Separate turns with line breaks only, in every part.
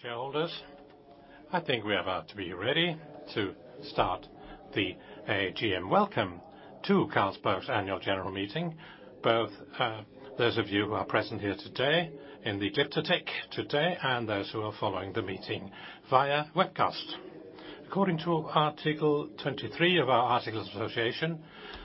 Shareholders, I think we're about to be ready to start the AGM. Welcome to Carlsberg's annual general meeting, both, those of you who are present here today in the Glyptotek today and those who are following the meeting via webcast. According to Article 23 of our Articles of Association,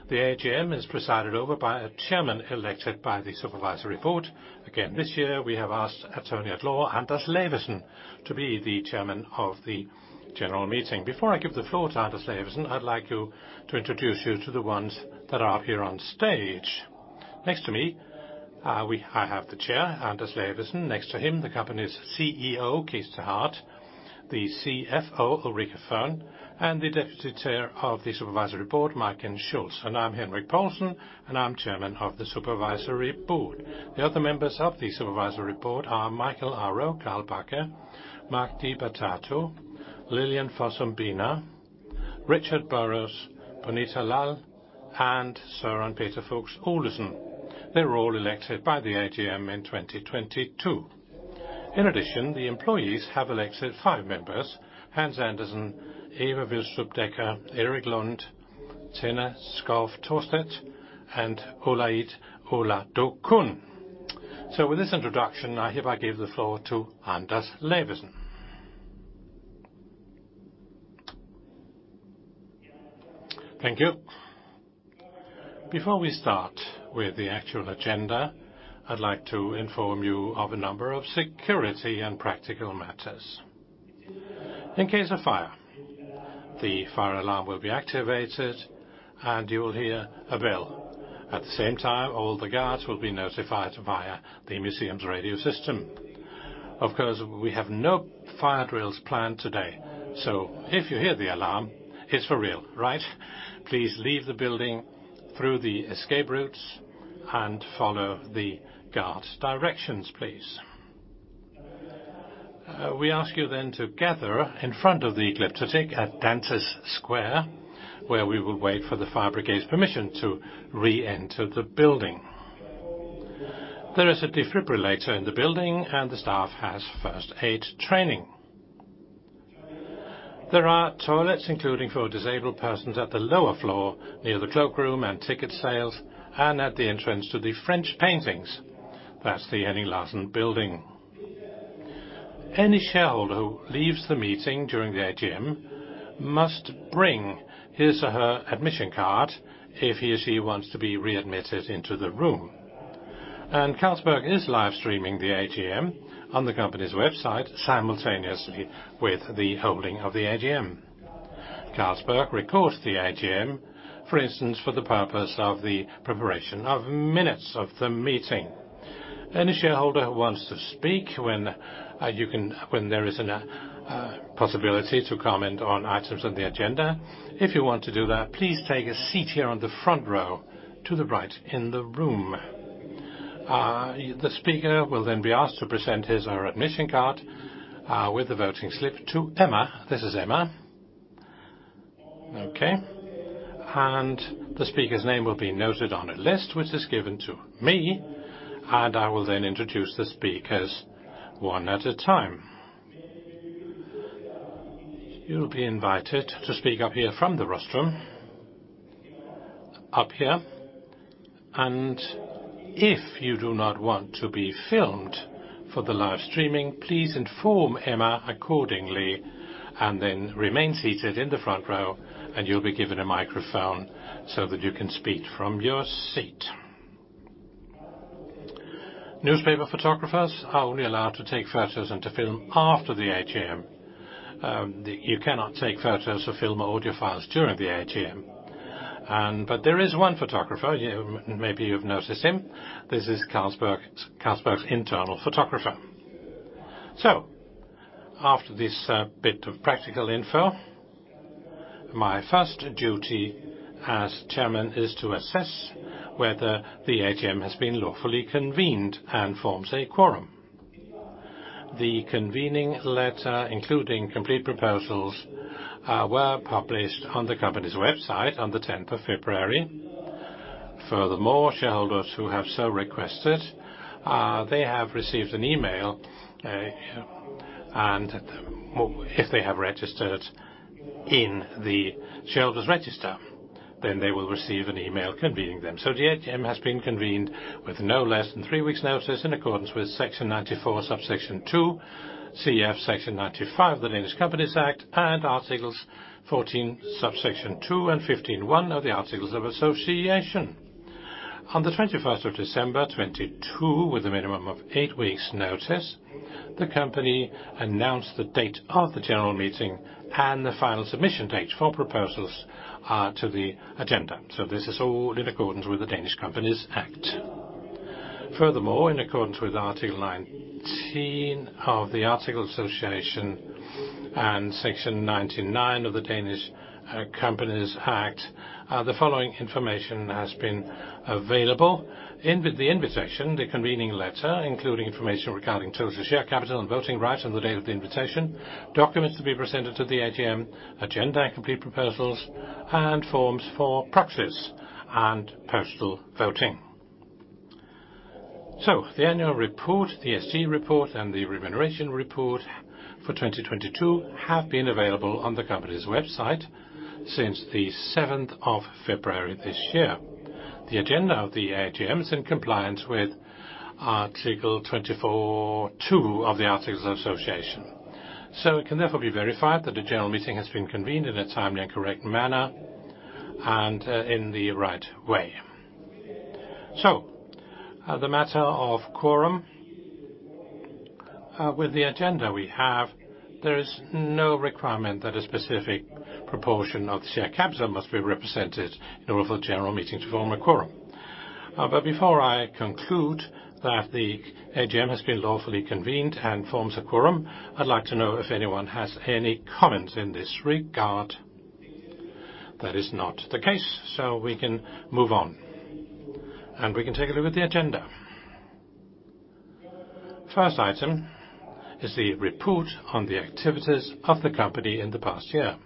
the AGM is presided over by a chairman elected by the Supervisory Board. Again, this year, we have asked attorney at law, Anders Lavesen, to be the chairman of the general meeting. Before I give the floor to Anders Lavesen, I'd like to introduce you to the ones that are up here on stage. Next to me, I have the chair, Anders Lavesen. Next to him, the company's CEO, Cees 't Hart, the CFO, Ulrica Fearn, and the Deputy Chair of the Supervisory Board, Majken Schultz. I'm Henrik Poulsen, and I'm Chairman of the Supervisory Board. The other members of the Supervisory Board are Mikael Aro, Carl Bache, Magdi Batato, Lilian Fossum Biner, Richard Burrows, Punita Lal, and Søren-Peter Fuchs Olesen. They were all elected by the AGM in 2022. In addition, the employees have elected five members, Hans Andersen, Eva Vilstrup Decker, Erik Lund, Tenna Skov Thorsted, and Olayide Oladokun. With this introduction, now if I give the floor to Anders Lavesen.
Thank you. Before we start with the actual agenda, I'd like to inform you of a number of security and practical matters. In case of fire, the fire alarm will be activated, and you will hear a bell. At the same time, all the guards will be notified via the museum's radio system. Of course, we have no fire drills planned today. If you hear the alarm, it's for real. Right? Please leave the building through the escape routes and follow the guard's directions, please. We ask you then to gather in front of the Glyptotek at Dantes Plads, where we will wait for the fire brigade's permission to re-enter the building. There is a defibrillator in the building, and the staff has first aid training. There are toilets, including for disabled persons at the lower floor, near the cloakroom and ticket sales, and at the entrance to the French paintings. That's the only Lavesen building. Any shareholder who leaves the meeting during the AGM must bring his or her admission card if he or she wants to be readmitted into the room. Carlsberg is live streaming the AGM on the company's website simultaneously with the holding of the AGM. Carlsberg records the AGM, for instance, for the purpose of the preparation of minutes of the meeting. Any shareholder who wants to speak when there is a possibility to comment on items on the agenda, if you want to do that, please take a seat here on the front row to the right in the room. The speaker will then be asked to present his or her admission card with the voting slip to Emma. This is Emma. Okay. The speaker's name will be noted on a list which is given to me, and I will then introduce the speakers one at a time. You'll be invited to speak up here from the rostrum. Up here. If you do not want to be filmed for the live streaming, please inform Emma accordingly, and then remain seated in the front row, and you'll be given a microphone so that you can speak from your seat. Newspaper photographers are only allowed to take photos and to film after the AGM. You cannot take photos or film or audio files during the AGM. But there is one photographer, maybe you've noticed him. This is Carlsberg's internal photographer. After this bit of practical info, my first duty as chairman is to assess whether the AGM has been lawfully convened and forms a quorum. The convening letter, including complete proposals, were published on the company's website on the 10th of February. Furthermore, shareholders who have so requested, they have received an email, and if they have registered in the shareholders register, then they will receive an email convening them. The AGM has been convened with no less than three weeks notice in accordance with Section 94, Subsection 2, CF Section 95 of the Danish Companies Act, and Articles 14, Subsection 2, and 15-1 of the Articles of Association. On the 21st of December 2022, with a minimum of eight weeks notice, the company announced the date of the general meeting and the final submission date for proposals to the agenda. This is all in accordance with the Danish Companies Act. In accordance with Article 19 of the Articles of Association and Section 99 of the Danish Companies Act, the following information has been available. In with the invitation, the convening letter, including information regarding total share capital and voting rights on the date of the invitation, documents to be presented to the AGM, agenda and complete proposals, and forms for proxies and postal voting. The annual report, the SC report, and the remuneration report for 2022 have been available on the company's website since the 7th of February this year. The agenda of the AGM is in compliance with Article 24(2 ) of the Articles of Association. It can therefore be verified that the general meeting has been convened in a timely and correct manner and in the right way. The matter of quorum. With the agenda we have, there is no requirement that a specific proportion of the share capital must be represented in order for the general meeting to form a quorum. Before I conclude that the AGM has been lawfully convened and forms a quorum, I'd like to know if anyone has any comments in this regard. That is not the case, we can move on, and we can take a look at the agenda. First item is the report on the activities of the company in the past year.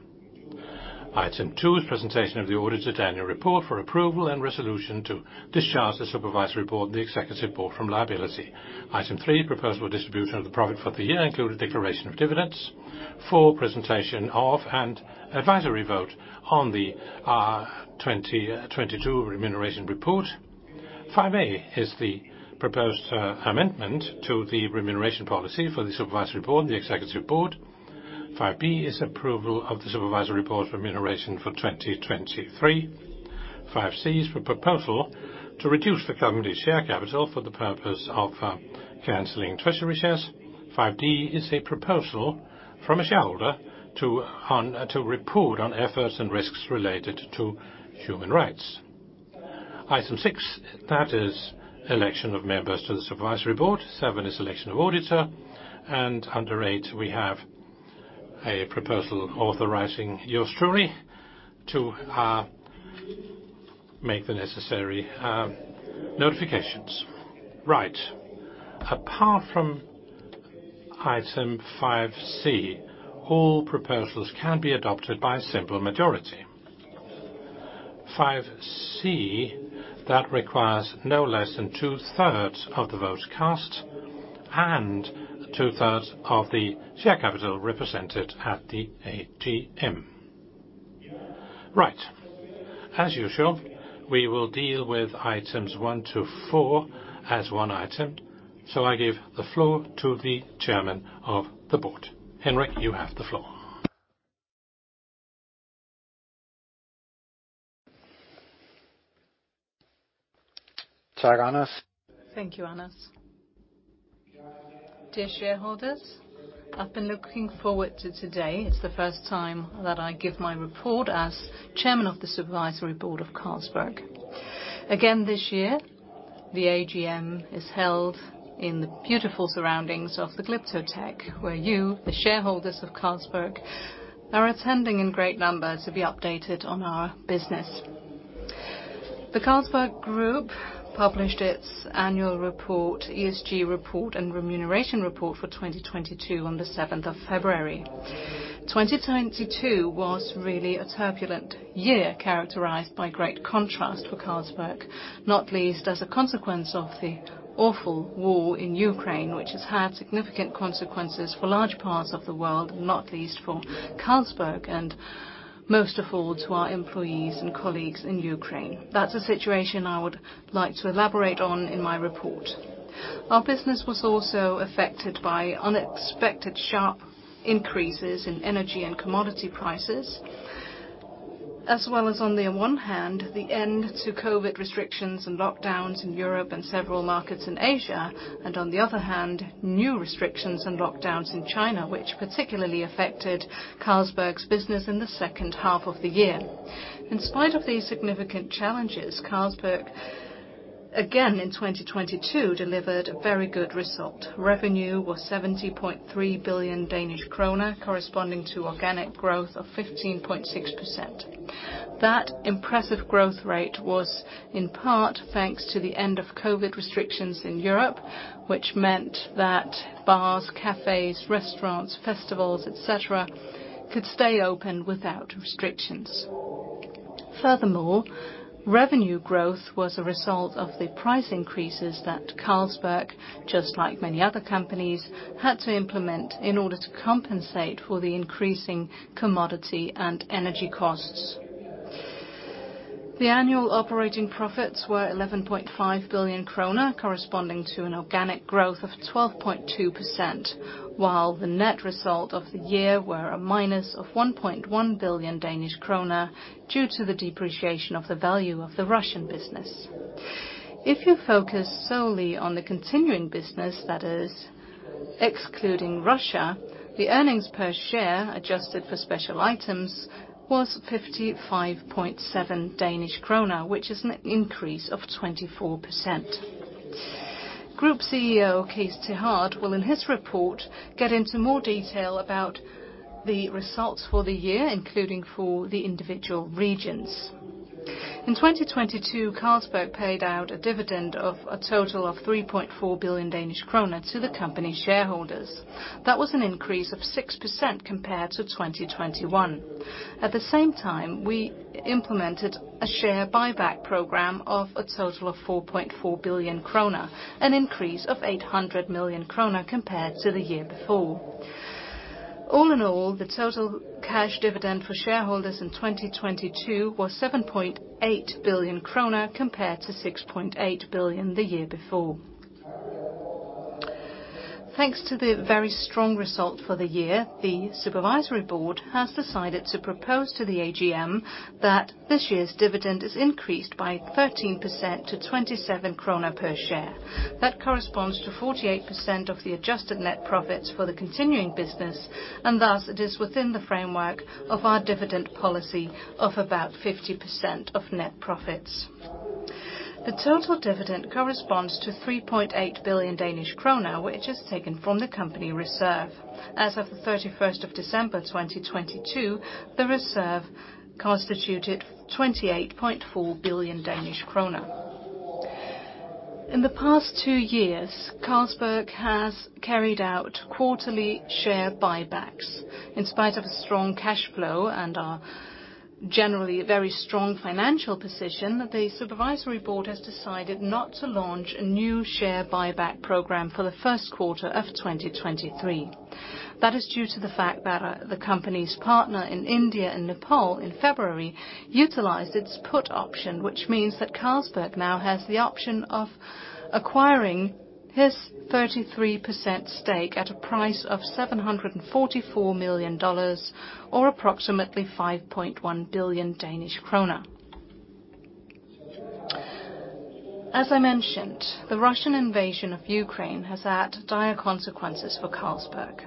Item 2 is presentation of the auditor annual report for approval and resolution to discharge the Supervisory Board and the Executive Board from liability. Item 3, proposal distribution of the profit for the year, including declaration of dividends. Four, presentation of and advisory vote on the 2022 remuneration report. 5A is the proposed amendment to the remuneration policy for the Supervisory Board and the Executive Board. 5B is approval of the Supervisory Board's remuneration for 2023. 5 C is for proposal to reduce the company share capital for the purpose of canceling treasury shares. 5 D is a proposal from a shareholder to report on efforts and risks related to human rights. Item 6, that is election of members to the Supervisory Board. Seven is election of auditor, under eight, we have a proposal authorizing yours truly to make the necessary notifications. Right. Apart from item 5 C, all proposals can be adopted by simple majority. 5 C, that requires no less than 2/3 of the votes cast and 2/3 of the share capital represented at the AGM. Right. As usual, we will deal with Items 1 to 4 as one item, I give the floor to the Chairman of the Board. Henrik, you have the floor.
Tag, Anders. Thank you, Anders. Dear shareholders, I've been looking forward to today. It's the first time that I give my report as Chairman of the Supervisory Board of Carlsberg. This year, the AGM is held in the beautiful surroundings of the Glyptotek, where you, the shareholders of Carlsberg, are attending in great numbers to be updated on our business. The Carlsberg Group published its annual report, ESG report, and remuneration report for 2022 on the seventh of February. 2022 was really a turbulent year characterized by great contrast for Carlsberg, not least as a consequence of the awful war in Ukraine, which has had significant consequences for large parts of the world, not least for Carlsberg, and most of all to our employees and colleagues in Ukraine. That's a situation I would like to elaborate on in my report. Our business was also affected by unexpected sharp increases in energy and commodity prices, as well as on the one hand, the end to COVID restrictions and lockdowns in Europe and several markets in Asia, and on the other hand, new restrictions and lockdowns in China, which particularly affected Carlsberg's business in the second half of the year. In spite of these significant challenges, Carlsberg, again in 2022, delivered very good result. Revenue was 70.3 billion Danish kroner, corresponding to organic growth of 15.6%. That impressive growth rate was in part thanks to the end of COVID restrictions in Europe, which meant that bars, cafes, restaurants, festivals, et cetera, could stay open without restrictions. Furthermore, revenue growth was a result of the price increases that Carlsberg, just like many other companies, had to implement in order to compensate for the increasing commodity and energy costs. The annual operating profits were 11.5 billion kroner, corresponding to an organic growth of 12.2%, while the net result of the year were a minus of 1.1 billion Danish krone due to the depreciation of the value of the Russian business. If you focus solely on the continuing business, that is excluding Russia, the earnings per share adjusted for special items was 55.7 Danish krone, which is an increase of 24%. Group CEO Cees 't Hart will in his report get into more detail about the results for the year, including for the individual regions. In 2022, Carlsberg paid out a dividend of a total of 3.4 billion Danish kroner to the company shareholders. That was an increase of 6% compared to 2021. At the same time, we implemented a share buyback program of a total of 4.4 billion kroner, an increase of 800 million kroner compared to the year before. All in all, the total cash dividend for shareholders in 2022 was 7.8 billion krone compared to 6.8 billion the year before. Thanks to the very strong result for the year, the Supervisory Board has decided to propose to the AGM that this year's dividend is increased by 13% to 27 krone per share. That corresponds to 48% of the adjusted net profits for the continuing business, and thus it is within the framework of our dividend policy of about 50% of net profits. The total dividend corresponds to 3.8 billion Danish krone, which is taken from the company reserve. As of the 31st of December 2022, the reserve constituted 28.4 billion Danish krone. In the past two years, Carlsberg has carried out quarterly share buybacks in spite of a strong cash flow and our generally very strong financial position, the Supervisory Board has decided not to launch a new share buyback program for the 1st quarter of 2023. That is due to the fact that the company's partner in India and Nepal in February utilized its put option, which means that Carlsberg now has the option of acquiring his 33% stake at a price of $744 million or approximately 5.1 billion Danish kroner. As I mentioned, the Russian invasion of Ukraine has had dire consequences for Carlsberg.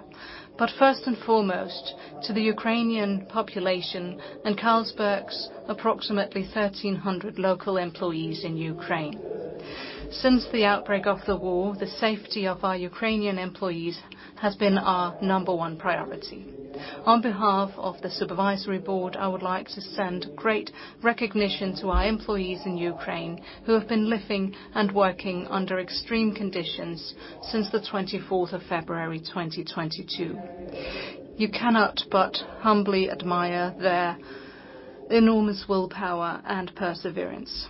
First and foremost to the Ukrainian population and Carlsberg's approximately 1,300 local employees in Ukraine. Since the outbreak of the war, the safety of our Ukrainian employees has been our number one priority. On behalf of the supervisory board, I would like to send great recognition to our employees in Ukraine who have been living and working under extreme conditions since the 24th of February 2022. You cannot but humbly admire their enormous willpower and perseverance.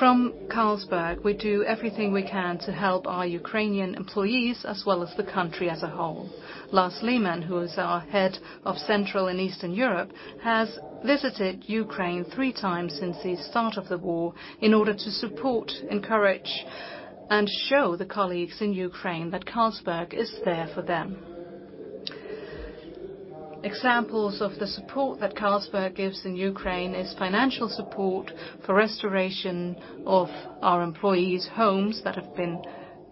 From Carlsberg, we do everything we can to help our Ukrainian employees as well as the country as a whole. Lars Lehmann, who is our head of Central and Eastern Europe, has visited Ukraine three times since the start of the war in order to support, encourage, and show the colleagues in Ukraine that Carlsberg is there for them. Examples of the support that Carlsberg gives in Ukraine is financial support for restoration of our employees' homes that have been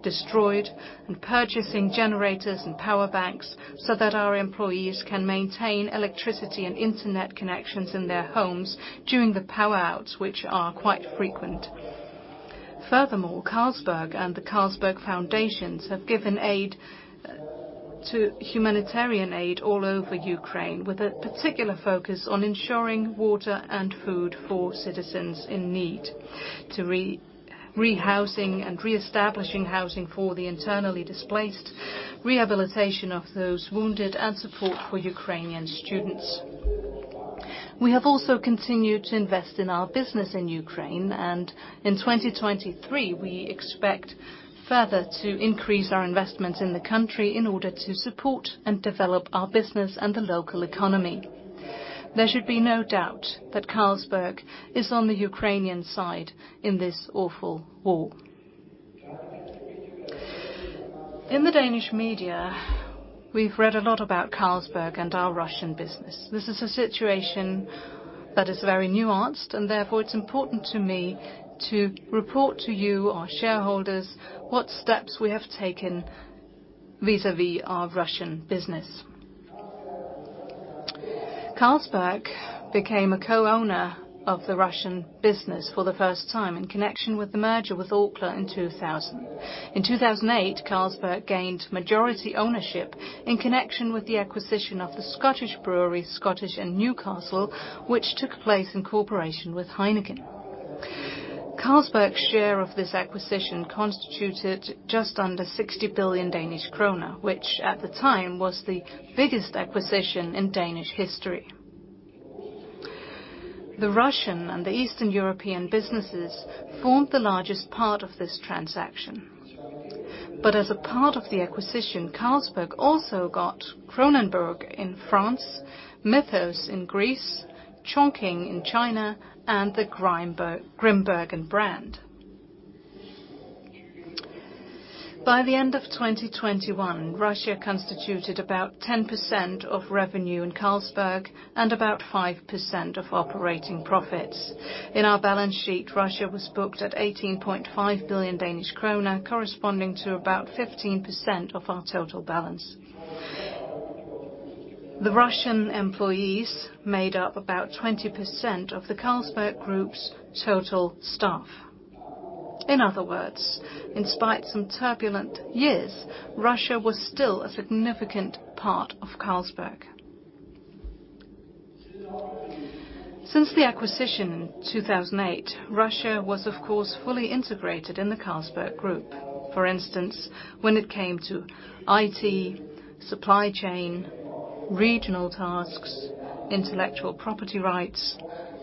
destroyed, and purchasing generators and power banks so that our employees can maintain electricity and internet connections in their homes during the power outs, which are quite frequent. Furthermore, Carlsberg and the Carlsberg Foundations have given humanitarian aid all over Ukraine, with a particular focus on ensuring water and food for citizens in need, to rehousing and reestablishing housing for the internally displaced, rehabilitation of those wounded, and support for Ukrainian students. We have also continued to invest in our business in Ukraine, and in 2023, we expect further to increase our investments in the country in order to support and develop our business and the local economy. There should be no doubt that Carlsberg is on the Ukrainian side in this awful war. In the Danish media, we've read a lot about Carlsberg and our Russian business. This is a situation that is very nuanced, therefore it's important to me to report to you, our shareholders, what steps we have taken vis-à-vis our Russian business. Carlsberg became a co-owner of the Russian business for the first time in connection with the merger with Orkla in 2000. In 2008, Carlsberg gained majority ownership in connection with the acquisition of the Scottish Brewery, Scottish & Newcastle, which took place in cooperation with Heineken. Carlsberg's share of this acquisition constituted just under 60 billion Danish krone, which at the time was the biggest acquisition in Danish history. The Russian and the Eastern European businesses formed the largest part of this transaction. As a part of the acquisition, Carlsberg also got Kronenbourg in France, Mythos in Greece, Chongqing in China, and the Grimbergen brand. By the end of 2021, Russia constituted about 10% of revenue in Carlsberg and about 5% of operating profits. In our balance sheet, Russia was booked at 18.5 billion Danish krone, corresponding to about 15% of our total balance. The Russian employees made up about 20% of the Carlsberg Group's total staff. In other words, in spite some turbulent years, Russia was still a significant part of Carlsberg. Since the acquisition in 2008, Russia was of course, fully integrated in the Carlsberg Group. For instance, when it came to IT supply chain, regional tasks, intellectual property rights,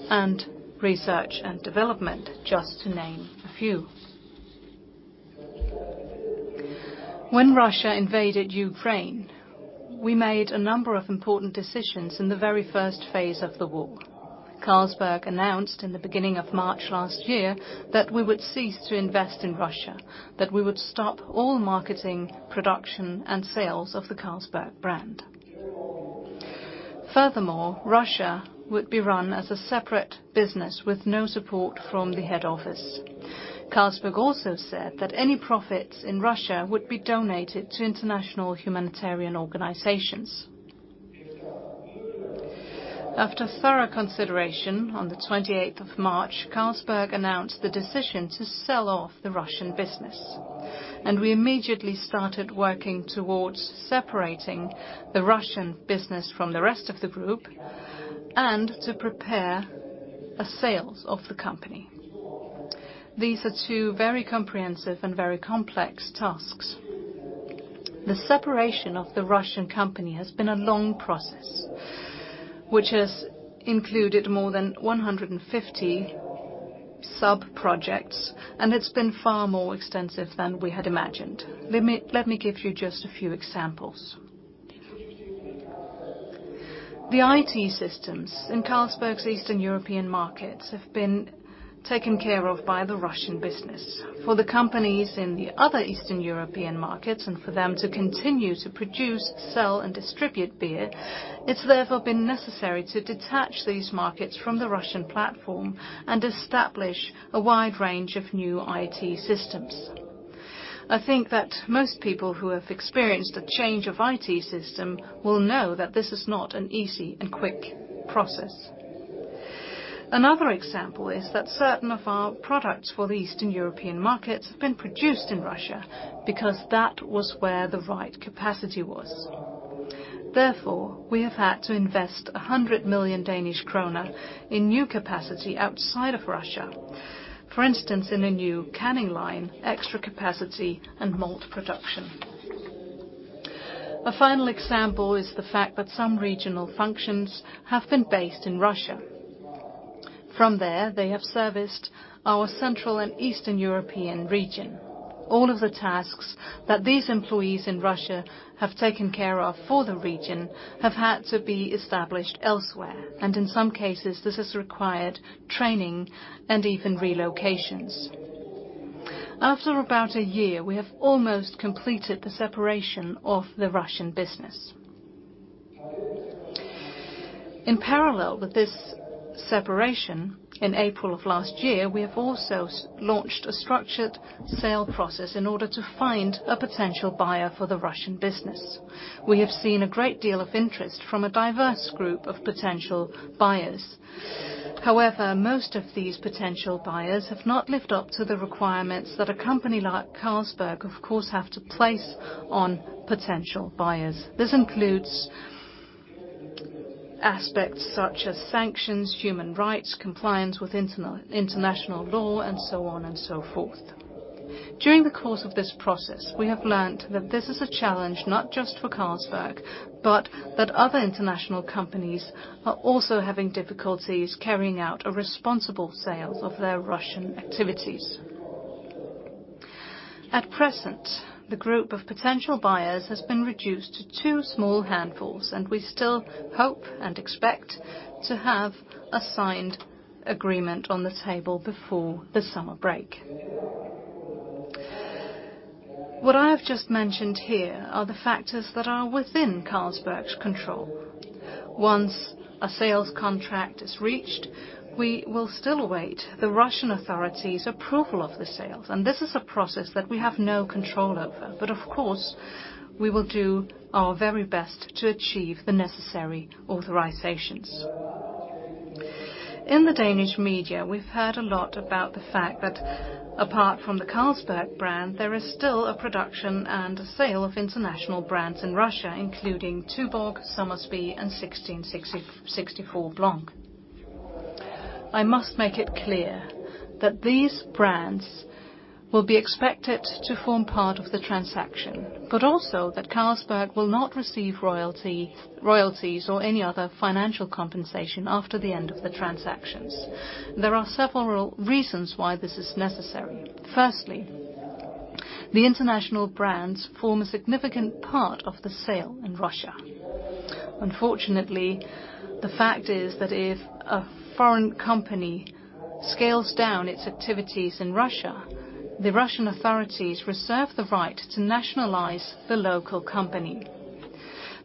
and research and development, just to name a few. When Russia invaded Ukraine, we made a number of important decisions in the very first phase of the war. Carlsberg announced in the beginning of March last year that we would cease to invest in Russia, that we would stop all marketing, production, and sales of the Carlsberg brand. Furthermore, Russia would be run as a separate business with no support from the head office. Carlsberg also said that any profits in Russia would be donated to international humanitarian organizations. After thorough consideration, on the 28th of March, Carlsberg announced the decision to sell off the Russian business, and we immediately started working towards separating the Russian business from the rest of the group and to prepare a sales of the company. These are two very comprehensive and very complex tasks. The separation of the Russian company has been a long process, which has included more than 150 sub-projects, and it's been far more extensive than we had imagined. Let me give you just a few examples. The IT systems in Carlsberg's Eastern European markets have been taken care of by the Russian business. For the companies in the other Eastern European markets and for them to continue to produce, sell, and distribute beer, it's therefore been necessary to detach these markets from the Russian platform and establish a wide range of new IT systems. I think that most people who have experienced a change of IT system will know that this is not an easy and quick process. Another example is that certain of our products for the Eastern European market have been produced in Russia because that was where the right capacity was. Therefore, we have had to invest 100 million Danish kroner in new capacity outside of Russia. For instance, in a new canning line, extra capacity, and malt production. A final example is the fact that some regional functions have been based in Russia. From there, they have serviced our Central and Eastern European region. All of the tasks that these employees in Russia have taken care of for the region have had to be established elsewhere, and in some cases, this has required training and even relocations. After about a year, we have almost completed the separation of the Russian business. In parallel with this separation, in April of last year, we have also launched a structured sale process in order to find a potential buyer for the Russian business. We have seen a great deal of interest from a diverse group of potential buyers. Most of these potential buyers have not lived up to the requirements that a company like Carlsberg, of course, have to place on potential buyers. This includes aspects such as sanctions, human rights, compliance with international law, and so on and so forth. During the course of this process, we have learned that this is a challenge not just for Carlsberg, but that other international companies are also having difficulties carrying out a responsible sale of their Russian activities. At present, the group of potential buyers has been reduced to two small handfuls, and we still hope and expect to have a signed agreement on the table before the summer break. What I have just mentioned here are the factors that are within Carlsberg's control. Once a sales contract is reached, we will still await the Russian authorities' approval of the sale, and this is a process that we have no control over, but of course, we will do our very best to achieve the necessary authorizations. In the Danish media, we've heard a lot about the fact that apart from the Carlsberg brand, there is still a production and a sale of international brands in Russia, including Tuborg, Somersby, and 1664 Blanc. I must make it clear that these brands will be expected to form part of the transaction, but also that Carlsberg will not receive royalties or any other financial compensation after the end of the transactions. There are several reasons why this is necessary. Firstly, the international brands form a significant part of the sale in Russia. Unfortunately, the fact is that if a foreign company scales down its activities in Russia, the Russian authorities reserve the right to nationalize the local company.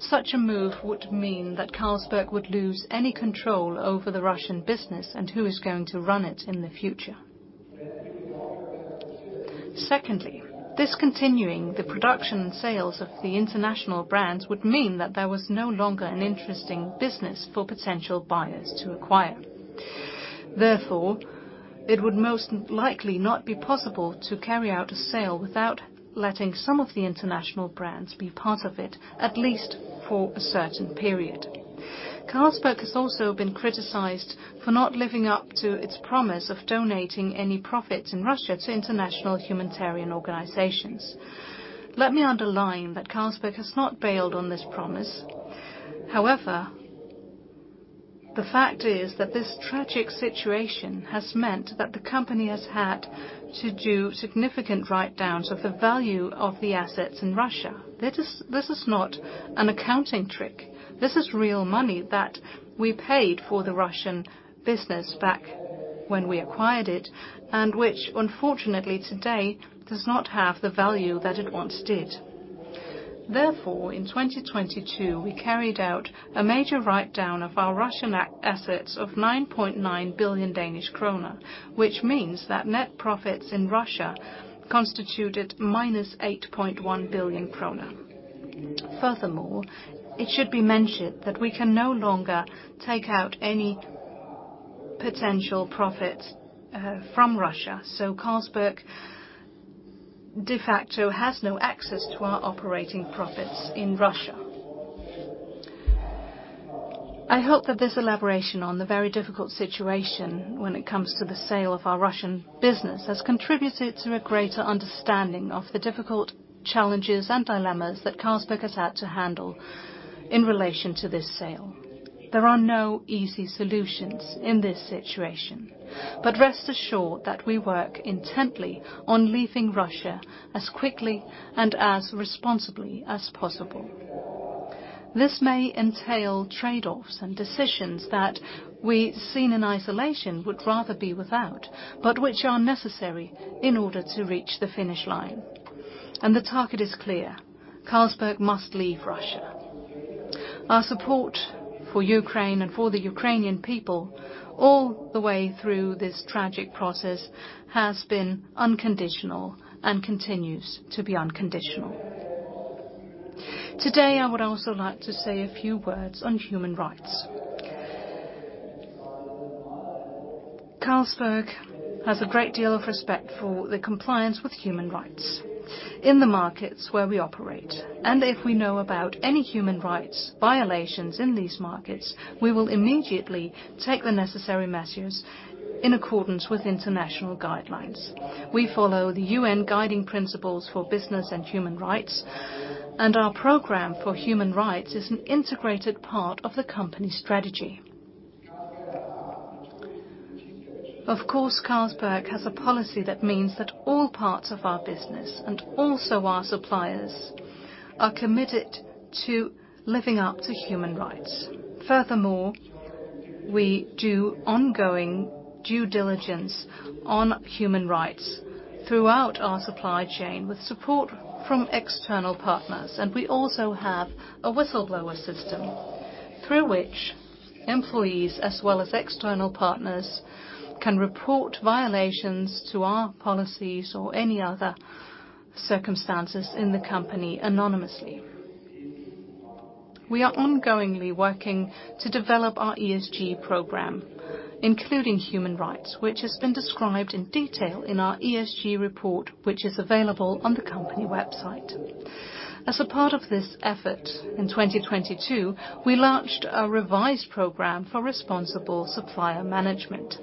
Such a move would mean that Carlsberg would lose any control over the Russian business and who is going to run it in the future. Secondly, discontinuing the production and sales of the international brands would mean that there was no longer an interesting business for potential buyers to acquire. Therefore, it would most likely not be possible to carry out a sale without letting some of the international brands be part of it, at least for a certain period. Carlsberg has also been criticized for not living up to its promise of donating any profits in Russia to international humanitarian organizations. Let me underline that Carlsberg has not bailed on this promise. However, the fact is that this tragic situation has meant that the company has had to do significant write-downs of the value of the assets in Russia. This is not an accounting trick. This is real money that we paid for the Russian business back when we acquired it, which unfortunately today does not have the value that it once did. Therefore, in 2022, we carried out a major write-down of our Russian assets of 9.9 billion Danish krone, which means that net profits in Russia constituted minus 8.1 billion krone. Furthermore, it should be mentioned that we can no longer take out any potential profits from Russia, Carlsberg de facto has no access to our operating profits in Russia. I hope that this elaboration on the very difficult situation when it comes to the sale of our Russian business has contributed to a greater understanding of the difficult challenges and dilemmas that Carlsberg has had to handle in relation to this sale. There are no easy solutions in this situation. Rest assured that we work intently on leaving Russia as quickly and as responsibly as possible. This may entail trade-offs and decisions that we, seen in isolation, would rather be without, but which are necessary in order to reach the finish line. The target is clear: Carlsberg must leave Russia. Our support for Ukraine and for the Ukrainian people all the way through this tragic process has been unconditional and continues to be unconditional. Today, I would also like to say a few words on human rights. Carlsberg has a great deal of respect for the compliance with human rights in the markets where we operate. If we know about any human rights violations in these markets, we will immediately take the necessary measures in accordance with international guidelines. We follow the UN Guiding Principles on Business and Human Rights. Our program for human rights is an integrated part of the company strategy. Of course, Carlsberg has a policy that means that all parts of our business, and also our suppliers, are committed to living up to human rights. Furthermore, we do ongoing due diligence on human rights throughout our supply chain with support from external partners, and we also have a whistleblower system through which employees, as well as external partners, can report violations to our policies or any other circumstances in the company anonymously. We are ongoingly working to develop our ESG program, including human rights, which has been described in detail in our ESG report, which is available on the company website. As a part of this effort, in 2022, we launched a revised program for responsible supplier management.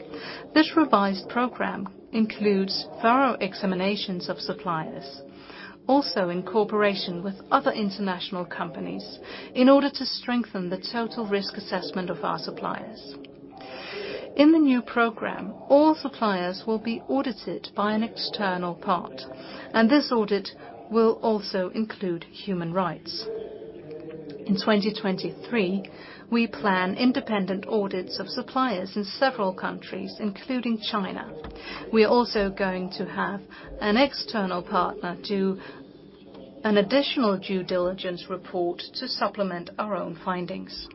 This revised program includes thorough examinations of suppliers, also in cooperation with other international companies, in order to strengthen the total risk assessment of our suppliers. In the new program, all suppliers will be audited by an external part, and this audit will also include human rights. In 2023, we plan independent audits of suppliers in several countries, including China. We are also going to have an external partner do an additional due diligence report to supplement our own findings.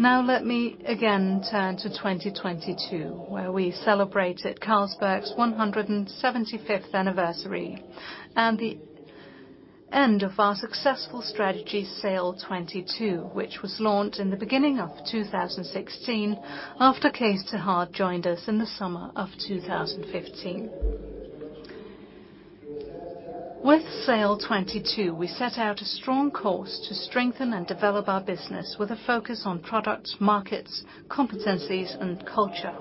Let me again turn to 2022, where we celebrated Carlsberg's 175th anniversary and the end of our successful strategy SAIL '22, which was launched in the beginning of 2016 after Cees 't Hart joined us in the summer of 2015. With SAIL '22, we set out a strong course to strengthen and develop our business with a focus on products, markets, competencies, and culture.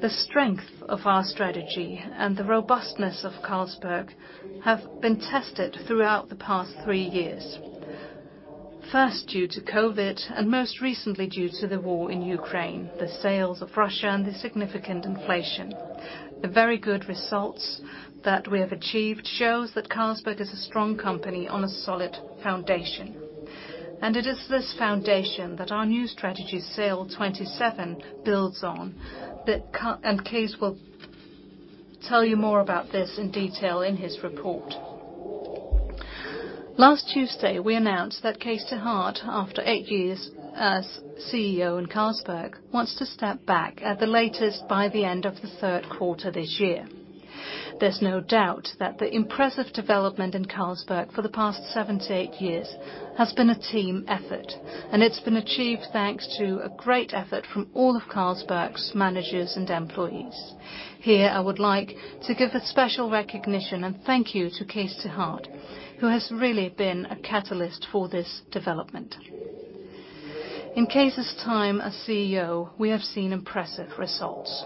The strength of our strategy and the robustness of Carlsberg have been tested throughout the past three years. First, due to COVID, and most recently, due to the war in Ukraine, the sales of Russia, and the significant inflation. The very good results that we have achieved shows that Carlsberg is a strong company on a solid foundation, and it is this foundation that our new strategy, SAIL '27, builds on. Cees will tell you more about this in detail in his report. Last Tuesday, we announced that Cees 't Hart, after eight years as CEO in Carlsberg, wants to step back at the latest by the end of the third quarter this year. There's no doubt that the impressive development in Carlsberg for the past 78 years has been a team effort, and it's been achieved thanks to a great effort from all of Carlsberg's managers and employees. Here, I would like to give a special recognition and thank you to Cees 't Hart, who has really been a catalyst for this development. In Cees' time as CEO, we have seen impressive results.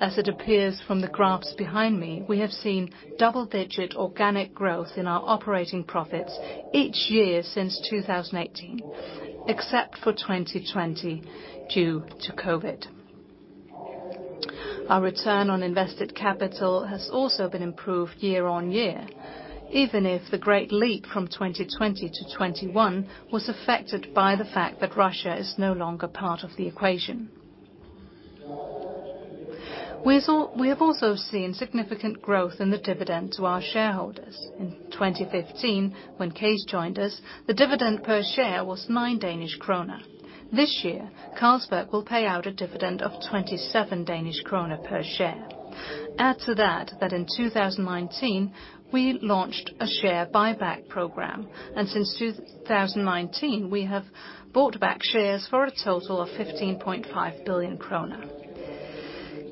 As it appears from the graphs behind me, we have seen double-digit organic growth in our operating profits each year since 2018, except for 2020 due to COVID. Our return on invested capital has also been improved year on year, even if the great leap from 2020 to 2021 was affected by the fact that Russia is no longer part of the equation. We have also seen significant growth in the dividend to our shareholders. In 2015, when Cees joined us, the dividend per share was 9 Danish krone. This year, Carlsberg will pay out a dividend of 27 Danish krone per share. Add to that in 2019, we launched a share buyback program, and since 2019, we have bought back shares for a total of 15.5 billion kroner.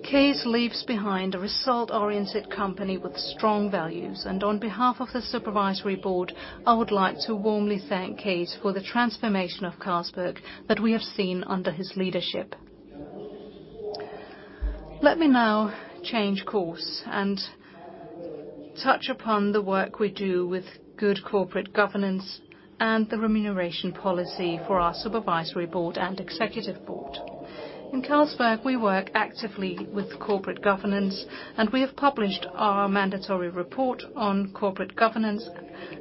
Cees leaves behind a result-oriented company with strong values. On behalf of the Supervisory Board, I would like to warmly thank Cees for the transformation of Carlsberg that we have seen under his leadership. Let me now change course and touch upon the work we do with good corporate governance and the remuneration policy for our Supervisory Board and Executive Board. In Carlsberg, we work actively with corporate governance. We have published our mandatory report on corporate governance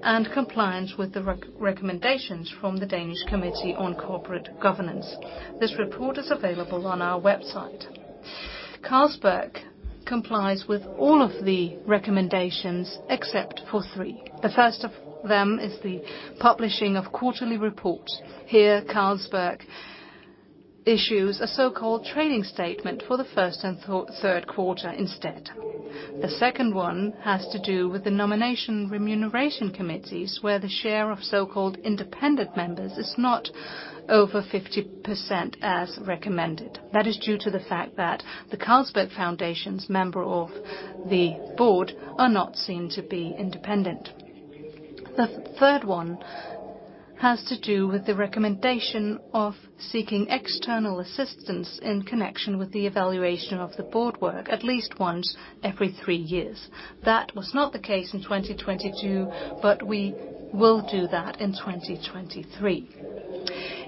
and compliance with the recommendations from the Danish Committee on Corporate Governance. This report is available on our website. Carlsberg complies with all of the recommendations except for three. The first of them is the publishing of quarterly reports. Here, Carlsberg issues a so-called trading statement for the first and third quarter instead. The second one has to do with the nomination Remuneration Committees, where the share of so-called independent members is not over 50% as recommended. That is due to the fact that the Carlsberg Foundation's member of the Board are not seen to be independent. The third one has to do with the recommendation of seeking external assistance in connection with the evaluation of the Board work at least once every three years. That was not the case in 2022, but we will do that in 2023.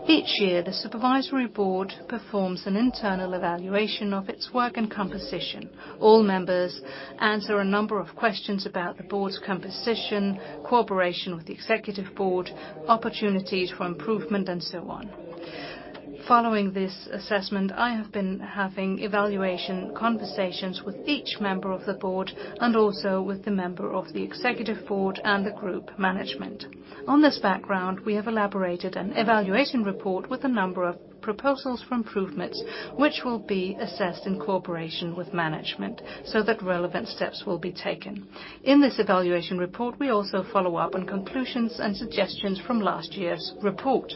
Each year, the Supervisory Board performs an internal evaluation of its work and composition. All members answer a number of questions about the board's composition, cooperation with the Executive Board, opportunities for improvement, and so on. Following this assessment, I have been having evaluation conversations with each member of the board and also with the member of the Executive Board and the group management. On this background, we have elaborated an evaluation report with a number of proposals for improvements, which will be assessed in cooperation with management so that relevant steps will be taken. In this evaluation report, we also follow up on conclusions and suggestions from last year's report.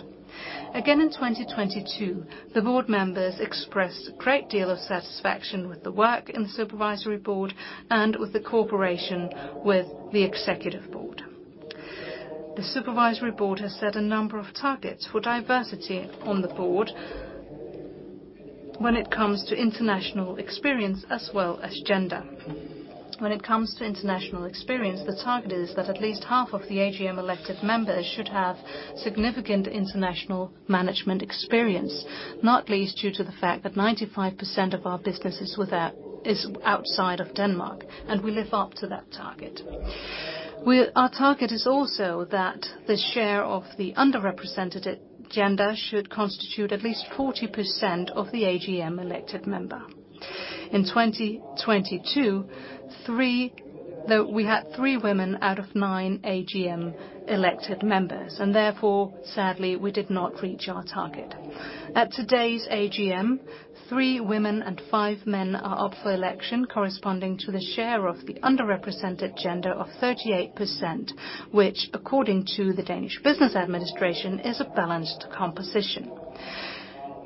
Again, in 2022, the board members expressed a great deal of satisfaction with the work in the Supervisory Board and with the cooperation with the Executive Board. The Supervisory Board has set a number of targets for diversity on the board when it comes to international experience as well as gender. When it comes to international experience, the target is that at least half of the AGM-elected members should have significant international management experience, not least due to the fact that 95% of our businesses were there, is outside of Denmark, we live up to that target. Our target is also that the share of the underrepresented gender should constitute at least 40% of the AGM-elected member. In 2022, though we had three women out of nine AGM-elected members, therefore, sadly, we did not reach our target. At today's AGM, three women and five men are up for election corresponding to the share of the underrepresented gender of 38%, which according to the Danish Business Authority is a balanced composition.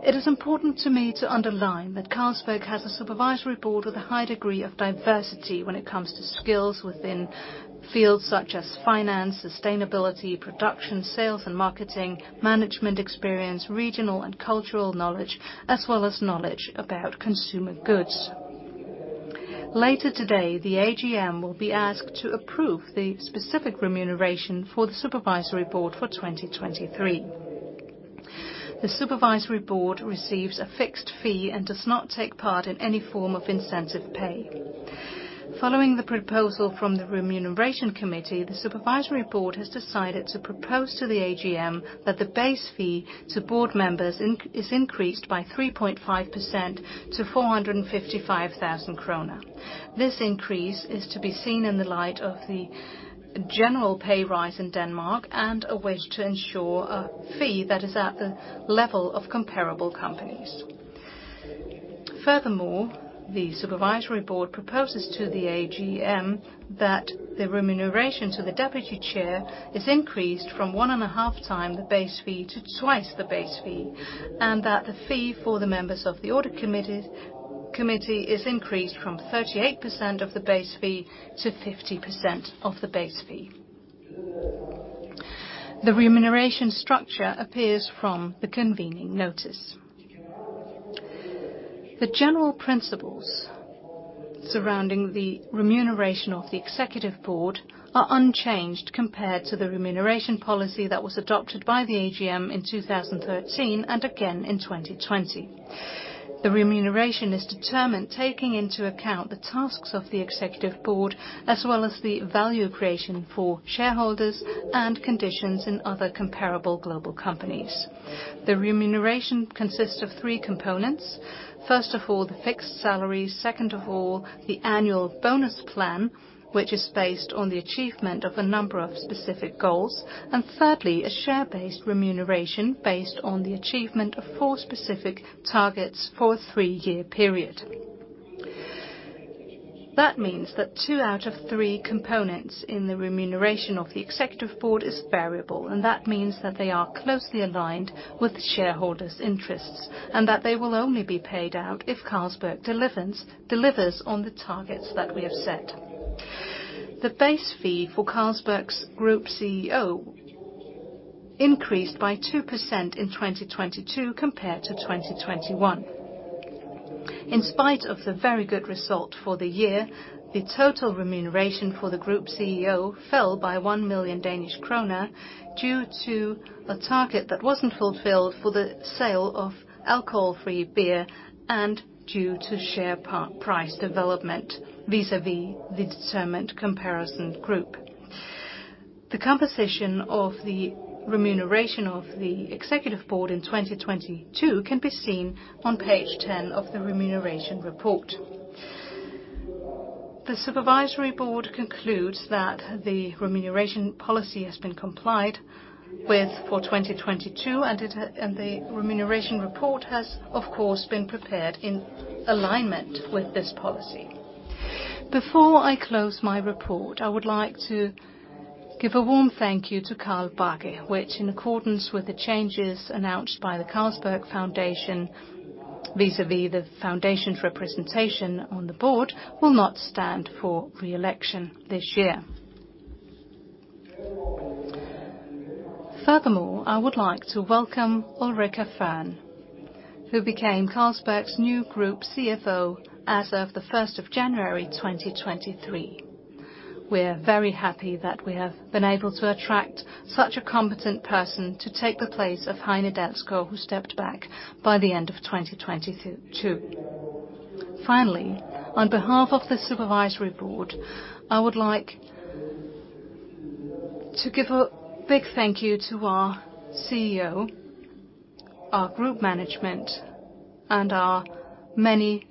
It is important to me to underline that Carlsberg has a supervisory board with a high degree of diversity when it comes to skills within fields such as finance, sustainability, production, sales and marketing, management experience, regional and cultural knowledge, as well as knowledge about consumer goods. Later today, the AGM will be asked to approve the specific remuneration for the supervisory board for 2023. The supervisory board receives a fixed fee and does not take part in any form of incentive pay. Following the proposal from the Remuneration Committee, the Supervisory Board has decided to propose to the AGM that the base fee to board members is increased by 3.5% to 455,000 krone. This increase is to be seen in the light of the general pay rise in Denmark and a way to ensure a fee that is at the level of comparable companies. Furthermore, the Supervisory Board proposes to the AGM that the remuneration to the Deputy Chair is increased from one and a half time the base fee to twice the base fee, and that the fee for the members of the Audit Committee is increased from 38% of the base fee to 50% of the base fee. The remuneration structure appears from the convening notice. The general principles surrounding the remuneration of the Executive Board are unchanged compared to the remuneration policy that was adopted by the AGM in 2013 and again in 2020. The remuneration is determined taking into account the tasks of the Executive Board, as well as the value creation for shareholders and conditions in other comparable global companies. The remuneration consists of three components. First of all, the fixed salary. Second of all, the annual bonus plan, which is based on the achievement of a number of specific goals. Thirdly, a share-based remuneration based on the achievement of four specific targets for a three-year period. That means that two out of three components in the remuneration of the executive board is variable, and that means that they are closely aligned with the shareholders' interests, and that they will only be paid out if Carlsberg delivers on the targets that we have set. The base fee for Carlsberg's group CEO increased by 2% in 2022 compared to 2021. In spite of the very good result for the year, the total remuneration for the group CEO fell by 1 million Danish kroner due to a target that wasn't fulfilled for the sale of alcohol-free beer and due to share price development vis-à-vis the determined comparison group. The composition of the remuneration of the executive board in 2022 can be seen on page 10 of the remuneration report. The supervisory board concludes that the remuneration policy has been complied with for 2022, and the remuneration report has, of course, been prepared in alignment with this policy. Before I close my report, I would like to give a warm thank you to Carl Bache, which in accordance with the changes announced by the Carlsberg Foundation, vis-à-vis the foundation's representation on the board, will not stand for re-election this year. Furthermore, I would like to welcome Ulrica Fearn, who became Carlsberg's new Group CFO as of the 1st of January, 2023. We're very happy that we have been able to attract such a competent person to take the place of Heine Dalsgaard, who stepped back by the end of 2022. Finally, on behalf of the Supervisory Board, I would like to give a big thank you to our CEO, our Group Management, and our many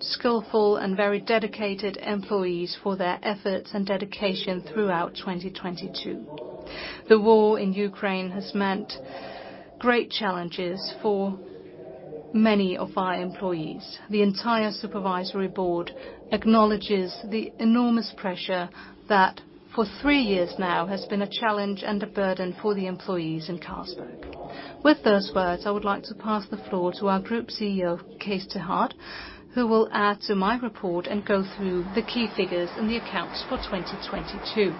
skillful and very dedicated employees for their efforts and dedication throughout 2022. The war in Ukraine has meant great challenges for many of our employees. The entire Supervisory Board acknowledges the enormous pressure that, for three years now, has been a challenge and a burden for the employees in Carlsberg. With those words, I would like to pass the floor to our Group CEO, Cees 't Hart, who will add to my report and go through the key figures in the accounts for 2022.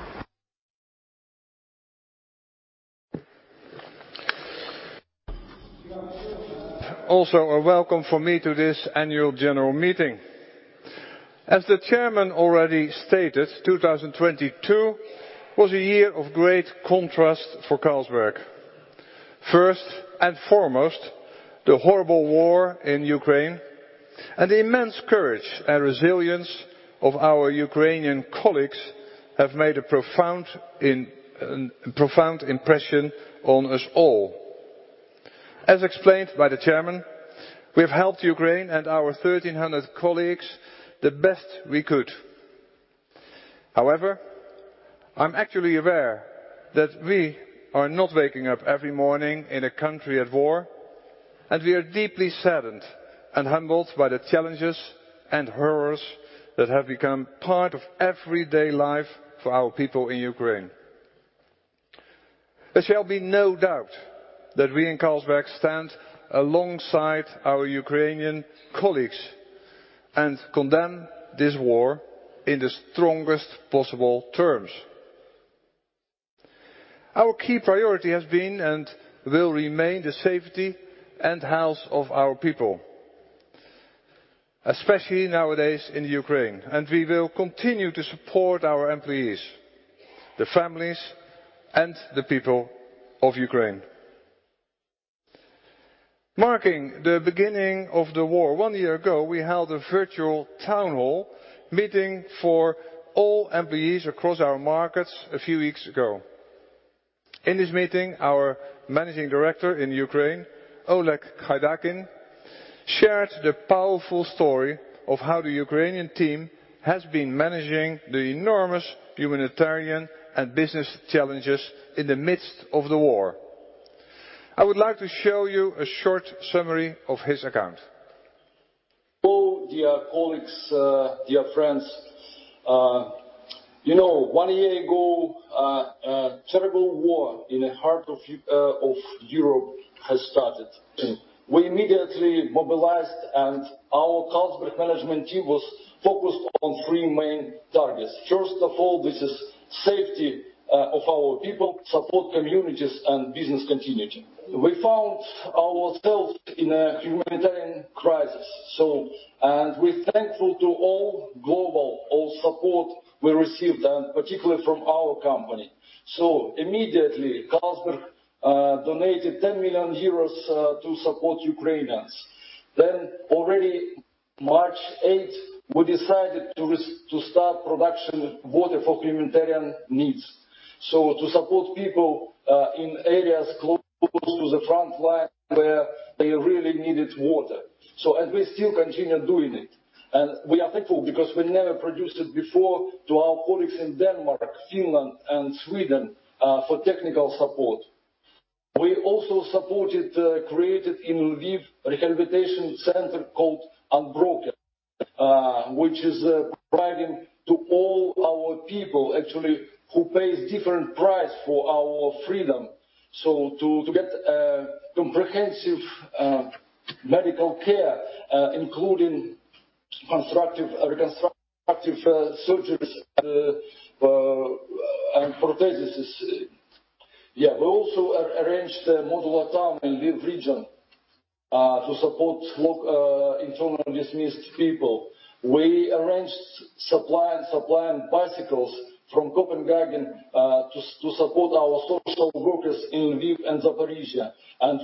A welcome from me to this annual general meeting. As the chairman already stated, 2022 was a year of great contrast for Carlsberg. First and foremost, the horrible war in Ukraine and the immense courage and resilience of our Ukrainian colleagues have made a profound impression on us all. As explained by the chairman, we have helped Ukraine and our 1,300 colleagues the best we could. I'm actually aware that we are not waking up every morning in a country at war, and we are deeply saddened and humbled by the challenges and horrors that have become part of everyday life for our people in Ukraine. There shall be no doubt that we in Carlsberg stand alongside our Ukrainian colleagues and condemn this war in the strongest possible terms. Our key priority has been and will remain the safety and health of our people, especially nowadays in Ukraine, and we will continue to support our employees, the families, and the people of Ukraine. Marking the beginning of the war one year ago, we held a virtual town hall meeting for all employees across our markets a few weeks ago. In this meeting, our managing director in Ukraine, Oleg Khaidakin, shared the powerful story of how the Ukrainian team has been managing the enormous humanitarian and business challenges in the midst of the war. I would like to show you a short summary of his account. Dear colleagues, dear friends. You know, one year ago, a terrible war in the heart of Europe has started. We immediately mobilized. Our Carlsberg management team was focused on three main targets. First of all, this is safety of our people, support communities and business continuity. We found ourselves in a humanitarian crisis. We're thankful to all global support we received, and particularly from our company. Immediately, Carlsberg donated 10 million euros to support Ukrainians. Already March 8th, we decided to start production water for humanitarian needs, to support people in areas close to the front line where they really needed water. We still continue doing it. We are thankful because we never produced it before to our colleagues in Denmark, Finland and Sweden for technical support. We also supported, created in Lviv rehabilitation center called Unbroken, which is providing to all our people actually who pays different price for our freedom to get comprehensive medical care, including reconstructive surgeries and prostheses. We also arranged a modular town in Lviv region to support internally displaced people. We arranged supply and supplying bicycles from Copenhagen to support our social workers in Lviv and Zaporizhzhia.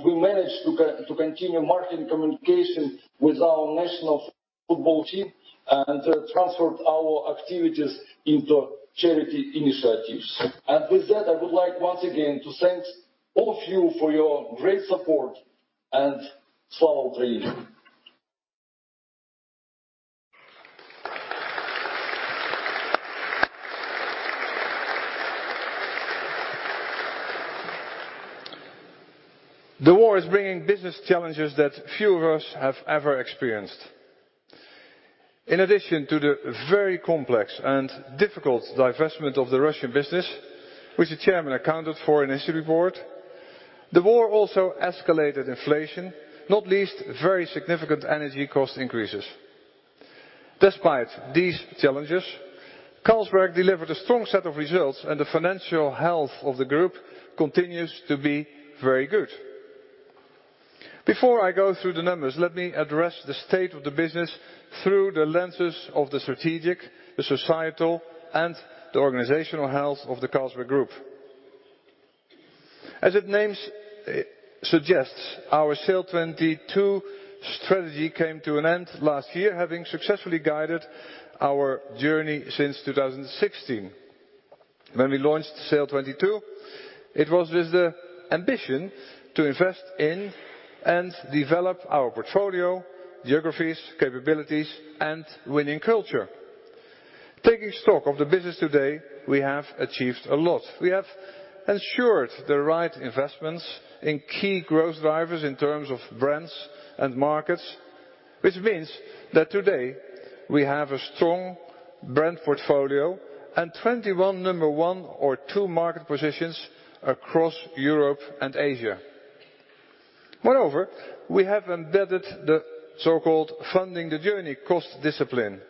We managed to continue marketing communication with our national football team and transferred our activities into charity initiatives. With that, I would like once again to thank all of you for your great support and follow Ukraine. The war is bringing business challenges that few of us have ever experienced. In addition to the very complex and difficult divestment of the Russian business, which the chairman accounted for in his report, the war also escalated inflation, not least very significant energy cost increases. Despite these challenges, Carlsberg delivered a strong set of results, and the financial health of the group continues to be very good. Before I go through the numbers, let me address the state of the business through the lenses of the strategic, the societal, and the organizational health of the Carlsberg Group. As it names suggests, our SAIL '22 strategy came to an end last year, having successfully guided our journey since 2016. When we launched SAIL '22, it was with the ambition to invest in and develop our portfolio, geographies, capabilities and winning culture. Taking stock of the business today, we have achieved a lot. We have ensured the right investments in key growth drivers in terms of brands and markets, which means that today we have a strong brand portfolio and 21 number one or two market positions across Europe and Asia. Moreover, we have embedded the so-called Funding the Journey cost discipline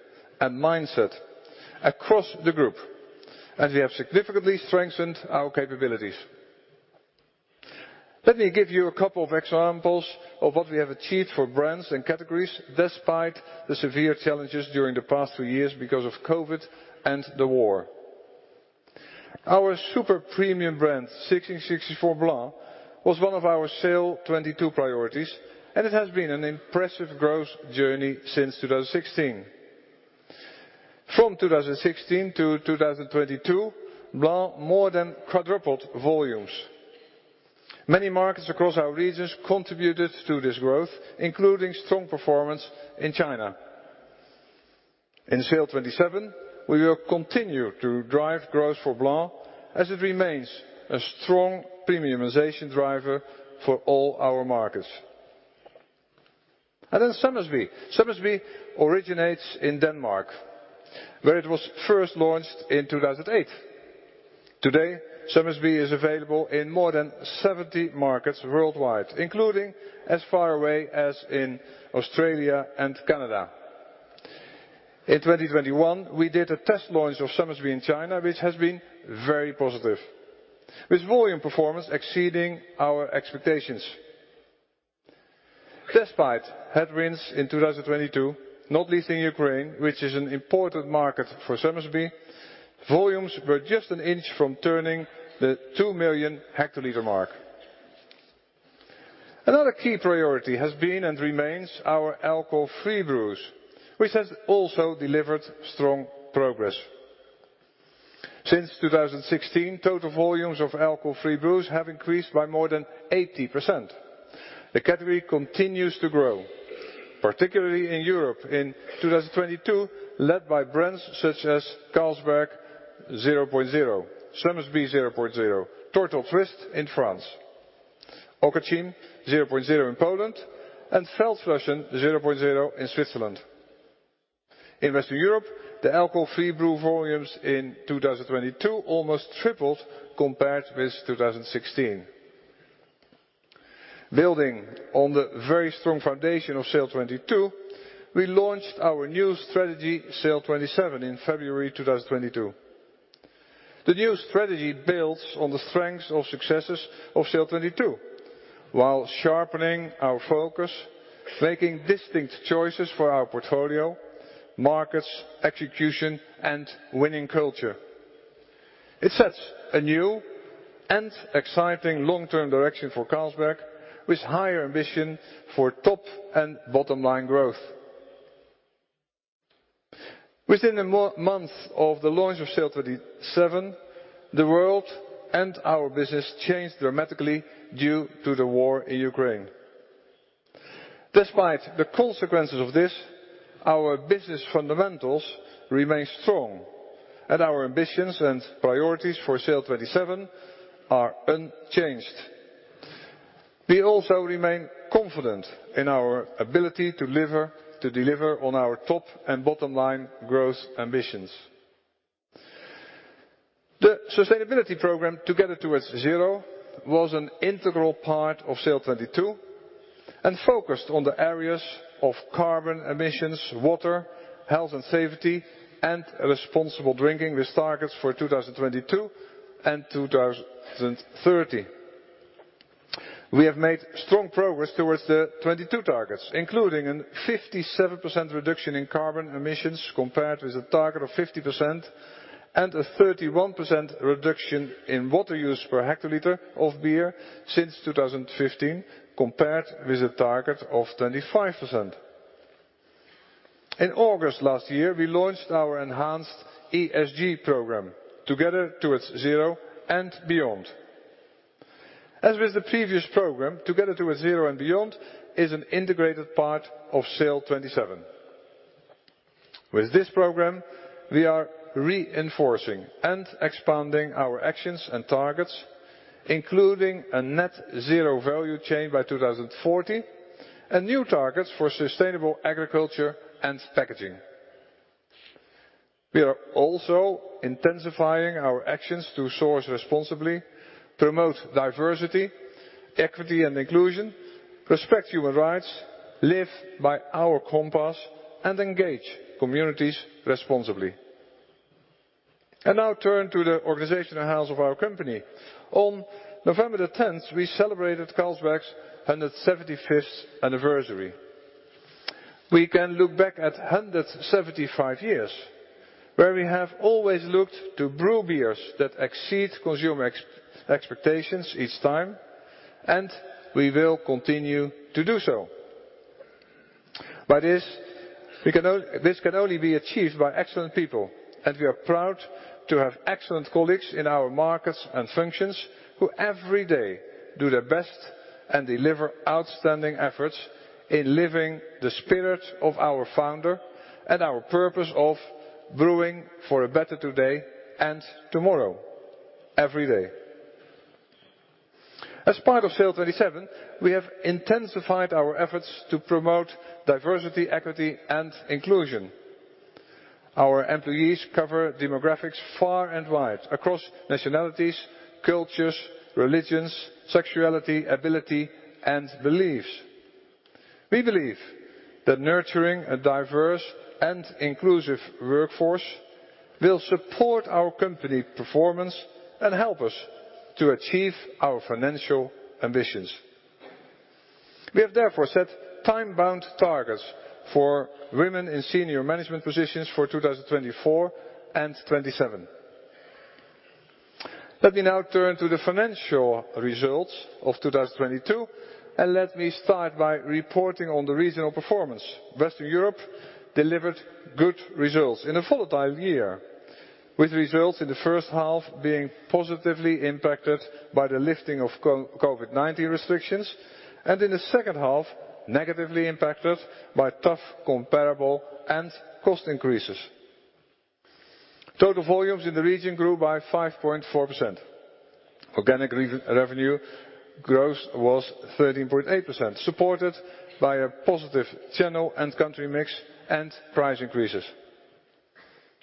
and mindset across the group, and we have significantly strengthened our capabilities. Let me give you a couple of examples of what we have achieved for brands and categories despite the severe challenges during the past three years because of COVID and the war. Our super premium brand, 1664 Blanc, was one of our SAIL '22 priorities, and it has been an impressive growth journey since 2016. From 2016 to 2022, Blanc more than quadrupled volumes. Many markets across our regions contributed to this growth, including strong performance in China. In SAIL '27, we will continue to drive growth for Blanc as it remains a strong premiumization driver for all our markets. Somersby. Somersby originates in Denmark, where it was first launched in 2008. Today, Somersby is available in more than 70 markets worldwide, including as far away as in Australia and Canada. In 2021, we did a test launch of Somersby in China, which has been very positive, with volume performance exceeding our expectations. Despite headwinds in 2022, not least in Ukraine, which is an important market for Somersby, volumes were just an inch from turning the 2 million hectoliter mark. Another key priority has been and remains our alcohol-free brews, which has also delivered strong progress. Since 2016, total volumes of alcohol-free brews have increased by more than 80%. The category continues to grow, particularly in Europe in 2022, led by brands such as Carlsberg 0.0%, Somersby 0.0%, Tourtel Twist in France, Okocim 0.0% in Poland, and Feldschlösschen 0.0% in Switzerland. In Western Europe, the alcohol-free brew volumes in 2022 almost tripled compared with 2016. Building on the very strong foundation of SAIL '22, we launched our new strategy, SAIL '27, in February 2022. The new strategy builds on the strengths of successes of SAIL '22, while sharpening our focus, making distinct choices for our portfolio, markets, execution, and winning culture. It sets a new and exciting long-term direction for Carlsberg, with higher ambition for top and bottom-line growth. Within a month of the launch of SAIL '27, the world and our business changed dramatically due to the war in Ukraine. Despite the consequences of this, our business fundamentals remain strong, and our ambitions and priorities for SAIL '27 are unchanged. We also remain confident in our ability to deliver on our top and bottom-line growth ambitions. The sustainability program, Together Towards ZERO, was an integral part of SAIL '22 and focused on the areas of carbon emissions, water, health and safety, and responsible drinking with targets for 2022 and 2030. We have made strong progress towards the 22 targets, including a 57% reduction in carbon emissions compared with a target of 50%, and a 31% reduction in water use per hectoliter of beer since 2015, compared with a target of 25%. In August last year, we launched our enhanced ESG program, Together Towards ZERO and Beyond. As with the previous program, Together Towards ZERO and Beyond is an integrated part of SAIL '27. With this program, we are reinforcing and expanding our actions and targets, including a net zero value chain by 2040, and new targets for sustainable agriculture and packaging. We are also intensifying our actions to source responsibly, promote diversity, equity and inclusion, respect human rights, live by our compass, and engage communities responsibly. I now turn to the organizational house of our company. On November the 10th, we celebrated Carlsberg's 175th anniversary. We can look back at 175 years, where we have always looked to brew beers that exceed consumer expectations each time, and we will continue to do so. This can only be achieved by excellent people, and we are proud to have excellent colleagues in our markets and functions who every day do their best and deliver outstanding efforts in living the spirit of our founder and our purpose of brewing for a better today and tomorrow, every day. As part of SAIL '27, we have intensified our efforts to promote diversity, equity, and inclusion. Our employees cover demographics far and wide across nationalities, cultures, religions, sexuality, ability, and beliefs. We believe that nurturing a diverse and inclusive workforce will support our company performance and help us to achieve our financial ambitions. We have therefore set time-bound targets for women in senior management positions for 2024 and 2027. Let me now turn to the financial results of 2022, let me start by reporting on the regional performance. Western Europe delivered good results in a volatile year, with results in the first half being positively impacted by the lifting of COVID-19 restrictions, and in the second half, negatively impacted by tough comparable and cost increases. Total volumes in the region grew by 5.4%. Organic revenue growth was 13.8%, supported by a positive channel and country mix and price increases.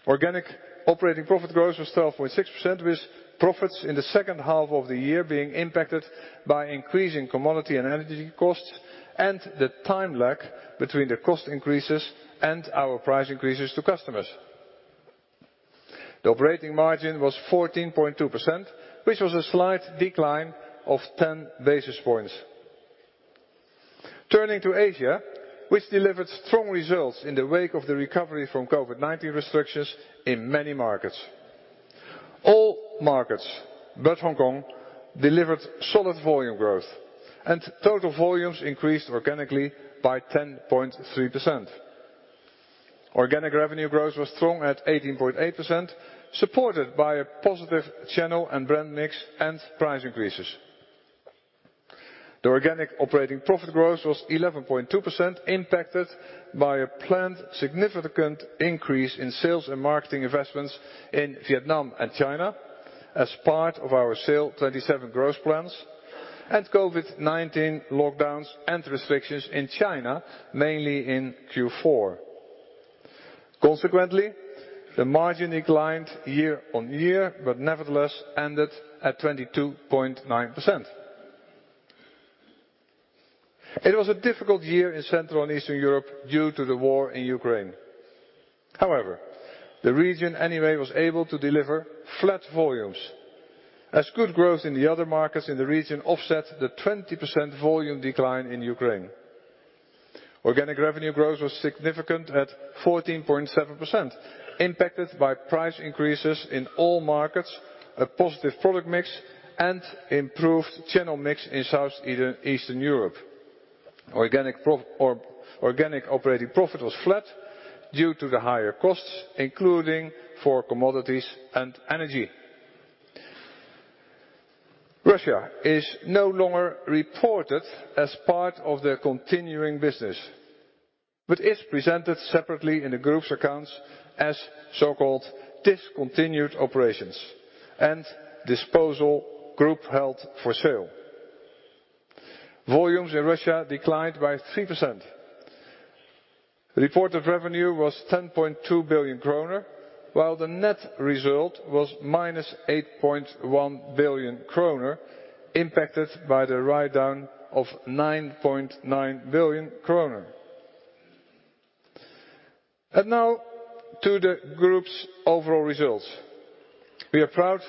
Organic operating profit growth was 12.6%, with profits in the second half of the year being impacted by increasing commodity and energy costs and the time lag between the cost increases and our price increases to customers. The operating margin was 14.2%, which was a slight decline of 10 basis points. Turning to Asia, which delivered strong results in the wake of the recovery from COVID-19 restrictions in many markets. All markets, but Hong Kong, delivered solid volume growth. Total volumes increased organically by 10.3%. Organic revenue growth was strong at 18.8%, supported by a positive channel and brand mix and price increases. The organic operating profit growth was 11.2%, impacted by a planned significant increase in sales and marketing investments in Vietnam and China as part of our SAIL '27 growth plans. COVID-19 lockdowns and restrictions in China, mainly in Q4. Consequently, the margin declined year-over-year, but nevertheless ended at 22.9%. It was a difficult year in Central and Eastern Europe due to the war in Ukraine. The region anyway was able to deliver flat volumes. Good growth in the other markets in the region offset the 20% volume decline in Ukraine. Organic revenue growth was significant at 14.7%, impacted by price increases in all markets, a positive product mix, and improved channel mix in South Eastern Europe. Organic operating profit was flat due to the higher costs, including for commodities and energy. Russia is no longer reported as part of their continuing business, but is presented separately in the group's accounts as so-called discontinued operations and disposal group held for sale. Volumes in Russia declined by 3%. Reported revenue was 10.2 billion kroner, while the net result was minus 8.1 billion kroner impacted by the write-down of 9.9 billion kroner. Now to the group's overall results. We are proud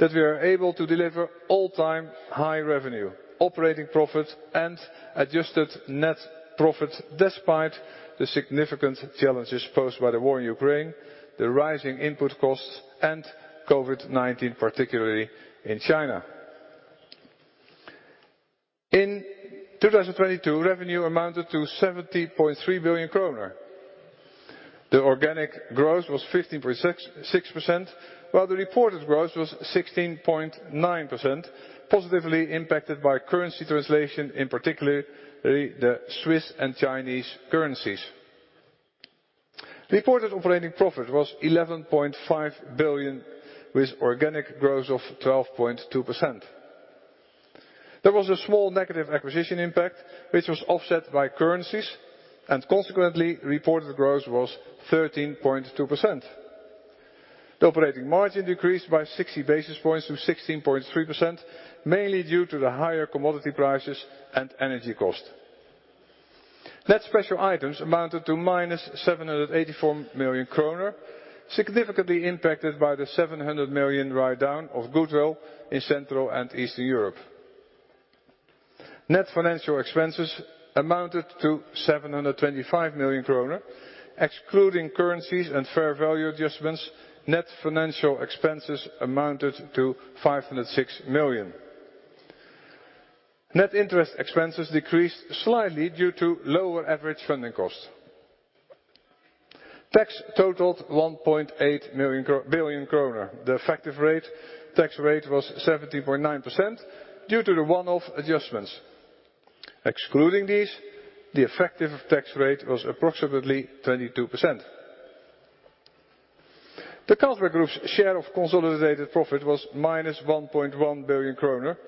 that we are able to deliver all-time high revenue, operating profit, and adjusted net profit despite the significant challenges posed by the war in Ukraine, the rising input costs, and COVID-19, particularly in China. In 2022, revenue amounted to 70.3 billion kroner. The organic growth was 15.66%, while the reported growth was 16.9% positively impacted by currency translation, in particularly the Swiss and Chinese currencies. Reported operating profit was 11.5 billion, with organic growth of 12.2%. There was a small negative acquisition impact, which was offset by currencies. Consequently, reported growth was 13.2%. The operating margin decreased by 60 basis points to 16.3%, mainly due to the higher commodity prices and energy cost. Net special items amounted to minus 784 million kroner, significantly impacted by the 700 million write down of goodwill in Central and Eastern Europe. Net financial expenses amounted to 725 million kroner. Excluding currencies and fair value adjustments, net financial expenses amounted to 506 million. Net interest expenses decreased slightly due to lower average funding costs. Tax totaled 1.8 billion kroner. The effective tax rate was 17.9% due to the one-off adjustments. Excluding these, the effective tax rate was approximately 22%. The Carlsberg Group's share of consolidated profit was -1.1 billion kroner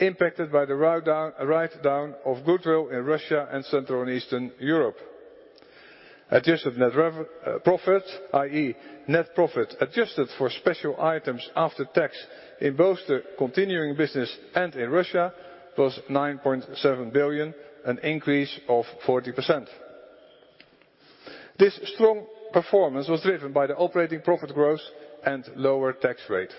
impacted by the write down of goodwill in Russia and Central and Eastern Europe. Adjusted net profit, i.e. Net profit adjusted for special items after tax in both the continuing business and in Russia, was 9.7 billion, an increase of 40%. This strong performance was driven by the operating profit growth and lower tax rate.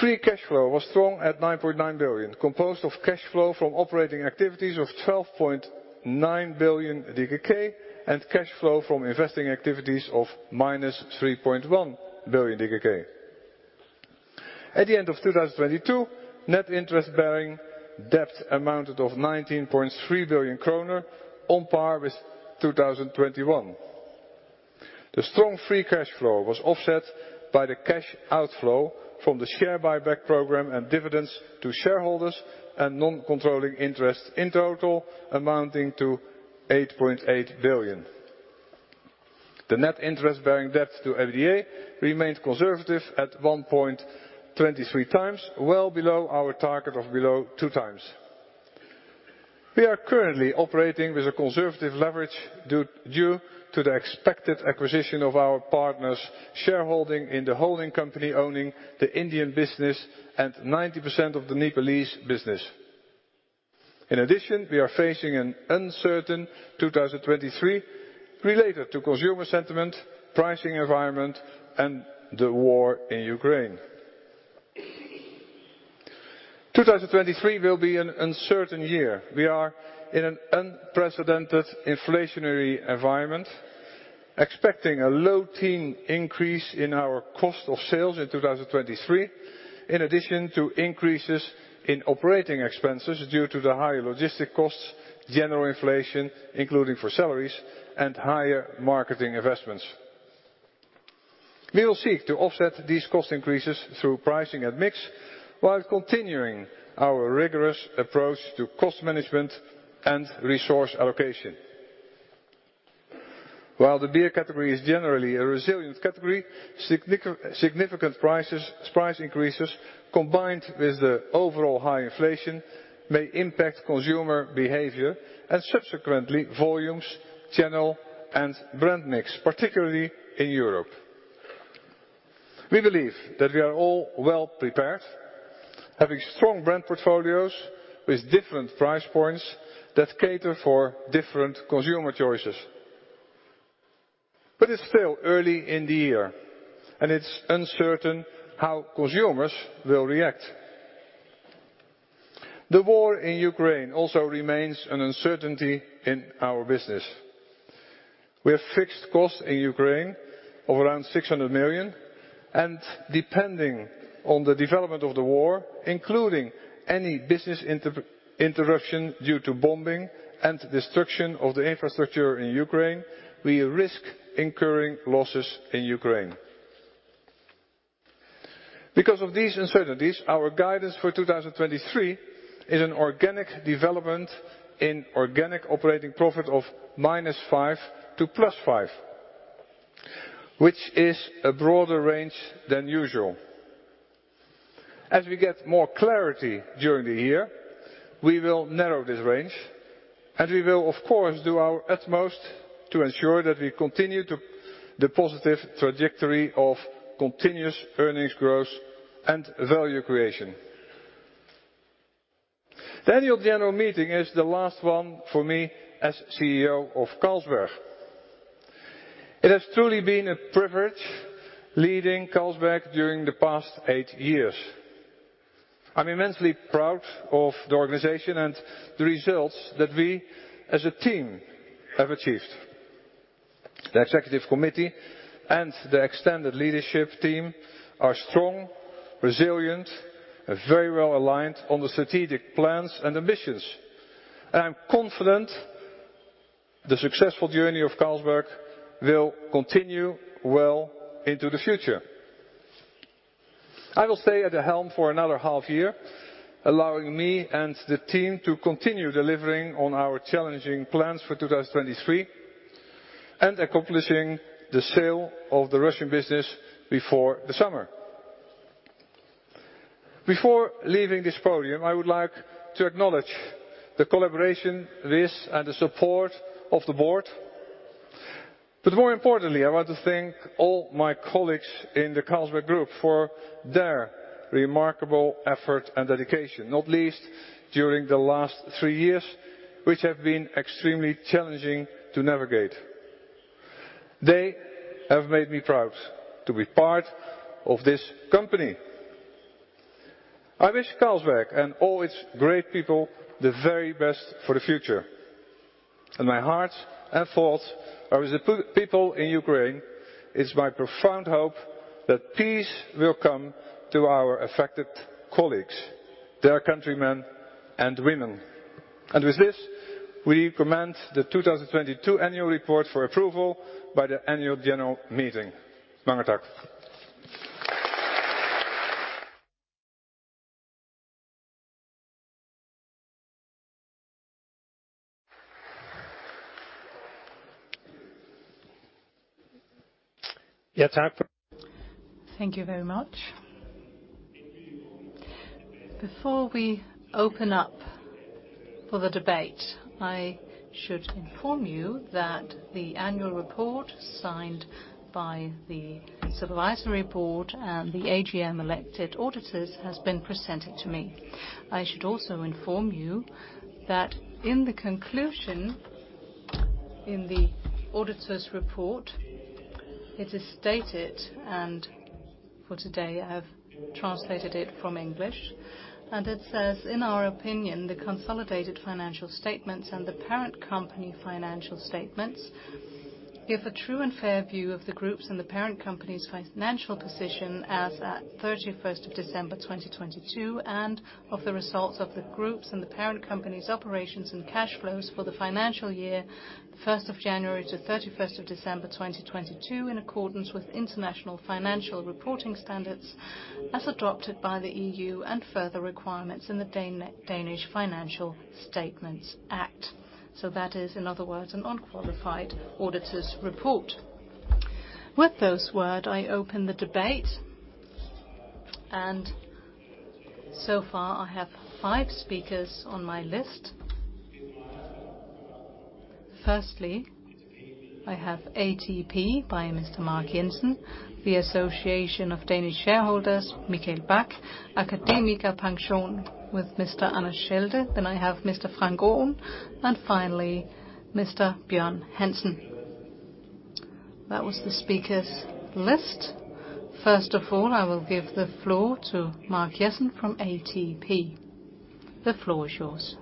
Free cash flow was strong at 9.9 billion, composed of cash flow from operating activities of 12.9 billion DKK, and cash flow from investing activities of -3.1 billion DKK. At the end of 2022, net interest bearing debt amounted of 19.3 billion kroner on par with 2021. The strong free cash flow was offset by the cash outflow from the share buyback program and dividends to shareholders and non-controlling interests in total amounting to DKK 8.8 billion. The net interest bearing debt to EBITDA remained conservative at 1.23x, well below our target of below two times. We are currently operating with a conservative leverage due to the expected acquisition of our partner's shareholding in the holding company owning the Indian business and 90% of the Nepalese business. In addition, we are facing an uncertain 2023 related to consumer sentiment, pricing environment, and the war in Ukraine. 2023 will be an uncertain year. We are in an unprecedented inflationary environment, expecting a low teen increase in our cost of sales in 2023, in addition to increases in operating expenses due to the higher logistic costs, general inflation, including for salaries and higher marketing investments. We will seek to offset these cost increases through pricing and mix, while continuing our rigorous approach to cost management and resource allocation. While the beer category is generally a resilient category, significant price increases, combined with the overall high inflation may impact consumer behavior and subsequently, volumes, channel, and brand mix, particularly in Europe. We believe that we are all well prepared, having strong brand portfolios with different price points that cater for different consumer choices. It's still early in the year, and it's uncertain how consumers will react. The war in Ukraine also remains an uncertainty in our business. We have fixed costs in Ukraine of around 600 million, and depending on the development of the war, including any business interruption due to bombing and destruction of the infrastructure in Ukraine, we risk incurring losses in Ukraine. Because of these uncertainties, our guidance for 2023 is an organic development in organic operating profit of -5% to +5%, which is a broader range than usual. As we get more clarity during the year, we will narrow this range, and we will, of course, do our utmost to ensure that we continue to the positive trajectory of continuous earnings growth and value creation. The annual general meeting is the last one for me as CEO of Carlsberg. It has truly been a privilege leading Carlsberg during the past eight years. I'm immensely proud of the organization and the results that we, as a team, have achieved. The executive committee and the extended leadership team are strong, resilient, and very well-aligned on the strategic plans and ambitions. I'm confident the successful journey of Carlsberg will continue well into the future. I will stay at the helm for another half year, allowing me and the team to continue delivering on our challenging plans for 2023 and accomplishing the sale of the Russian business before the summer. Before leaving this podium, I would like to acknowledge the collaboration with and the support of the board. More importantly, I want to thank all my colleagues in the Carlsberg Group for their remarkable effort and dedication, not least during the last three years, which have been extremely challenging to navigate. They have made me proud to be part of this company. I wish Carlsberg and all its great people the very best for the future. My heart and thoughts are with the people in Ukraine. It's my profound hope that peace will come to our affected colleagues, their countrymen and women. With this, we commend the 2022 annual report for approval by the annual general meeting.
Thank you very much. Before we open up for the debate, I should inform you that the annual report signed by the Supervisory Board and the AGM-elected auditors has been presented to me. I should also inform you that in the conclusion in the auditor's report, it is stated, and for today I have translated it from English, and it says, "In our opinion, the consolidated financial statements and the parent company financial statements give a true and fair view of the groups and the parent company's financial position as at 31st of December 2022 and of the results of the groups and the parent company's operations and cash flows for the financial year, 1st of January to 31st of December 2022, in accordance with international financial reporting standards as adopted by the EU and further requirements in the Danish Financial Statements Act." That is, in other words, an unqualified auditor's report. With those word, I open the debate. So far I have five speakers on my list. Firstly, I have ATP by Mr. Mark Jessen, the Danish Shareholders' Association, Mikael Bak, AkademikerPension with Mr. Anders Schelde, I have Mr. Frank Aaen, finally, Mr. Bjørn Hansen. That was the speakers' list. First of all, I will give the floor to Mark Jessen from ATP. The floor is yours.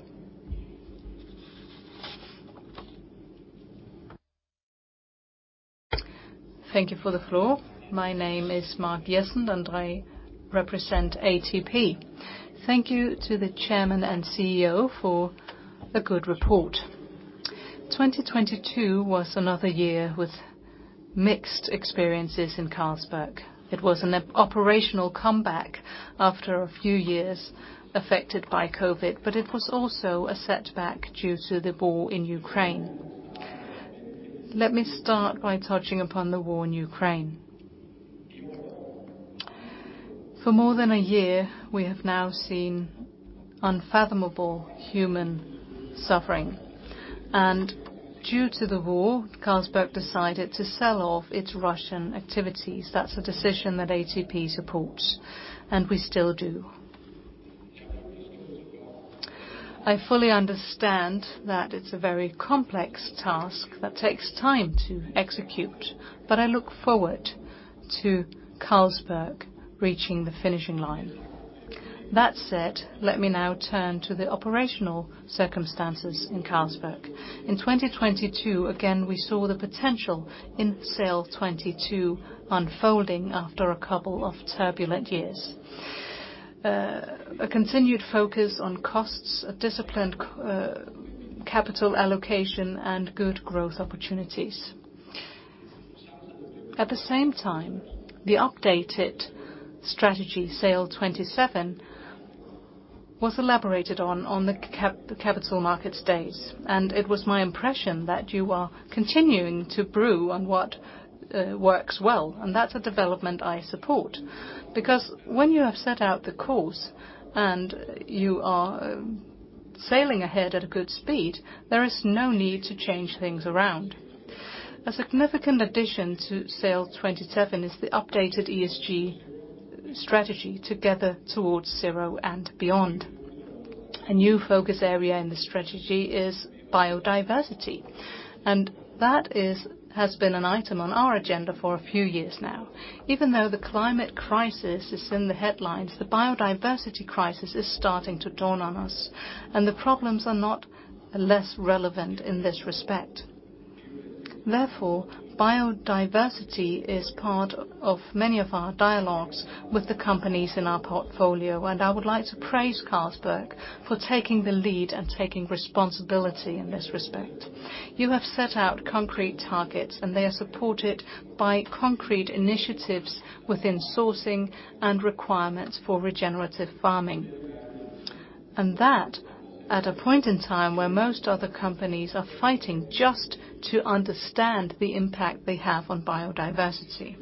Thank you for the floor. My name is Mark Jessen, and I represent ATP. Thank you to the chairman and CEO for a good report. 2022 was another year with mixed experiences in Carlsberg. It was an operational comeback after a few years affected by COVID, but it was also a setback due to the war in Ukraine. Let me start by touching upon the war in Ukraine. For more than a year, we have now seen unfathomable human suffering. Due to the war, Carlsberg decided to sell off its Russian activities. That's a decision that ATP supports, and we still do. I fully understand that it's a very complex task that takes time to execute, but I look forward to Carlsberg reaching the finishing line. That said, let me now turn to the operational circumstances in Carlsberg. In 2022, again, we saw the potential in SAIL '22 unfolding after a couple of turbulent years. A continued focus on costs, a disciplined capital allocation, and good growth opportunities. At the same time, the updated strategy, SAIL '27, was elaborated on the capital markets days, and it was my impression that you are continuing to brew on what works well, and that's a development I support. When you have set out the course and you are sailing ahead at a good speed, there is no need to change things around. A significant addition to SAIL '27 is the updated ESG strategy, Together Towards ZERO and Beyond. A new focus area in this strategy is biodiversity, that has been an item on our agenda for a few years now. Even though the climate crisis is in the headlines, the biodiversity crisis is starting to dawn on us, the problems are not less relevant in this respect. Therefore, biodiversity is part of many of our dialogues with the companies in our portfolio, I would like to praise Carlsberg for taking the lead and taking responsibility in this respect. You have set out concrete targets, they are supported by concrete initiatives within sourcing and requirements for regenerative farming. That at a point in time where most other companies are fighting just to understand the impact they have on biodiversity.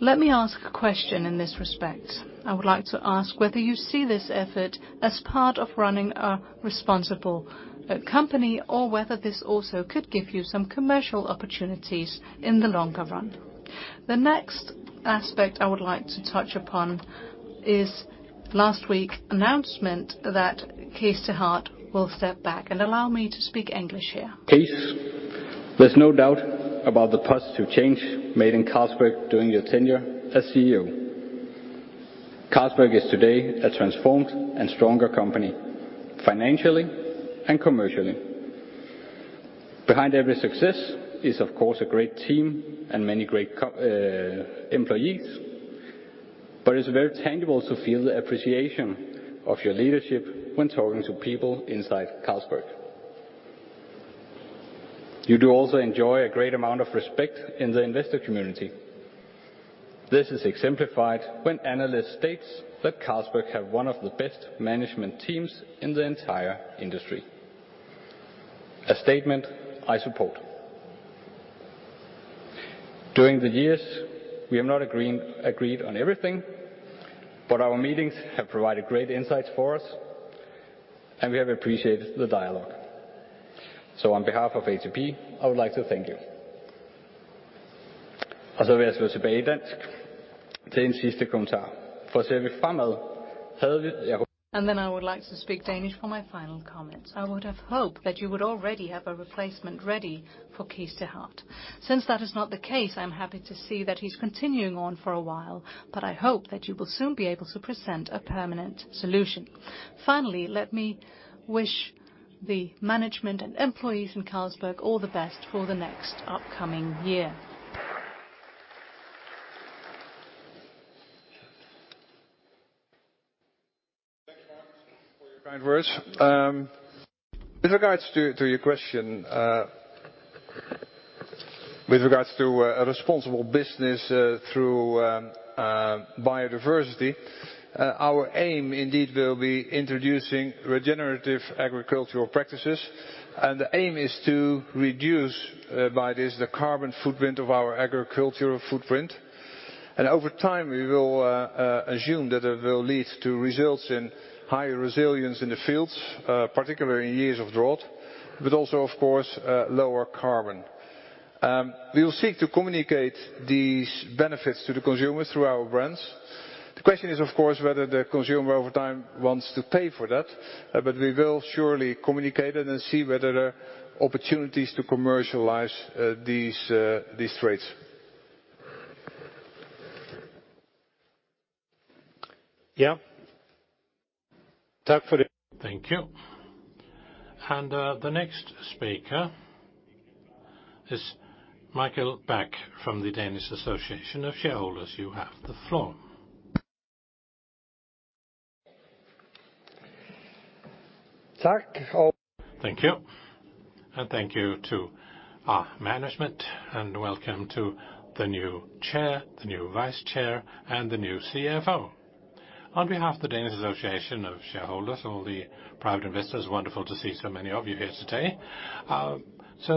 Let me ask a question in this respect. I would like to ask whether you see this effort as part of running a responsible company or whether this also could give you some commercial opportunities in the longer run. The next aspect I would like to touch upon is last week announcement that Cees 't Hart will step back. Allow me to speak English here. Cees, there's no doubt about the positive change made in Carlsberg during your tenure as CEO. Carlsberg is today a transformed and stronger company, financially and commercially. Behind every success is, of course, a great team and many great employees, but it's very tangible to feel the appreciation of your leadership when talking to people inside Carlsberg. You do also enjoy a great amount of respect in the investor community. This is exemplified when analyst states that Carlsberg have one of the best management teams in the entire industry, a statement I support. During the years, we have not agreed on everything, our meetings have provided great insights for us, and we have appreciated the dialogue. On behalf of ATP, I would like to thank you. I would like to speak Danish for my final comments. I would have hoped that you would already have a replacement ready for Cees 't Hart. Since that is not the case, I'm happy to see that he's continuing on for a while, I hope that you will soon be able to present a permanent solution. Finally, let me wish the management and employees in Carlsberg all the best for the next upcoming year.
Thank you, Henrik, for your kind words. With regards to your question, with regards to a responsible business, through biodiversity, our aim indeed will be introducing regenerative agricultural practices, and the aim is to reduce by this, the carbon footprint of our agricultural footprint. Over time, we will assume that it will lead to results in higher resilience in the fields, particularly in years of drought, but also, of course, lower carbon. We will seek to communicate these benefits to the consumers through our brands. The question is, of course, whether the consumer over time wants to pay for that, but we will surely communicate it and see whether there are opportunities to commercialize these trades.
Yeah. Thank you. The next speaker is Mikael Bak from the Danish Shareholders' Association. You have the floor
Thank you, thank you to our management, welcome to the new chair, the new vice chair, and the new CFO. On behalf of the Danish Shareholders' Association, all the private investors, wonderful to see so many of you here today.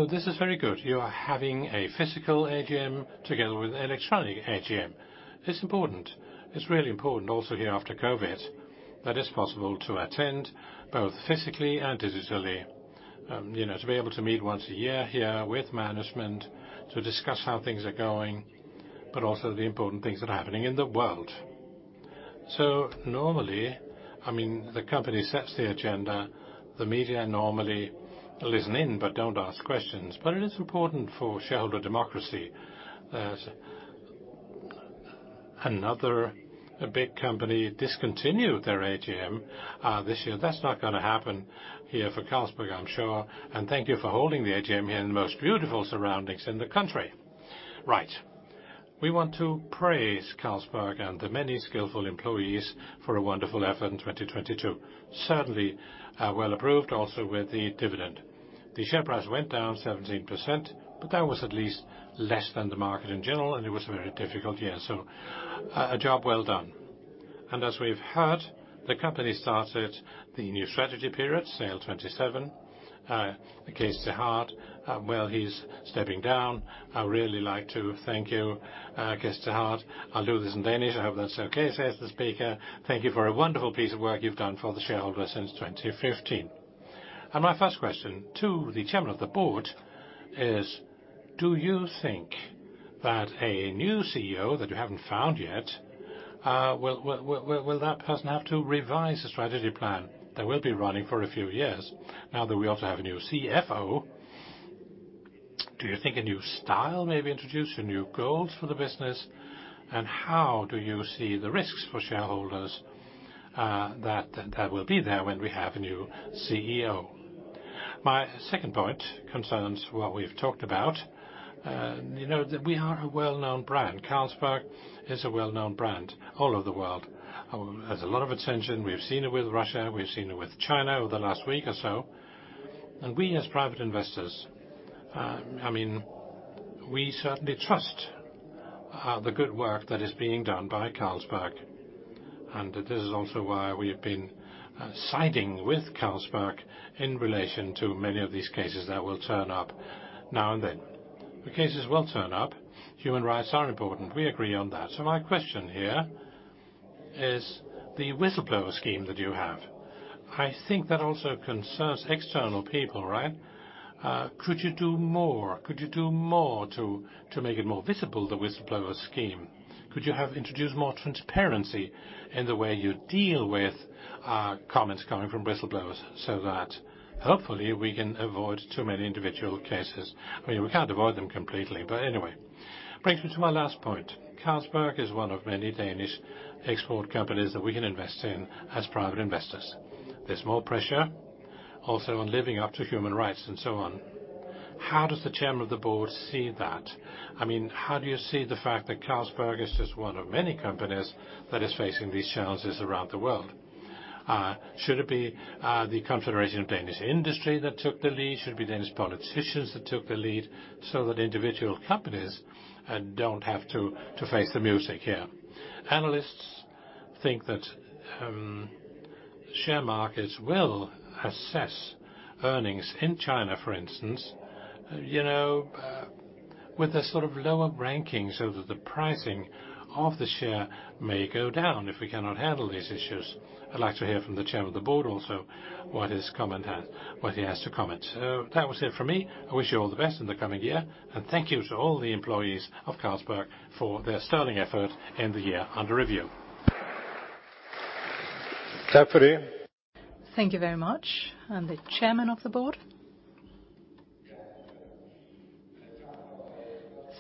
This is very good. You are having a physical AGM together with an electronic AGM. It's important. It's really important also here after COVID that it's possible to attend both physically and digitally, you know, to be able to meet once a year here with management to discuss how things are going, also the important things that are happening in the world. Normally, I mean, the company sets the agenda. The media normally listen in but don't ask questions. It is important for shareholder democracy that another, a big company discontinued their AGM this year. That's not gonna happen here for Carlsberg, I'm sure, and thank you for holding the AGM here in the most beautiful surroundings in the country. Right. We want to praise Carlsberg and the many skillful employees for a wonderful effort in 2022. Certainly, well approved also with the dividend. The share price went down 17%, but that was at least less than the market in general, and it was a very difficult year, so, a job well done. As we've heard, the company started the new strategy period, SAIL '27. The Cees 't Hart, well, he's stepping down. I really like to thank you, Cees 't Hart. I'll do this in Danish. I hope that's okay, says the speaker. Thank you for a wonderful piece of work you've done for the shareholders since 2015. My first question to the chairman of the board is, do you think that a new CEO that you haven't found yet, will that person have to revise the strategy plan that will be running for a few years now that we also have a new CFO? Do you think a new style may be introduced or new goals for the business? How do you see the risks for shareholders, that will be there when we have a new CEO? My second point concerns what we've talked about, you know, that we are a well-known brand. Carlsberg is a well-known brand all over the world. There's a lot of attention. We've seen it with Russia. We've seen it with China over the last week or so. We as private investors, I mean, we certainly trust the good work that is being done by Carlsberg. This is also why we have been siding with Carlsberg in relation to many of these cases that will turn up now and then. The cases will turn up. Human rights are important. We agree on that. My question here is the whistleblower scheme that you have, I think that also concerns external people, right? Could you do more? Could you do more to make it more visible, the whistleblower scheme? Could you have introduced more transparency in the way you deal with comments coming from whistleblowers so that hopefully we can avoid too many individual cases? I mean, we can't avoid them completely, but anyway. Brings me to my last point. Carlsberg is one of many Danish export companies that we can invest in as private investors. There's more pressure also on living up to human rights and so on. How does the chairman of the board see that? I mean, how do you see the fact that Carlsberg is just one of many companies that is facing these challenges around the world? Should it be the Confederation of Danish Industry that took the lead? Should it be Danish politicians that took the lead so that individual companies don't have to face the music here? Analysts think that share markets will assess earnings in China, for instance, you know, with a sort of lower ranking so that the pricing of the share may go down if we cannot handle these issues. I'd like to hear from the chair of the board also what he has to comment. That was it for me. I wish you all the best in the coming year, and thank you to all the employees of Carlsberg for their sterling effort in the year under review.
Thank you very much. The chairman of the board.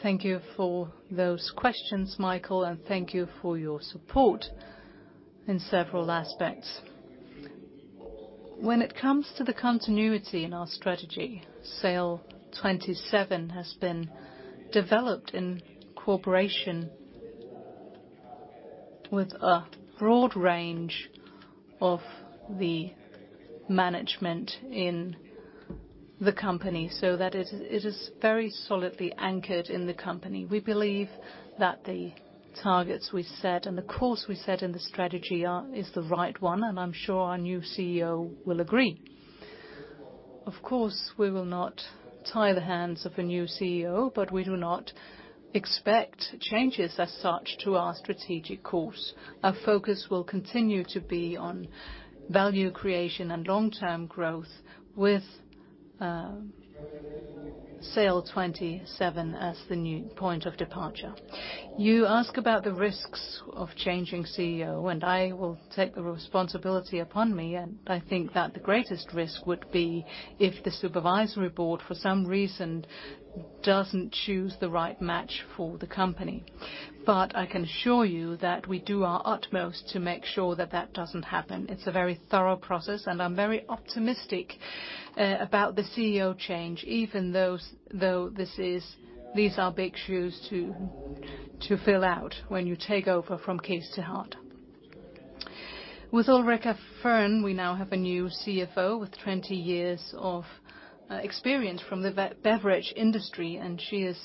Thank you for those questions, Mikael, and thank you for your support in several aspects. When it comes to the continuity in our strategy, SAIL '27 has been developed in cooperation with a broad range of the management in the company so that it is very solidly anchored in the company. We believe that the targets we set and the course we set in the strategy is the right one, and I'm sure our new CEO will agree. Of course, we will not tie the hands of a new CEO, but we do not expect changes as such to our strategic course. Our focus will continue to be on value creation and long-term growth with SAIL '27 as the new point of departure. You ask about the risks of changing CEO, and I will take the responsibility upon me, and I think that the greatest risk would be if the supervisory board, for some reason, doesn't choose the right match for the company. I can assure you that we do our utmost to make sure that that doesn't happen. It's a very thorough process, and I'm very optimistic. About the CEO change, even though this is, these are big shoes to fill out when you take over from Cees 't Hart. With Ulrica Fearn we now have a new CFO with 20 years of experience from the beverage industry, and she is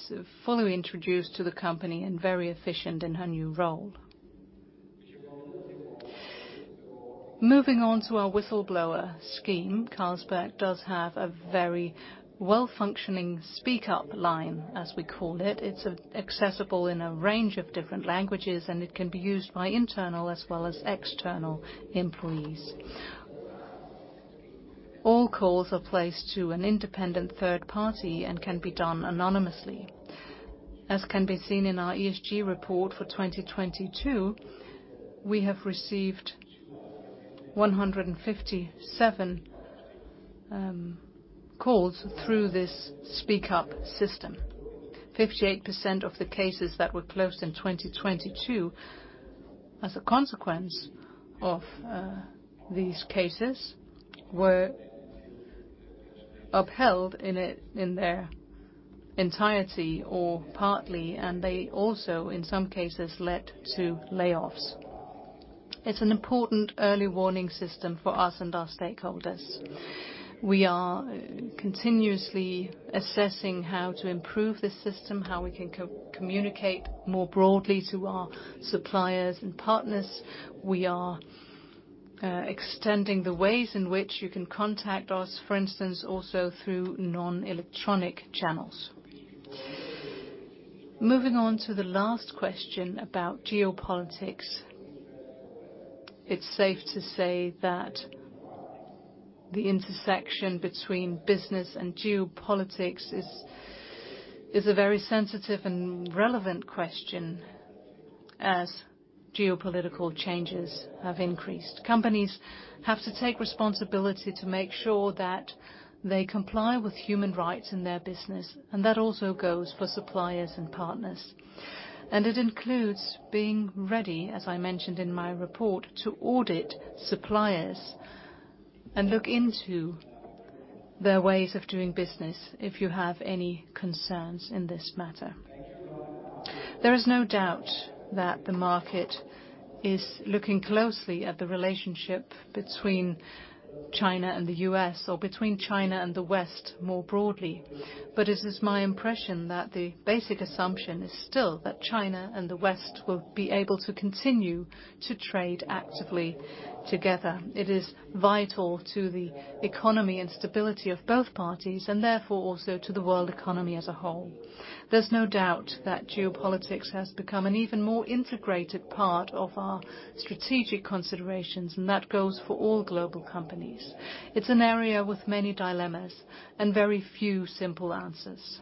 fully introduced to the company and very efficient in her new role. Moving on to our whistleblower scheme, Carlsberg does have a very well-functioning SpeakUp line, as we call it. It's accessible in a range of different languages, and it can be used by internal as well as external employees. All calls are placed to an independent third party and can be done anonymously. As can be seen in our ESG report for 2022, we have received 157 calls through this SpeakUp system. 58% of the cases that were closed in 2022 as a consequence of these cases were upheld in their entirety or partly. They also, in some cases, led to layoffs. It's an important early warning system for us and our stakeholders. We are continuously assessing how to improve the system, how we can co-communicate more broadly to our suppliers and partners. We are extending the ways in which you can contact us, for instance, also through non-electronic channels. Moving on to the last question about geopolitics, it's safe to say that the intersection between business and geopolitics is a very sensitive and relevant question as geopolitical changes have increased. Companies have to take responsibility to make sure that they comply with human rights in their business, and that also goes for suppliers and partners. It includes being ready, as I mentioned in my report, to audit suppliers and look into their ways of doing business if you have any concerns in this matter. There is no doubt that the market is looking closely at the relationship between China and the U.S., or between China and the West more broadly. It is my impression that the basic assumption is still that China and the West will be able to continue to trade actively together. It is vital to the economy and stability of both parties, and therefore also to the world economy as a whole. There's no doubt that geopolitics has become an even more integrated part of our strategic considerations, and that goes for all global companies. It's an area with many dilemmas and very few simple answers.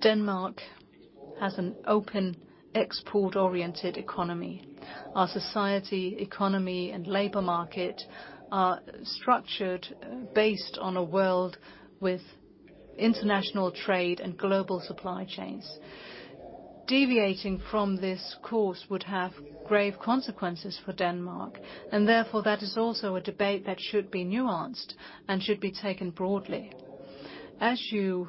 Denmark has an open export-oriented economy. Our society, economy, and labor market are structured based on a world with international trade and global supply chains. Therefore, that is also a debate that should be nuanced and should be taken broadly. As you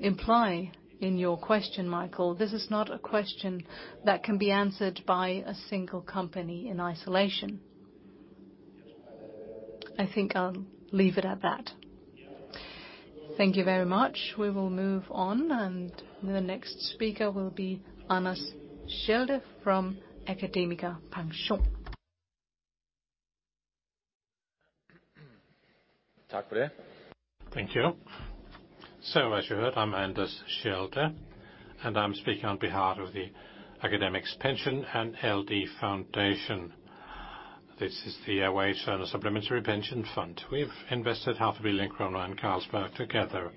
imply in your question, Mikael, this is not a question that can be answered by a single company in isolation. I think I'll leave it at that.
Thank you very much. We will move on, the next speaker will be Anders Schelde from AkademikerPension.
Thank you. As you heard, I'm Anders Schelde, and I'm speaking on behalf of the AkademikerPension and LD Fonde. This is the LH Supplementary Pension Fund. We've invested heavily in Kronos and Carlsberg together.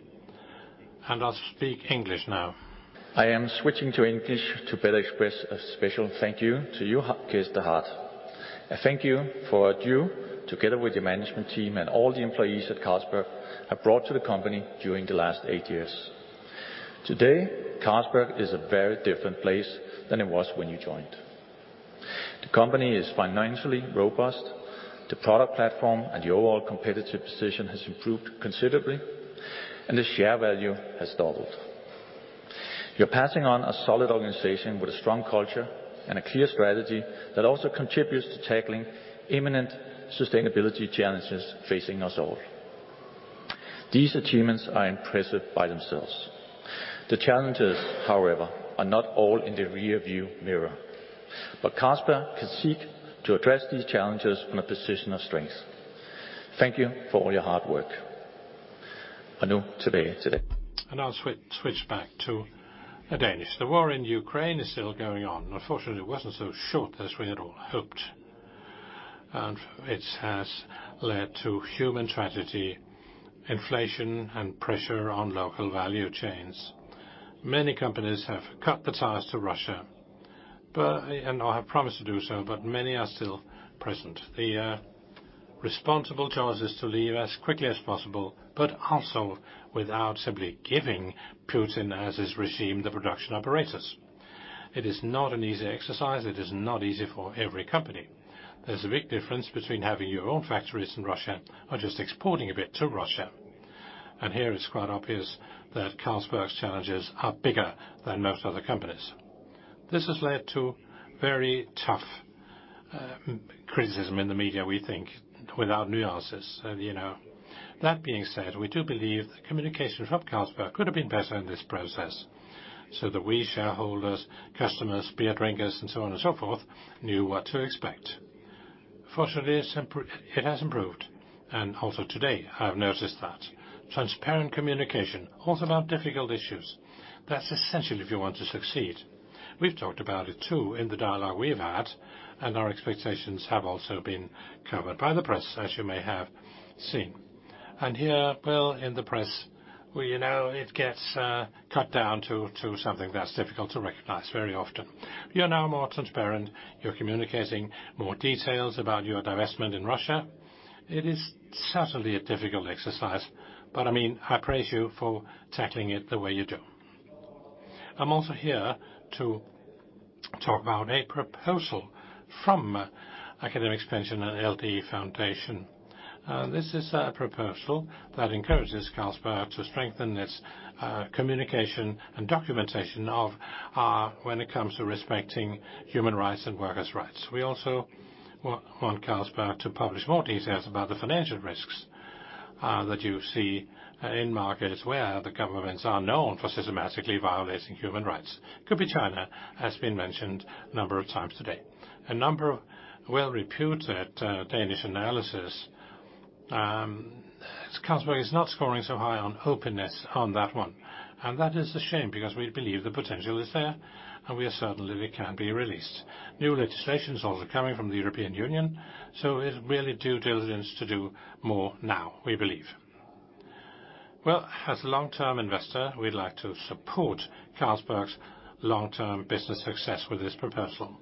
I'll speak English now. I am switching to English to better express a special thank you to you, Cees 't Hart. A thank you for what you, together with your management team and all the employees at Carlsberg, have brought to the company during the last eight years. Today, Carlsberg is a very different place than it was when you joined. The company is financially robust, the product platform and the overall competitive position has improved considerably, and the share value has doubled. You're passing on a solid organization with a strong culture and a clear strategy that also contributes to tackling imminent sustainability challenges facing us all. These achievements are impressive by themselves. The challenges, however, are not all in the rear-view mirror, but Carlsberg can seek to address these challenges from a position of strength. Thank you for all your hard work. Now to the Danish. The war in Ukraine is still going on. Unfortunately, it wasn't so short as we had all hoped, and it has led to human tragedy, inflation, and pressure on local value chains. Many companies have cut the ties to Russia, and I have promised to do so, but many are still present. The responsible choice is to leave as quickly as possible, but also without simply giving Putin and his regime the production apparatus. It is not an easy exercise. It is not easy for every company. There's a big difference between having your own factories in Russia or just exporting a bit to Russia. Here it's quite obvious that Carlsberg's challenges are bigger than most other companies. This has led to very tough criticism in the media, we think, without nuances. You know, that being said, we do believe the communication from Carlsberg could have been better in this process, so that we shareholders, customers, beer drinkers, and so on and so forth, knew what to expect. Fortunately, it has improved, and also today, I've noticed that. Transparent communication, also about difficult issues, that's essential if you want to succeed. We've talked about it too in the dialogue we've had, and our expectations have also been covered by the press, as you may have seen. Here, well, in the press, well, you know, it gets cut down to something that's difficult to recognize very often. You're now more transparent. You're communicating more details about your divestment in Russia. It is certainly a difficult exercise, but, I mean, I praise you for tackling it the way you do. I'm also here to talk about a proposal from AkademikerPension and LD Fonde. This is a proposal that encourages Carlsberg to strengthen its communication and documentation of when it comes to respecting human rights and workers' rights. We also want Carlsberg to publish more details about the financial risks that you see in markets where the governments are known for systematically violating human rights. Could be China, has been mentioned a number of times today. A number of well-reputed Danish analysis, Carlsberg is not scoring so high on openness on that one. That is a shame because we believe the potential is there, and we are certain that it can be released. New legislation is also coming from the European Union, so it's really due diligence to do more now, we believe. Well, as a long-term investor, we'd like to support Carlsberg's long-term business success with this proposal.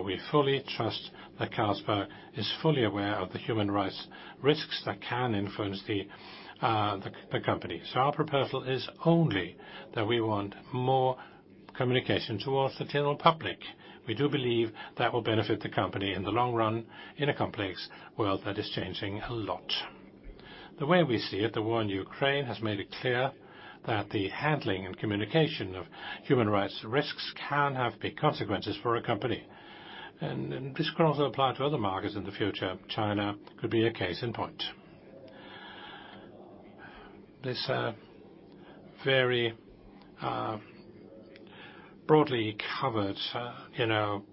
We fully trust that Carlsberg is fully aware of the human rights risks that can influence the company. Our proposal is only that we want more communication towards the general public. We do believe that will benefit the company in the long run in a complex world that is changing a lot. The way we see it, the war in Ukraine has made it clear that the handling and communication of human rights risks can have big consequences for a company. This could also apply to other markets in the future. China could be a case in point. This very broadly covered, you know,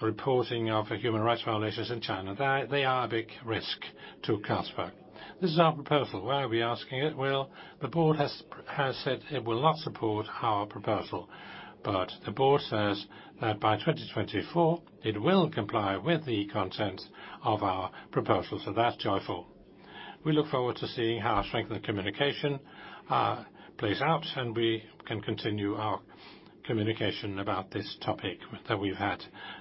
reporting of human rights violations in China, they are a big risk to Carlsberg. This is our proposal. Why are we asking it? Well, the board has said it will not support our proposal. The board says that by 2024 it will comply with the content of our proposal. That's joyful. We look forward to seeing how our strengthened communication plays out. We can continue our communication about this topic that we've had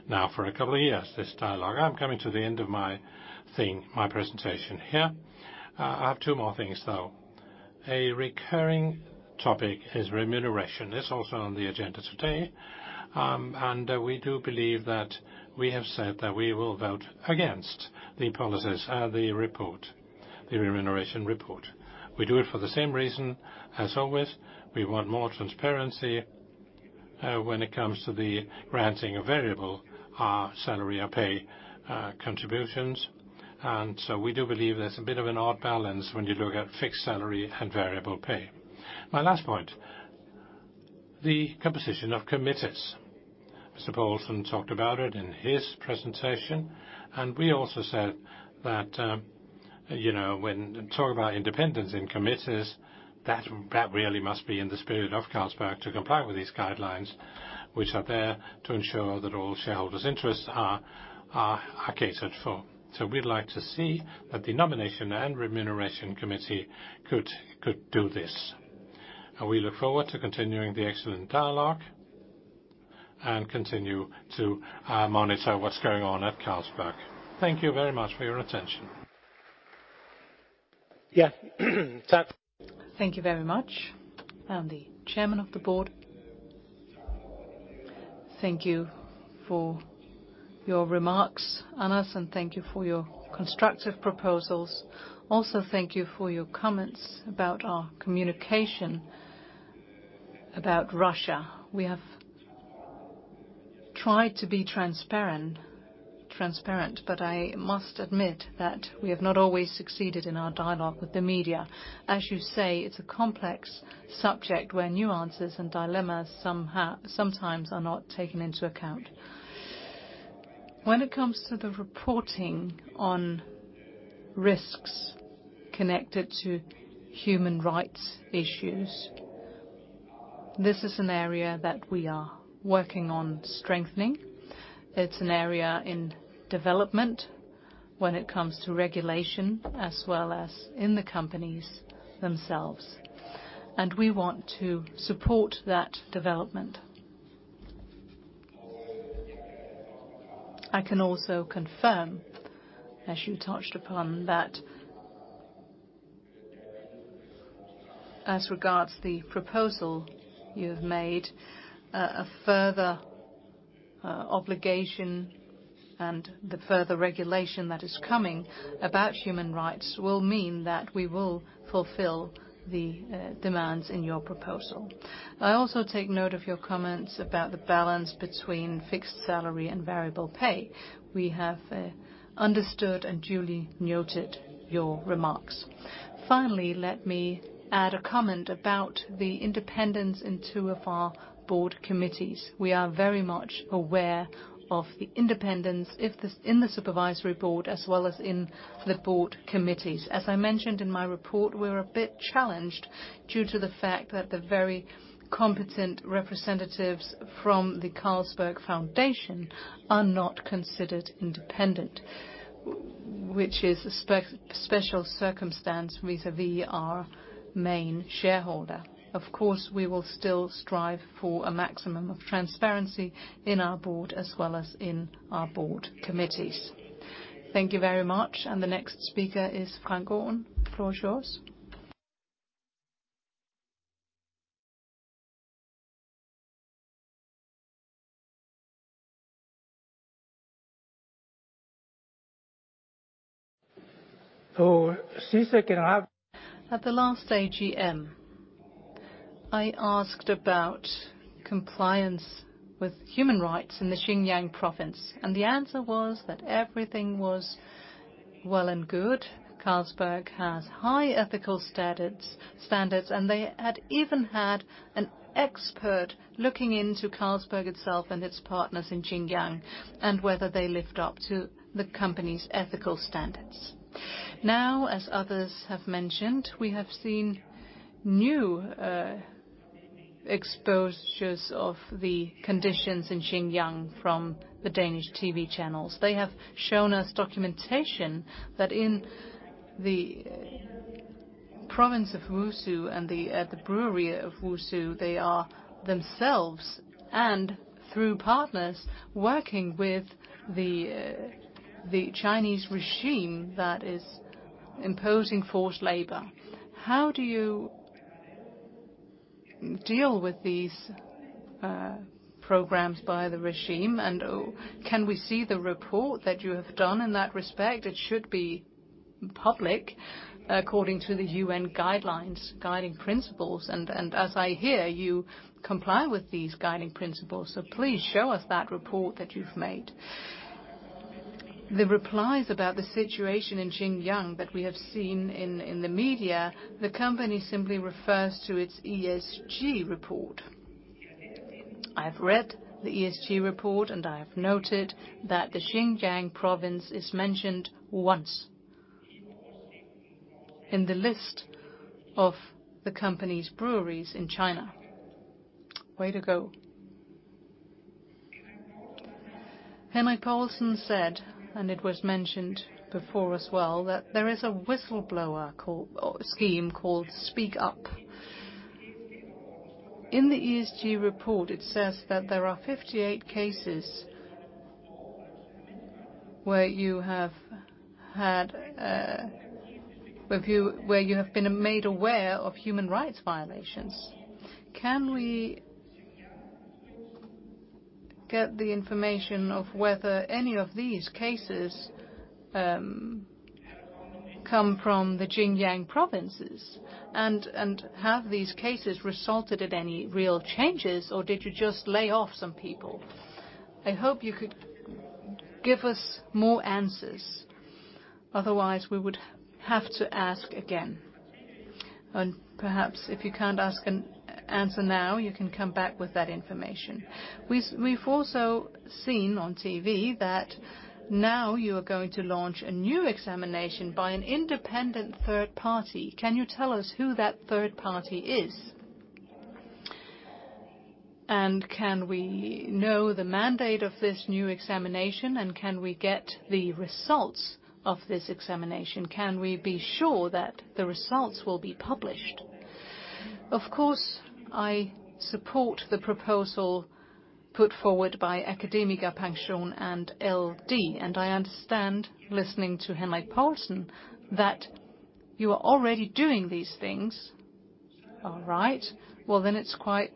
now for a couple of years, this dialogue. I'm coming to the end of my thing, my presentation here. I have two more things, though. A recurring topic is remuneration. It's also on the agenda today. We do believe that we have said that we will vote against the policies, the report, the remuneration report. We do it for the same reason as always. We want more transparency when it comes to the granting of variable salary or pay contributions. We do believe there's a bit of an odd balance when you look at fixed salary and variable pay. My last point, the composition of committees. Mr. Poulsen talked about it in his presentation. We also said that, you know, when talking about independence in committees, that really must be in the spirit of Carlsberg to comply with these guidelines, which are there to ensure that all shareholders' interests are catered for. We'd like to see that the nomination and Remuneration Committee could do this. We look forward to continuing the excellent dialogue and continue to monitor what's going on at Carlsberg. Thank you very much for your attention.
Yeah. Thank you very much. The chairman of the board.
Thank you for your remarks, Anders, and thank you for your constructive proposals. Also, thank you for your comments about our communication about Russia. We have tried to be transparent, but I must admit that we have not always succeeded in our dialogue with the media. As you say, it's a complex subject where nuances and dilemmas sometimes are not taken into account. When it comes to the reporting on risks connected to human rights issues, this is an area that we are working on strengthening. It's an area in development when it comes to regulation as well as in the companies themselves, and we want to support that development. I can also confirm, as you touched upon, As regards the proposal you have made, a further obligation and the further regulation that is coming about human rights will mean that we will fulfill the demands in your proposal. I also take note of your comments about the balance between fixed salary and variable pay. We have understood and duly noted your remarks. Let me add a comment about the independence in two of our board committees. We are very much aware of the independence if this, in the Supervisory Board, as well as in the board committees. As I mentioned in my report, we're a bit challenged due to the fact that the very competent representatives from the Carlsberg Foundation are not considered independent, which is special circumstance vis-à-vis our main shareholder. Of course, we will still strive for a maximum of transparency in our board as well as in our board committees.
Thank you very much. The next speaker is Frank Aaen. The floor is yours.
At the last AGM, I asked about compliance with human rights in the Xinjiang province. The answer was that everything was well and good. Carlsberg has high ethical standards, and they had even had an expert looking into Carlsberg itself and its partners in Xinjiang, and whether they lived up to the company's ethical standards. As others have mentioned, we have seen new exposures of the conditions in Xinjiang from the Danish TV channels. They have shown us documentation that in the province of Wusu and at the brewery of Wusu, they are themselves, and through partners, working with the Chinese regime that is imposing forced labor. How do you deal with these programs by the regime, and can we see the report that you have done in that respect? It should be public according to the UN guidelines, guiding principles, and as I hear, you comply with these guiding principles, so please show us that report that you've made. The replies about the situation in Xinjiang that we have seen in the media, the company simply refers to its ESG report. I have read the ESG report, and I have noted that the Xinjiang province is mentioned once in the list of the company's breweries in China. Way to go. Henrik Poulsen said, and it was mentioned before as well, that there is a whistleblower scheme called SpeakUp. In the ESG report, it says that there are 58 cases where you have been made aware of human rights violations. Can we get the information of whether any of these cases come from the Xinjiang provinces? Have these cases resulted in any real changes, or did you just lay off some people? I hope you could give us more answers. Otherwise, we would have to ask again. Perhaps if you can't answer now, you can come back with that information. We've also seen on TV that now you are going to launch a new examination by an independent third party. Can you tell us who that third party is? Can we know the mandate of this new examination, and can we get the results of this examination? Can we be sure that the results will be published? Of course, I support the proposal put forward by AkademikerPension and LD, I understand, listening to Henrik Poulsen, that you are already doing these things. All right. It's quite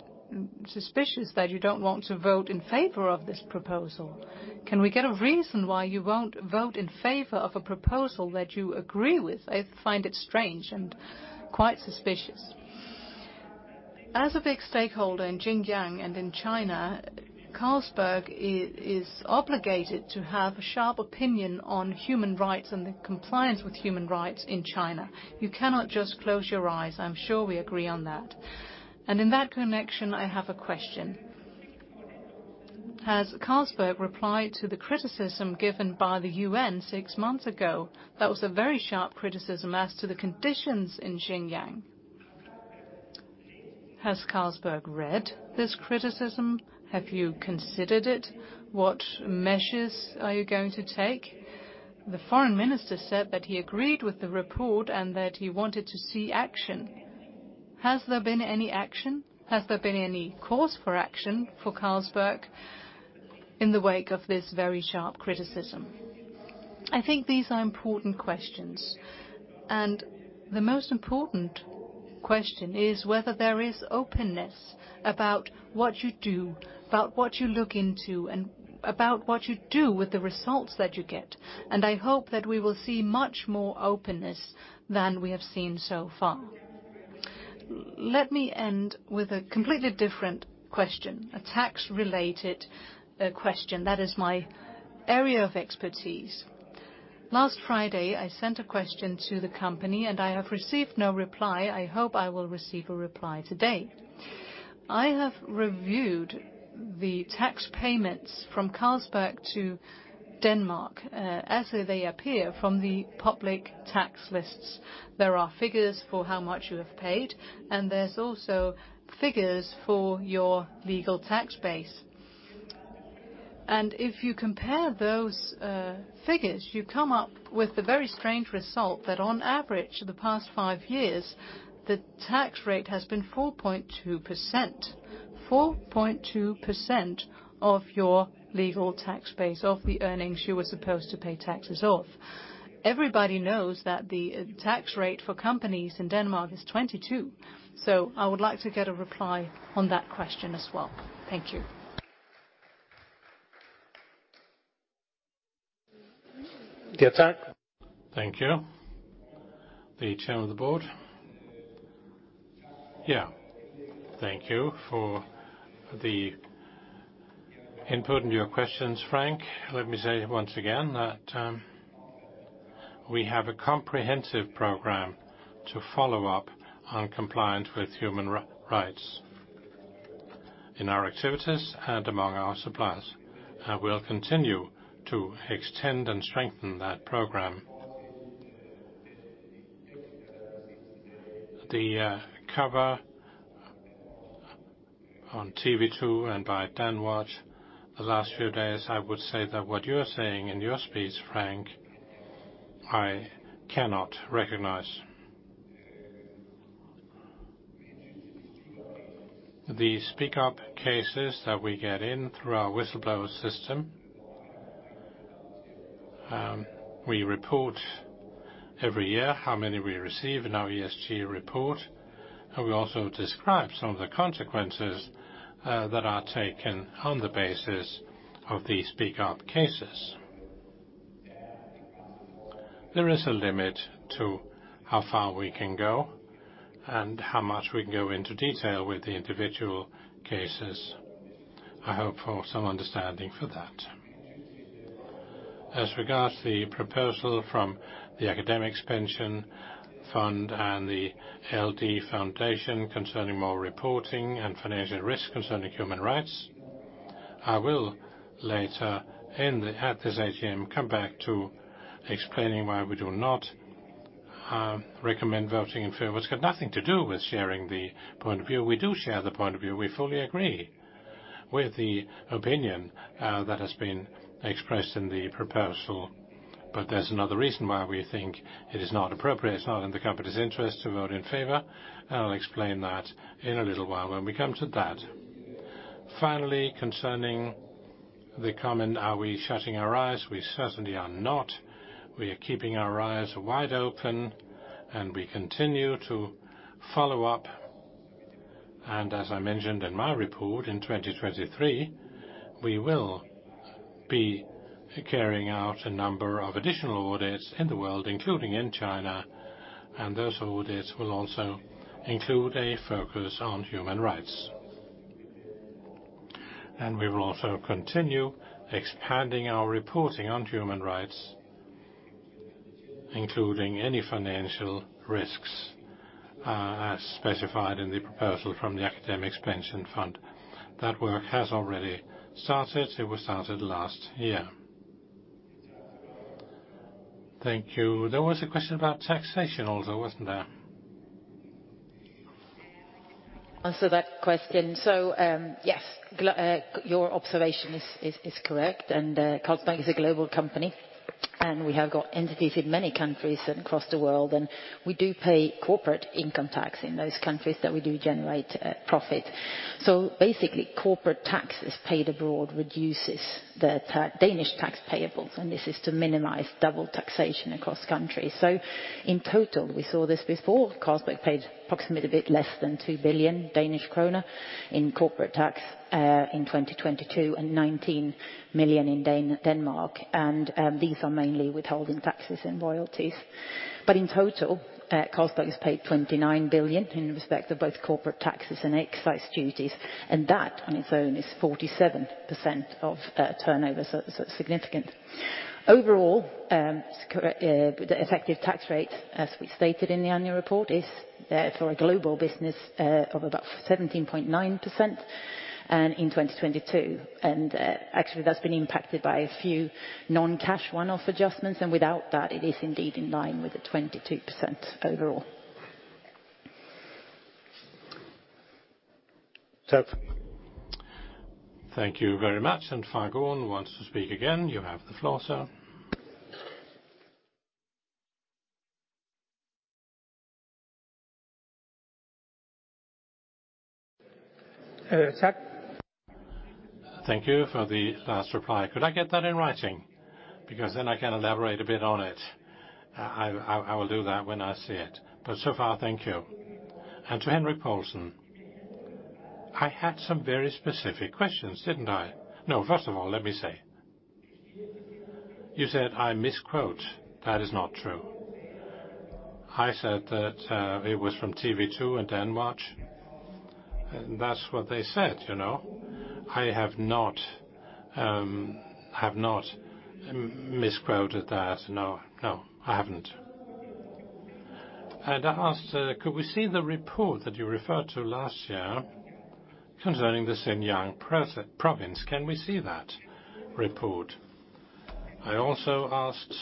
suspicious that you don't want to vote in favor of this proposal. Can we get a reas on why you won't vote in favor of a proposal that you agree with? I find it strange and quite suspicious. As a big stakeholder in Xinjiang and in China, Carlsberg is obligated to have a sharp opinion on human rights and the compliance with human rights in China. You cannot just close your eyes. I'm sure we agree on that. In that connection, I have a question. Has Carlsberg replied to the criticism given by the UN six months ago? That was a very sharp criticism as to the conditions in Xinjiang. Has Carlsberg read this criticism? Have you considered it? What measures are you going to take? The foreign minister said that he agreed with the report and that he wanted to see action. Has there been any action? Has there been any cause for action for Carlsberg in the wake of this very sharp criticism? I think these are important questions. The most important question is whether there is openness about what you do, about what you look into, and about what you do with the results that you get. I hope that we will see much more openness than we have seen so far. Let me end with a completely different question, a tax related question. That is my area of expertise. Last Friday, I sent a question to the company and I have received no reply. I hope I will receive a reply today. I have reviewed the tax payments from Carlsberg to Denmark, as they appear from the public tax lists. There are figures for how much you have paid, and there's also figures for your legal tax base. If you compare those figures, you come up with the very strange result that on average, the past five years, the tax rate has been 4.2%. 4.2% of your legal tax base, of the earnings you were supp osed to pay taxes of. Everybody knows that the tax rate for companies in Denmark is 22. I would like to get a reply on that question as well. Thank you.
The attack. Thank you. The chair of the board.
Thank you for the input and your questions, Frank. Let me say once again that we have a comprehensive program to follow up on compliance with human rights in our activities and among our suppliers. I will continue to extend and strengthen that program. The cover on TV 2 and by Danwatch the last few days, I would say that what you're saying in your speech, Frank, I cannot recognize. The SpeakUp cases that we get in through our whistleblower system, we report every year how many we receive in our ESG report, and we also describe some of the consequences that are taken on the basis of the SpeakUp cases. There is a limit to how far we can go and how much we can go into detail with the individual cases. I hope for some understanding for that. As regards to the proposal from the AkademikerPension and the LD Fonde concerning more reporting and financial risk concerning human rights, I will later at this AGM, come back to explaining why we do not recommend voting in favor. It's got nothing to do with sharing the point of view. We do share the point of view. We fully agree with the opinion that has been expressed in the proposal. There's another reason why we think it is not appropriate. It's not in the company's interest to vote in favor. I'll explain that in a little while when we come to that. Finally, concerning the comment, are we shutting our eyes? We certainly are not. We are keeping our eyes wide open. We continue to follow up. As I mentioned in my report in 2023, we will be carrying out a number of additional audits in the world, including in China. Those audits will also include a focus on human rights. We will also continue expanding our reporting on human rights, including any financial risks, as specified in the proposal from the AkademikerPension fund. That work has already started. It was started last year.
Thank you. There was a question about taxation also, wasn't there? Answer that question.
Yes, your observation is correct. Carlsberg is a global company, and we have got entities in many countries and across the world, and we do pay corporate income tax in those countries that we do generate profit. Basically, corporate taxes paid abroad reduces the Danish tax payables, and this is to minimize double taxation across countries. In total, we saw this before. Carlsberg paid approximately a bit less than 2 billion Danish kroner in corporate tax in 2022 and 19 million in Denmark. These are mainly withholding taxes and royalties. In total, Carlsberg has paid 29 billion in respect of both corporate taxes and excise duties, and that on its own is 47% of turnover, significant. Overall, the effective tax rate, as we stated in the annual report, is for a global business of about 17.9%, in 2022. Actually that's been impacted by a few non-cash one-off adjustments, and without that, it is indeed in line with the 22% overall.
Thank you very much. Frank Aaen wants to speak again. You have the floor, sir.
Thank you for the last reply. Could I get that in writing? Then I can elaborate a bit on it. I will do that when I see it. So far, thank you. To Henrik Poulsen, I had some very specific questions, didn't I? No. First of all, let me say. You said I misquote. That is not true. I said that, it was from TV 2 in Denmark, and that's what they said, you know. I have not misquoted that, no. No, I haven't. I asked, could we see the report that you referred to last year concerning the Xinjiang pro-province? Can we see that report? I also asked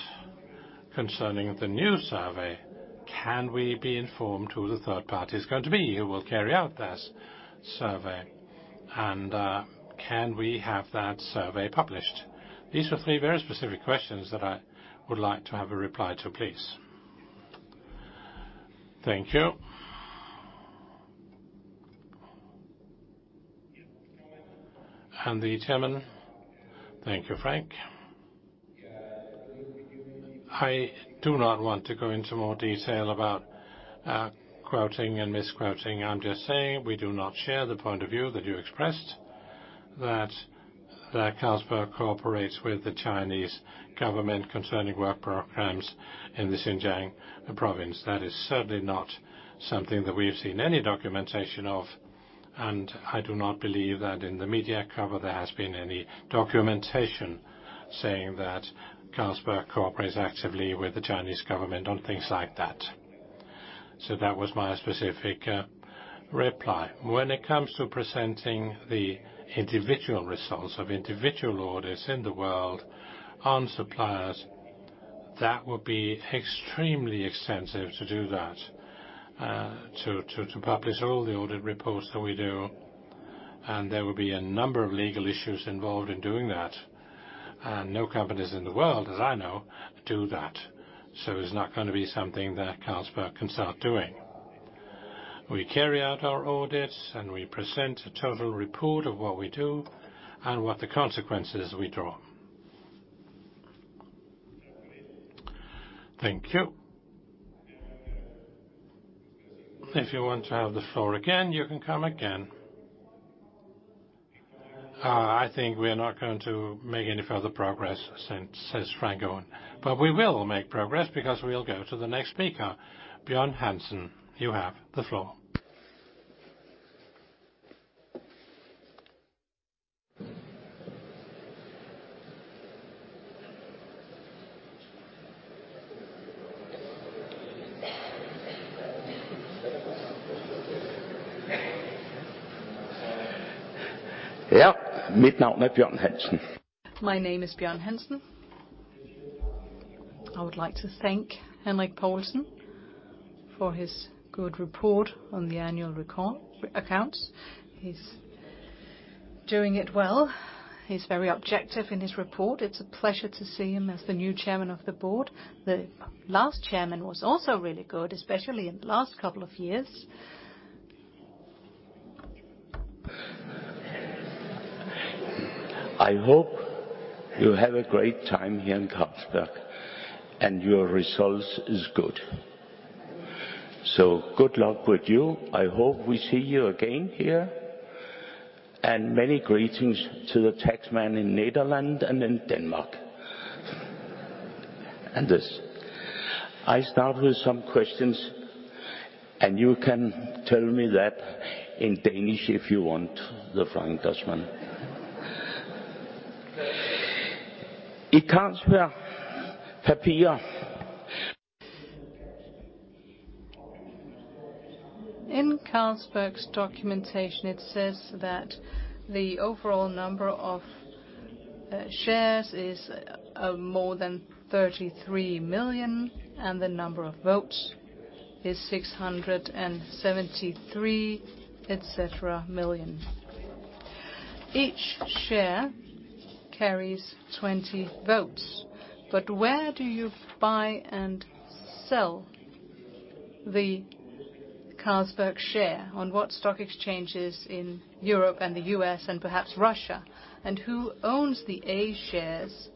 concerning the new survey, can we be informed who the third party is going to be who will carry out that survey, and can we have that survey published? These were three very specific questions that I would like to have a reply to, please. Thank you.
The Chairman.
Thank you, Frank. I do not want to go into more detail about quoting and misquoting. I'm just saying we do not share the point of view that you expressed that Carlsberg cooperates with the Chinese government concerning work programs in the Xinjiang province. That is certainly not something that we've seen any documentation of, and I do not believe that in the media cover there has been any documentation saying that Carlsberg cooperates actively with the Chinese government on things like that. That was my specific reply. When it comes to presenting the individual results of individual audits in the world on suppliers, that would be extremely extensive to do that, to publish all the audit reports that we do, and there would be a number of legal issues involved in doing that. No companies in the world, as I know, do that. It's not gonna be something that Carlsberg can start doing. We carry out our audits, and we present a total report of what we do and what the consequences we draw.
Thank you. If you want to have the floor again, you can come again. I think we are not going to make any further progress, since, says Frank Aaen. We will make progress because we'll go to the next speaker. Bjørn Hansen, you have the floor.
My name is Bjørn Hansen. I would like to thank Henrik Poulsen for his good report on the annual accounts. He's doing it well. He's very objective in his report. It's a pleasure to see him as the new Chairman of the Board. The last chairman was also really good, especially in the last couple of years. I hope you have a great time here in Carlsberg, and your results is good. Good luck with you. I hope we see you again here, and many greetings to the tax man in Nederland and in Denmark. This, I start with some questions, and you can tell me that in Danish if you want, the Frank Gusman. In Carlsberg's documentation, it says that the overall number of shares is more than 33 million, and the number of votes is 673 million. Each share carries 20 votes. Where do you buy and sell the Carlsberg share? On what stock exchanges in Europe and the U.S. and perhaps Russia? Who owns the A shares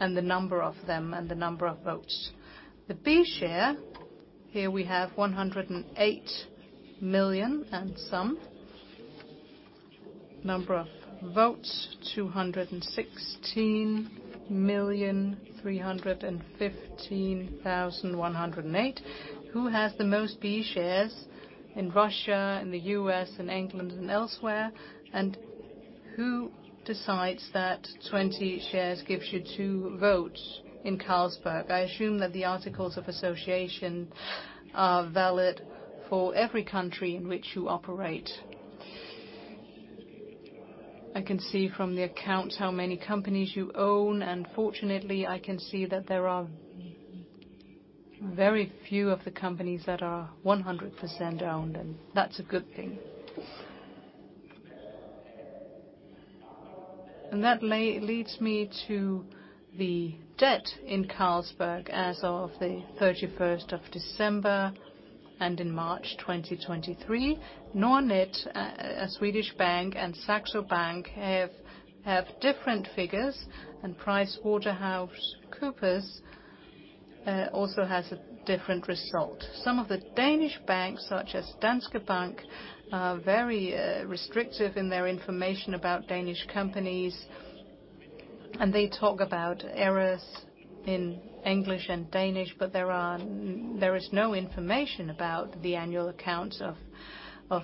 and the number of them and the number of votes? The B share, here we have 108 million and some. Number of votes, 216,315,108. Who has the most B shares in Russia, in the U.S., in England and elsewhere? Who decides that 20 shares gives you two votes in Carlsberg? I assume that the articles of association are valid for every country in which you operate. I can see from the accounts how many companies you own, and fortunately, I can see that there are very few of the companies that are 100% owned, and that's a good thing. That leads me to the debt in Carlsberg as of the 31st of December and in March 2023. Nordnet, a Swedish bank, and Saxo Bank have different figures, and PricewaterhouseCoopers also has a different result. Some of the Danish banks, such as Danske Bank, are very restrictive in their information about Danish companies, and they talk about errors in English and Danish, but there is no information about the annual accounts of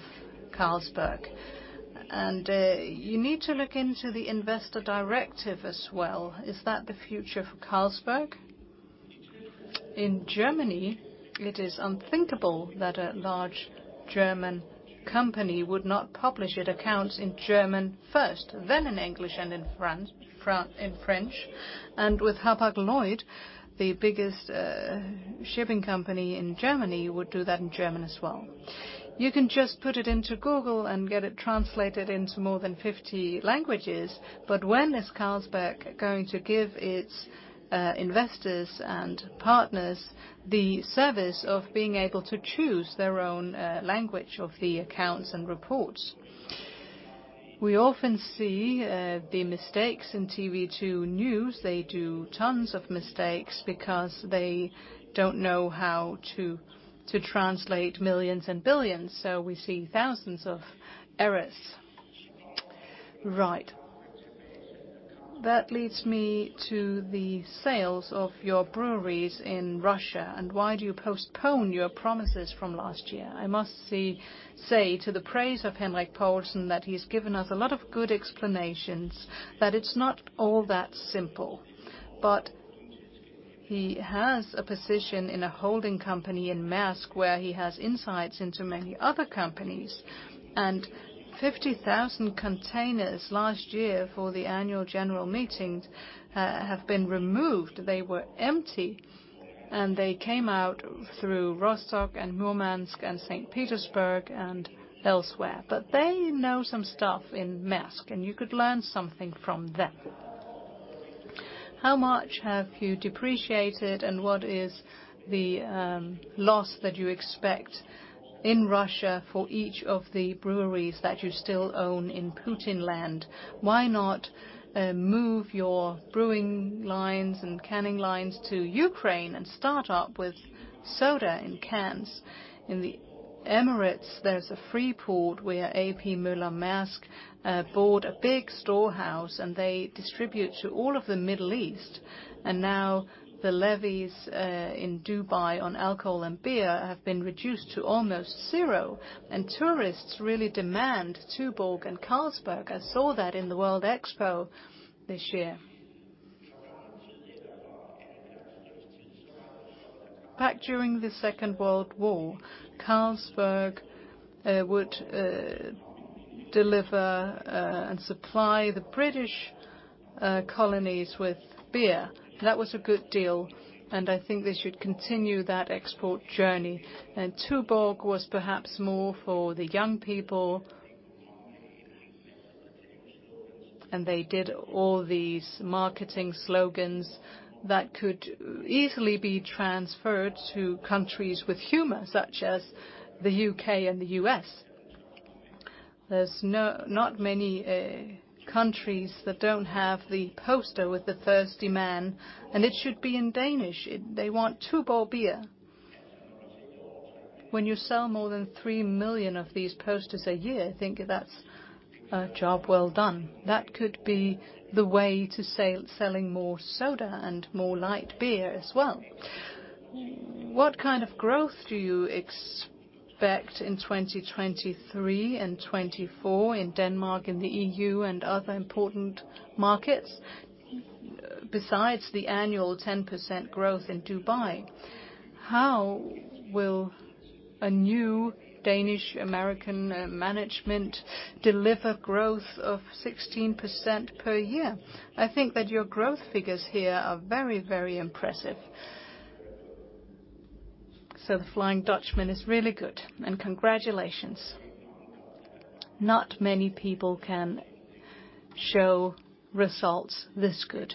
Carlsberg. You need to look into the investor directive as well. Is that the future for Carlsberg? In Germany, it is unthinkable that a large German company would not publish its accounts in German first, then in English and in French. With Hapag-Lloyd, the biggest shipping company in Germany, would do that in German as well. You can just put it into Google and get it translated into more than 50 languages. When is Carlsberg going to give its investors and partners the service of being able to choose their own language of the accounts and reports? We often see the mistakes in TV 2 News. They do tons of mistakes because they don't know how to translate millions and billions. We see thousands of errors. Right. That leads me to the sales of your breweries in Russia. Why do you postpone your promises from last year? I must say to the praise of Henrik Poulsen that he's given us a lot of good explanations, that it's not all that simple. He has a position in a holding company in Maersk where he has insights into many other companies, and 50,000 containers last year for the annual general meetings have been removed. They were empty, and they came out through Rostock and Murmansk and St. Petersburg and elsewhere. They know some stuff in Maersk, and you could learn something from them. How much have you depreciated, and what is the loss that you expect in Russia for each of the breweries that you still own in Putin land? Why not move your brewing lines and canning lines to Ukraine and start up with soda in cans? In the Emirates, there's a free port where A.P. Møller-Maersk bought a big storehouse, and they distribute to all of the Middle East. Now the levies in Dubai on alcohol and beer have been reduced to almost zero, and tourists really demand Tuborg and Carlsberg. I saw that in the World Expo this year. Back during the Second World War, Carlsberg would deliver and supply the British colonies with beer. That was a good deal, and I think they should continue that export journey. Tuborg was perhaps more for the young people. They did all these marketing slogans that could easily be transferred to countries with humor, such as the U.K. and the U.S. There's not many countries that don't have the poster with the thirsty man, and it should be in Danish. They want Tuborg beer. When you sell more than 3 million of these posters a year, I think that's a job well done. Could be the way to selling more soda and more light beer as well. What kind of growth do you expect in 2023 and 2024 in Denmark and the EU and other important markets besides the annual 10% growth in Dubai? How will a new Danish American management deliver growth of 16% per year? I think that your growth figures here are very, very impressive. The Flying Dutchman is really good, and congratulations. Not many people can show results this good.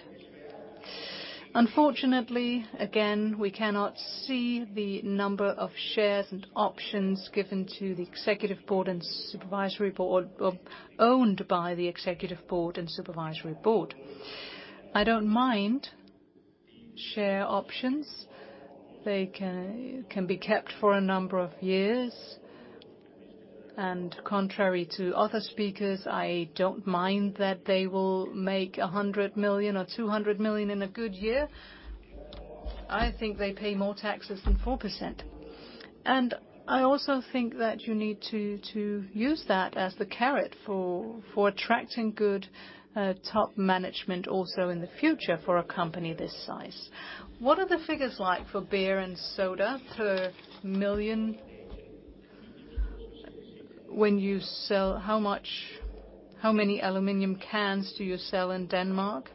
Unfortunately, again, we cannot see the number of shares and options given to the Executive Board and Supervisory Board, or owned by the Executive Board and Supervisory Board. I don't mind share options. They can be kept for a number of years. Contrary to other speakers, I don't mind that they will make 100 million or 200 million in a good year. I think they pay more taxes than 4%. I also think that you need to use that as the carrot for attracting good top management also in the future for a company this size. What are the figures like for beer and soda per million when you sell? How many aluminum cans do you sell in Denmark?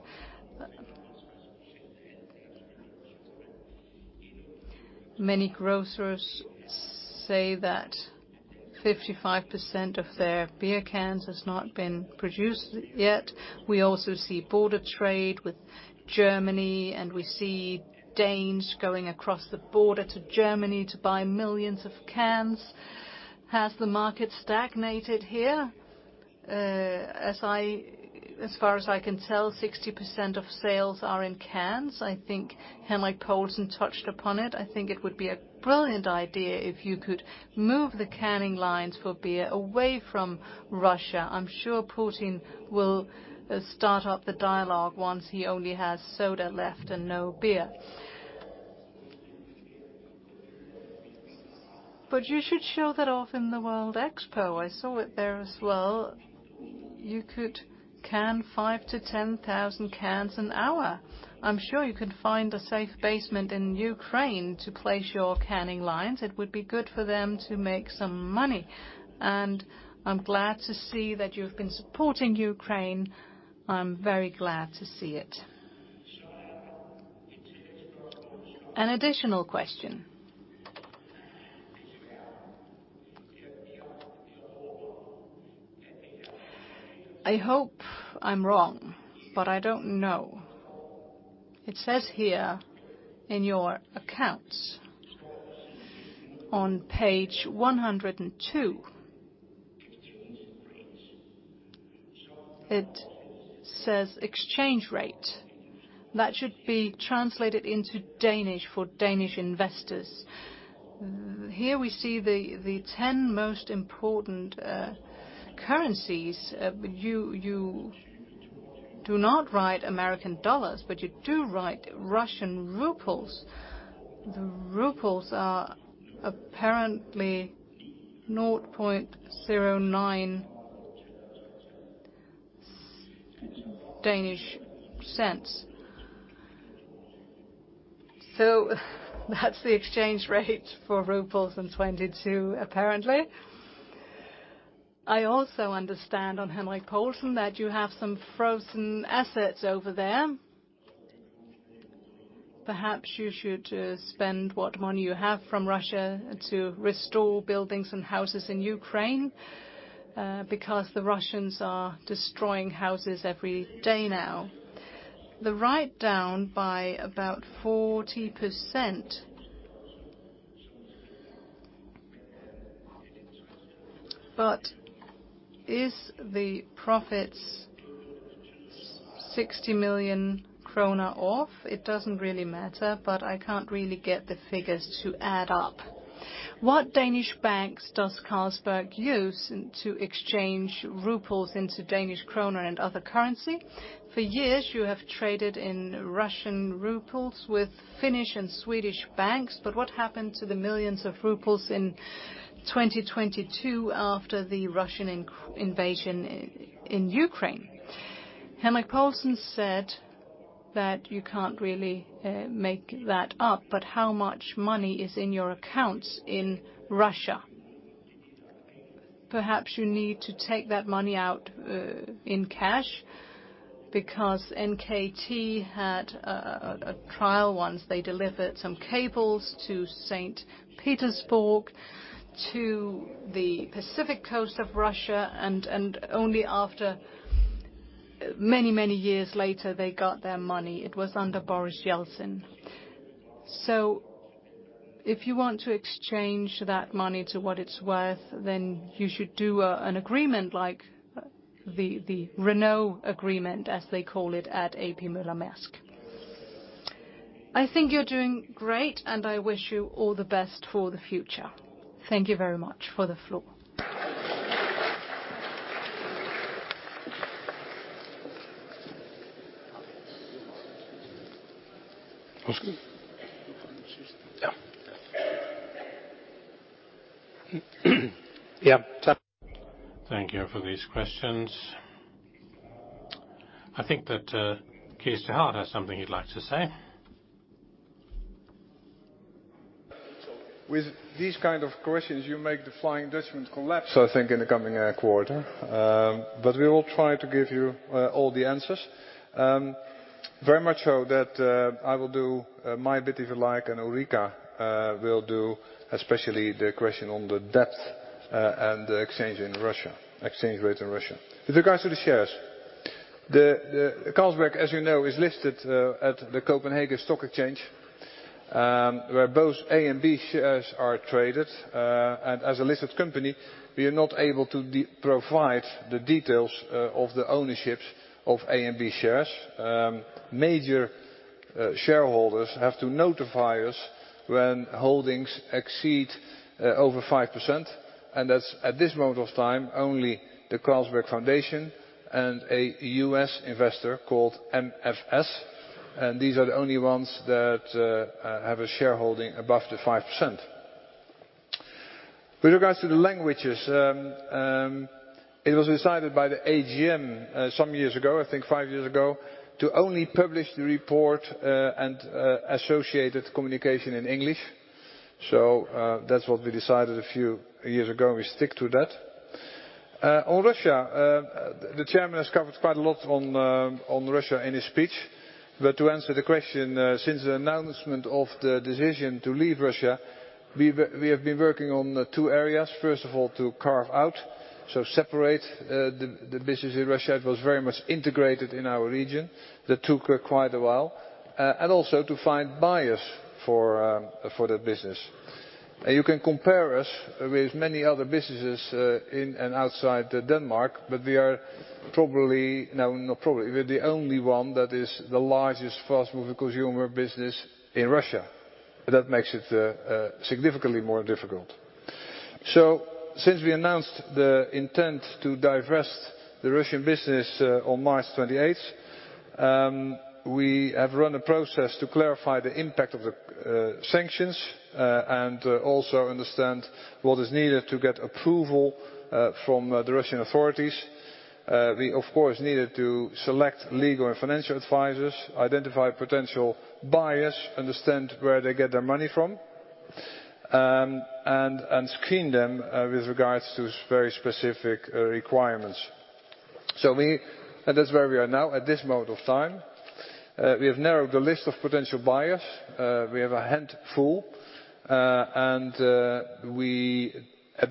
Many grocers say that 55% of their beer cans has not been produced yet. We also see border trade with Germany, and we see Danes going across the border to Germany to buy millions of cans. Has the market stagnated here? As far as I can tell, 60% of sales are in cans. I think Henrik Poulsen touched upon it. I think it would be a brilliant idea if you could move the canning lines for beer away from Russia. I'm sure Putin will start up the dialogue once he only has soda left and no beer. You should show that off in the World Expo. I saw it there as well. You could can 5,000-10,000 cans an hour. I'm sure you can find a safe basement in Ukraine to place your canning lines. It would be good for them to make some money. I'm glad to see that you've been supporting Ukraine. I'm very glad to see it. An additional question. I hope I'm wrong, but I don't know. It says here in your accounts on page 102. It says exchange rate. That should be translated into Danish for Danish investors. Here we see the 10 most important currencies. But you do not write U.S. dollars, but you do write Russian rubles. The rubles are apparently 0.09. That's the exchange rate for rubles in 2022, apparently. I also understand on Henrik Poulsen that you have some frozen assets over there. Perhaps you should spend what money you have from Russia to restore buildings and houses in Ukraine, because the Russians are destroying houses every day now. The write down by about 40%. Is the profits 60 million krone off? It doesn't really matter, but I can't really get the figures to add up. What Danish banks does Carlsberg use to exchange rubles into Danish krona and other currency? You have traded in Russian rubles with Finnish and Swedish banks, but what happened to the millions rubles in 2022 after the Russian invasion in Ukraine? Henrik Poulsen said that you can't really make that up, but how much money is in your accounts in Russia? Perhaps you need to take that money out in cash because NKT had a trial once. They delivered some cables to Saint Petersburg, to the Pacific Coast of Russia, and only after many, many years later, they got their money. It was under Boris Yeltsin. If you want to exchange that money to what it's worth, then you should do an agreement like the Renault agreement, as they call it at A.P. Møller - Mærsk. I think you're doing great, and I wish you all the best for the future. Thank you very much for the floor.
Yeah. Yeah. Thank you for these questions. I think that Cees't Hart has something he'd like to say.
With these kind of questions, you make the Flying Dutchman collapse, I think, in the coming quarter. We will try to give you all the answers. Very much so that I will do my bit, if you like, and Ulrica will do especially the question on the debt and exchange in Russia, exchange rate in Russia. With regards to the shares, Carlsberg, as you know, is listed at the Copenhagen Stock Exchange, where both A and B shares are traded. As a listed company, we are not able to provide the details of the ownerships of A and B shares. Major shareholders have to notify us when holdings exceed over 5%, and that's at this moment of time, only the Carlsberg Foundation and a U.S. investor called MFS, and these are the only ones that have a shareholding above the 5%. With regards to the languages, it was decided by the AGM some years ago, I think five years ago, to only publish the report and associated communication in English. That's what we decided a few years ago, and we stick to that. On Russia, the chairman has covered quite a lot on Russia in his speech. To answer the question, since the announcement of the decision to leave Russia, we have been working on two areas. First of all, to carve out, so separate, the business in Russia. It was very much integrated in our region. That took quite a while. Also to find buyers for the business. You can compare us with many other businesses in and outside Denmark, but we are probably. No, not probably. We're the only one that is the largest fast-moving consumer business in Russia. That makes it significantly more difficult. Since we announced the intent to divest the Russian business on March 28th, we have run a process to clarify the impact of the sanctions and also understand what is needed to get approval from the Russian authorities. We, of course, needed to select legal and financial advisors, identify potential buyers, understand where they get their money from, and screen them with regards to very specific requirements. That's where we are now at this moment of time. We have narrowed the list of potential buyers. We have a handful. At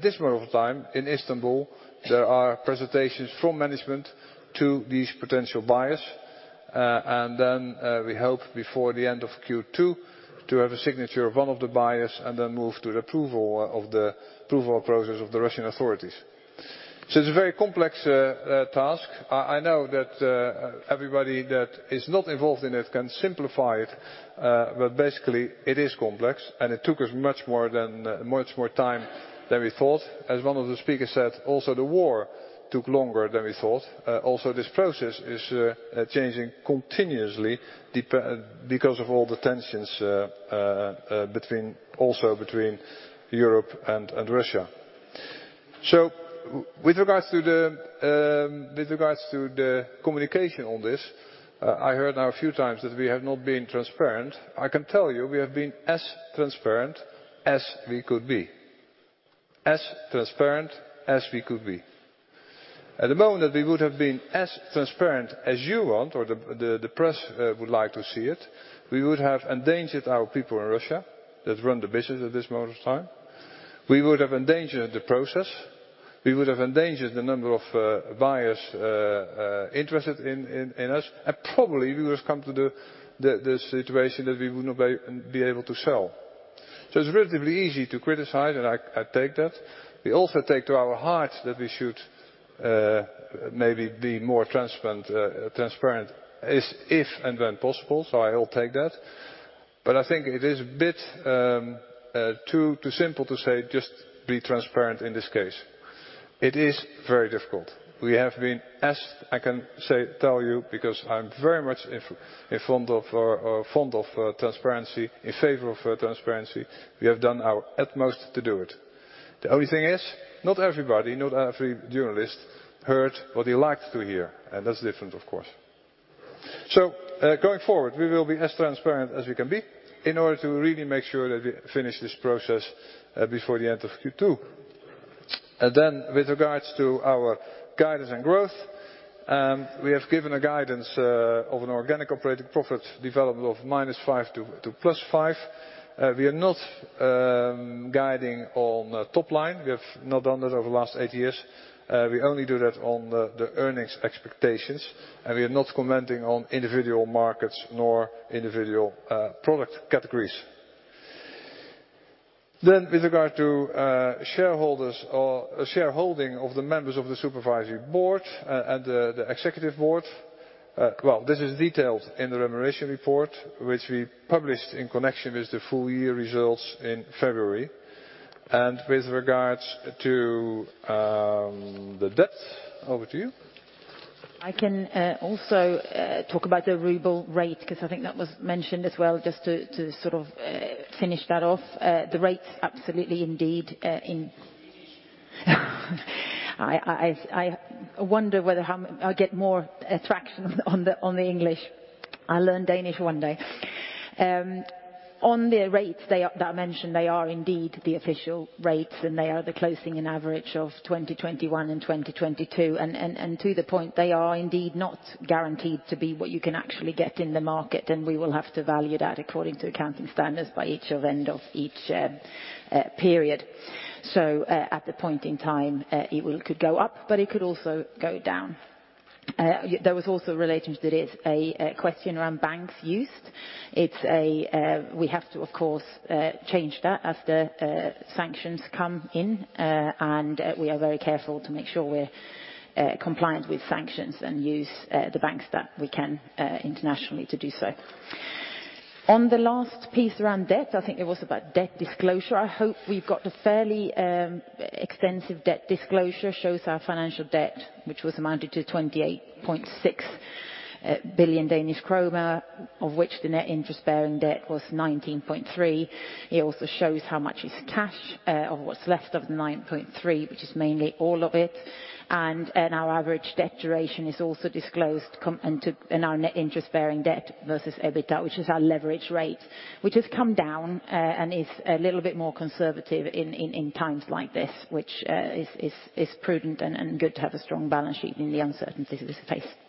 this moment of time, in Istanbul, there are presentations from management to these potential buyers. Then we hope before the end of Q2 to have a signature of one of the buyers, and then move to the approval of the approval process of the Russian authorities. It's a very complex task. I know that everybody that is not involved in it can simplify it, but basically it is complex, and it took us much more than much more time than we thought. As one of the speakers said, also the war took longer than we thought. Also this process is changing continuously because of all the tensions between, also between Europe and Russia. With regards to the communication on this, I heard now a few times that we have not been transparent. I can tell you, we have been as transparent as we could be. As transparent as we could be. At the moment that we would have been as transparent as you want or the press would like to see it, we would have endangered our people in Russia that run the business at this moment of time. We would have endangered the process. We would have endangered the number of buyers interested in us. Probably, we would have come to the situation that we would not be able to sell. It's relatively easy to criticize, and I take that. We also take to our heart that we should maybe be more transparent, if and when possible, so I will take that. I think it is a bit too simple to say, "Just be transparent," in this case. It is very difficult. We have been, as I can say, tell you, because I'm very much in favor of transparency, we have done our utmost to do it. The only thing is not everybody, not every journalist heard what they liked to hear. That's different of course. Going forward, we will be as transparent as we can be in order to really make sure that we finish this process, before the end of Q2. With regards to our guidance and growth, we have given a guidance of an organic operating profit development of -5% to +5%. We are not guiding on top line. We have not done that over the last eight years. We only do that on the earnings expectations. We are not commenting on individual markets nor individual product categories. With regard to shareholders or shareholding of the members of the Supervisory Board and the Executive Board, well, this is detailed in the Remuneration Report, which we published in connection with the full year results in February. With regards to the debt, over to you.
I can also talk about the ruble rate, 'cause I think that was mentioned as well, just to sort of finish that off. The rates absolutely indeed, I wonder whether I'll get more attraction on the English. I'll learn Danish one day. On the rates, that I mentioned, they are indeed the official rates, and they are the closing and average of 2021 and 2022. To the point, they are indeed not guaranteed to be what you can actually get in the market, and we will have to value that according to accounting standards by each of end of each period. At the point in time, could go up, but it could also go down. That was also related to this, a question around banks used. We have to, of course, change that as the sanctions come in, and we are very careful to make sure we're compliant with sanctions and use the banks that we can internationally to do so. On the last piece around debt, I think it was about debt disclosure. I hope we've got a fairly extensive debt disclosure. Shows our financial debt, which was amounted to 28.6 billion, of which the net interest-bearing debt was 19.3. It also shows how much is cash, or what's left of the 9.3, which is mainly all of it. Our average debt duration is also disclosed. Our net interest-bearing debt versus EBITDA, which is our leverage rate. Which has come down and is a little bit more conservative in times like this, which is prudent and good to have a strong balance sheet in the uncertainties that this face
Yeah. Jeg kan se at, Bjørn Hansen ønsker ordet igen.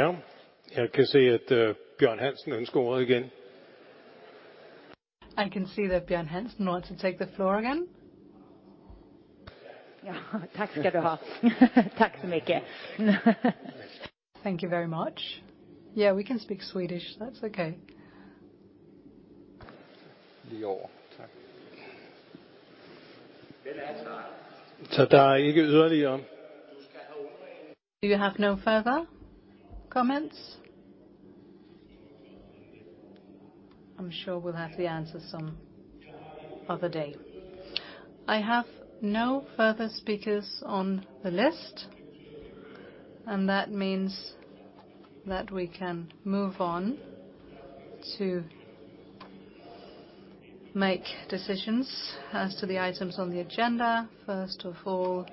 I can see that Bjørn Hansen wants to take the floor again.
Ja, tak skal du have. Tak så mycket.
Thank you very much. Yeah, we can speak Swedish. That's okay.
Lige over. Tak.
Den er svaret.
Der er ikke yderligere.
Du skal have ordet.
Do you have no further comments? I'm sure we'll have the answer some other day. I have no further speakers on the list. That means that we can move on to make decisions as to the items on the agenda. First of all,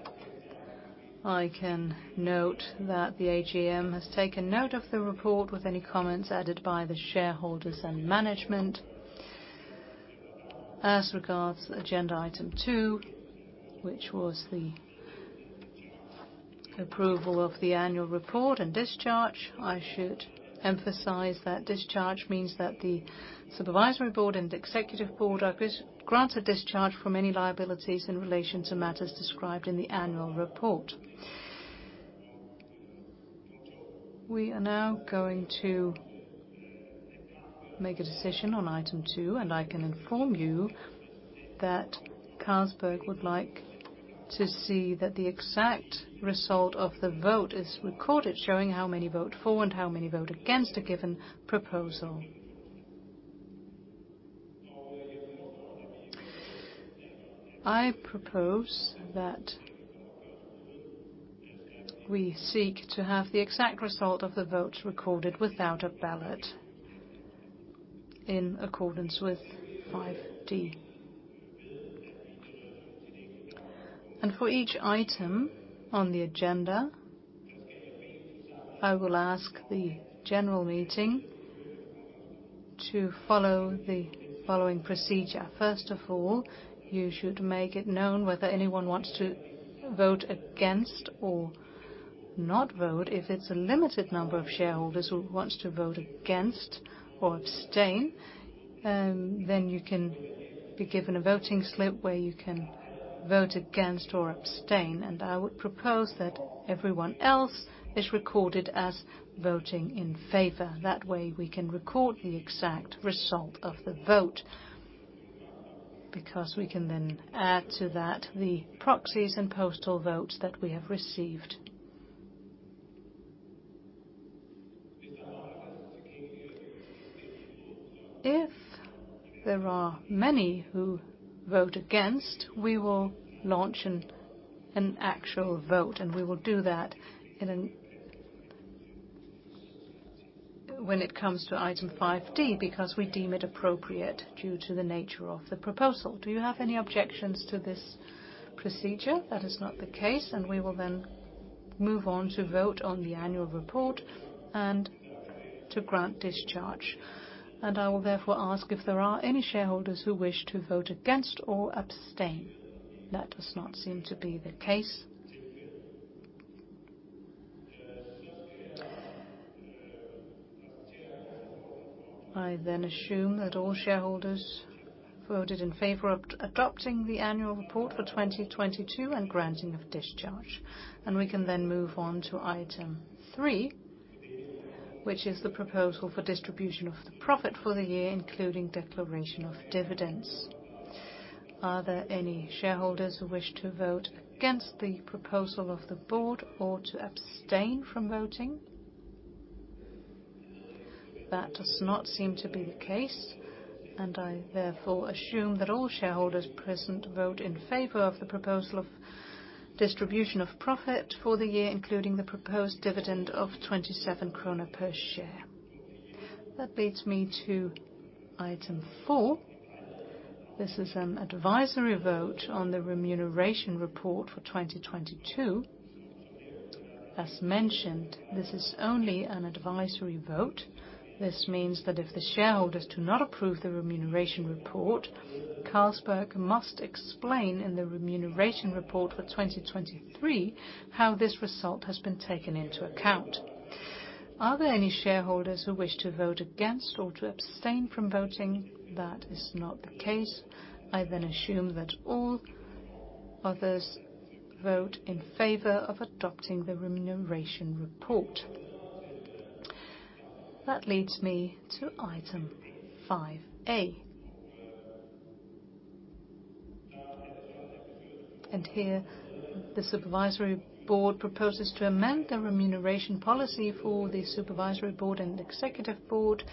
I can note that the AGM has taken note of the report with any comments added by the shareholders and management. As regards agenda item two, which was the approval of the annual report and discharge, I should emphasize that discharge means that the supervisory board and executive board are granted discharge from any liabilities in relation to matters described in the annual report. We are now going to make a decision on Item 2. I can inform you that Carlsberg would like to see that the exact result of the vote is recorded, showing how many vote for and how many vote against a given proposal. I propose that we seek to have the exact result of the votes recorded without a ballot in accordance with 5D. For each item on the agenda, I will ask the general meeting to follow the following procedure. First of all, you should make it known whether anyone wants to vote against or not vote. If it's a limited number of shareholders who wants to vote against or abstain, then you can be given a voting slip where you can vote against or abstain. I would propose that everyone else is recorded as voting in favor. That way, we can record the exact result of the vote, because we can then add to that the proxies and postal votes that we have received. If there are many who vote against, we will launch an actual vote, and we will do that when it comes to item 5D, because we deem it appropriate due to the nature of the proposal. Do you have any objections to this procedure? That is not the case, we will then move on to vote on the annual report and to grant discharge. I will therefore ask if there are any shareholders who wish to vote against or abstain. That does not seem to be the case. I assume that all shareholders voted in favor of adopting the annual report for 2022 and granting of discharge. We can then move on to Item 3, which is the proposal for distribution of the profit for the year, including declaration of dividends. Are there any shareholders who wish to vote against the proposal of the board or to abstain from voting? That does not seem to be the case. I therefore assume that all shareholders present vote in favor of the proposal of distribution of profit for the year, including the proposed dividend of 27 krone per share. That leads me to Item 4. This is an advisory vote on the remuneration report for 2022. As mentioned, this is only an advisory vote. This means that if the shareholders do not approve the remuneration report, Carlsberg must explain in the remuneration report for 2023 how this result has been taken into account. Are there any shareholders who wish to vote against or to abstain from voting? That is not the case. I assume that all others vote in favor of adopting the remuneration report. That leads me to Item 5A. Here, the Supervisory Board proposes to amend the remuneration policy for the Supervisory Board and Executive Board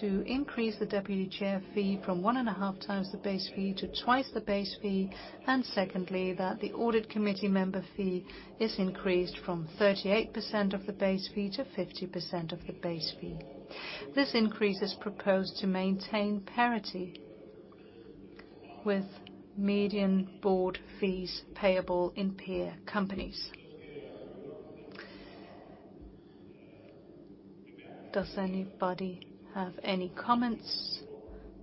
to increase the Deputy Chair fee from one and a half times the base fee to twice the base fee. Secondly, that the Audit Committee member fee is increased from 38% of the base fee to 50% of the base fee. This increase is proposed to maintain parity with median board fees payable in peer companies. Does anybody have any comments?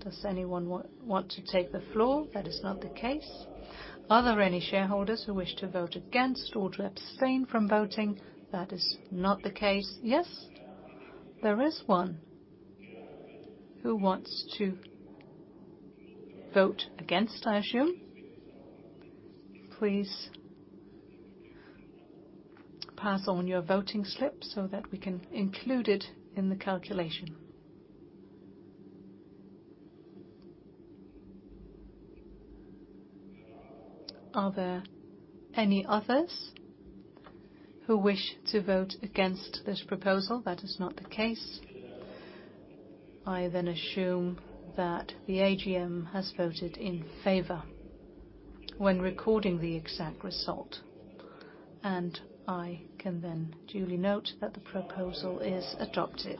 Does anyone want to take the floor? That is not the case. Are there any shareholders who wish to vote against or to abstain from voting? That is not the case. Yes, there is one. Who wants to vote against, I assume. Please pass on your voting slip so that we can include it in the calculation. Are there any others who wish to vote against this proposal? That is not the case. Assume that the AGM has voted in favor when recording the exact result, and I can then duly note that the proposal is adopted.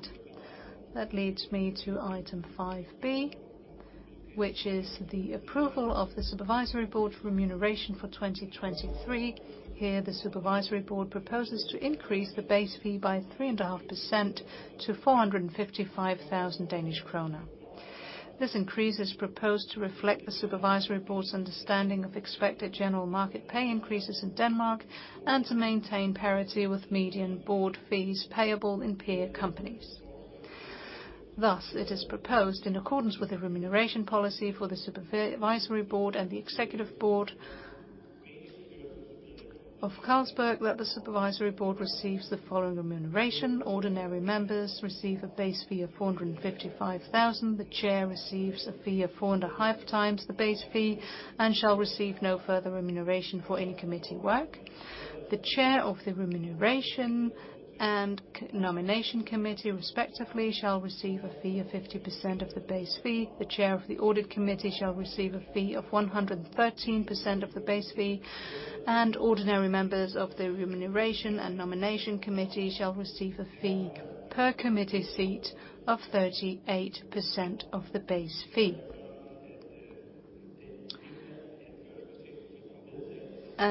That leads me to item 5B, which is the approval of the Supervisory Board for remuneration for 2023. Here, the Supervisory Board proposes to increase the base fee by 3.5% to 455,000 Danish kroner. This increase is proposed to reflect the Supervisory Board's understanding of expected general market pay increases in Denmark and to maintain parity with median board fees payable in peer companies. Thus, it is proposed in accordance with the remuneration policy for the supervisory board and the executive board of Carlsberg that the supervisory board receives the following remuneration: ordinary members receive a base fee of 455,000, the chair receives a fee of 4.5x the base fee and shall receive no further remuneration for any committee work. The chair of the remuneration and nomination committee, respectively, shall receive a fee of 50% of the base fee. The chair of the audit committee shall receive a fee of 113% of the base fee, and ordinary members of the remuneration and nomination committee shall receive a fee per committee seat of 38% of the base fee.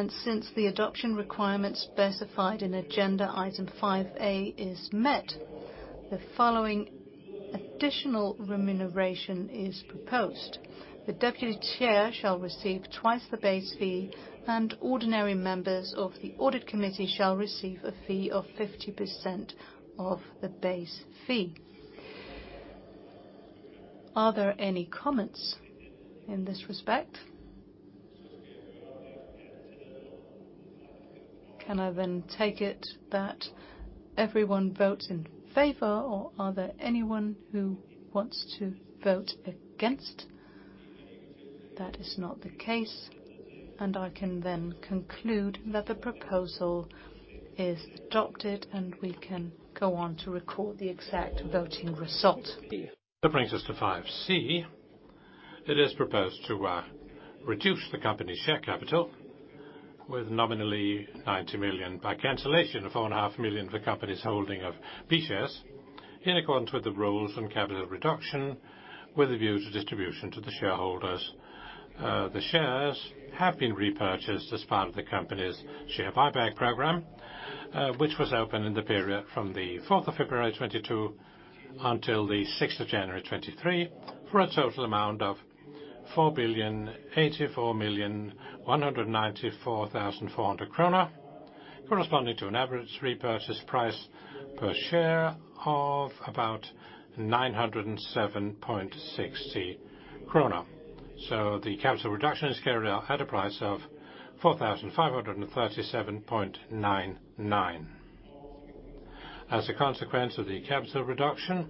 Since the adoption requirement specified in agenda Item 5 A is met, the following additional remuneration is proposed. The deputy chair shall receive twice the base fee, and ordinary members of the Audit Committee shall receive a fee of 50% of the base fee. Are there any comments in this respect? Can I then take it that everyone votes in favor, or are there anyone who wants to vote against? That is not the case. I can then conclude that the proposal is adopted, and we can go on to record the exact voting result.
That brings us to 5 C. It is proposed to reduce the company share capital with nominally 90 million by cancellation of 4.5 million of the company's holding of B-shares in accordance with the rules on capital reduction with a view to distribution to the shareholders. The shares have been repurchased as part of the company's share buyback program, which was open in the period from the 4th of February 2022 until the 6th of January 2023 for a total amount of 4,084,194,400 kroner, corresponding to an average repurchase price per share of about 907.60 krone. The capital reduction is carried out at a price of 4,537.99. As a consequence of the capital reduction,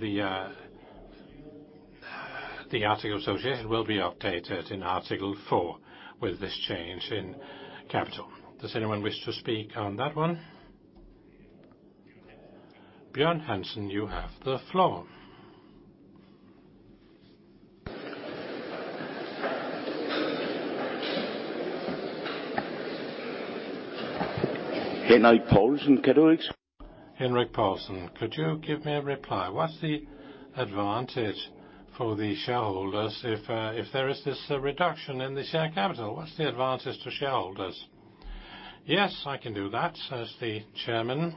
the article associated will be updated in Article 4 with this change in capital. Does anyone wish to speak on that one? Bjørn Hansen, you have the floor.
Henrik Poulsen. Henrik Poulsen, could you give me a reply? What's the advantage for the shareholders if there is this reduction in the share capital? What's the advantage to shareholders? Yes, I can do that, says the chairman.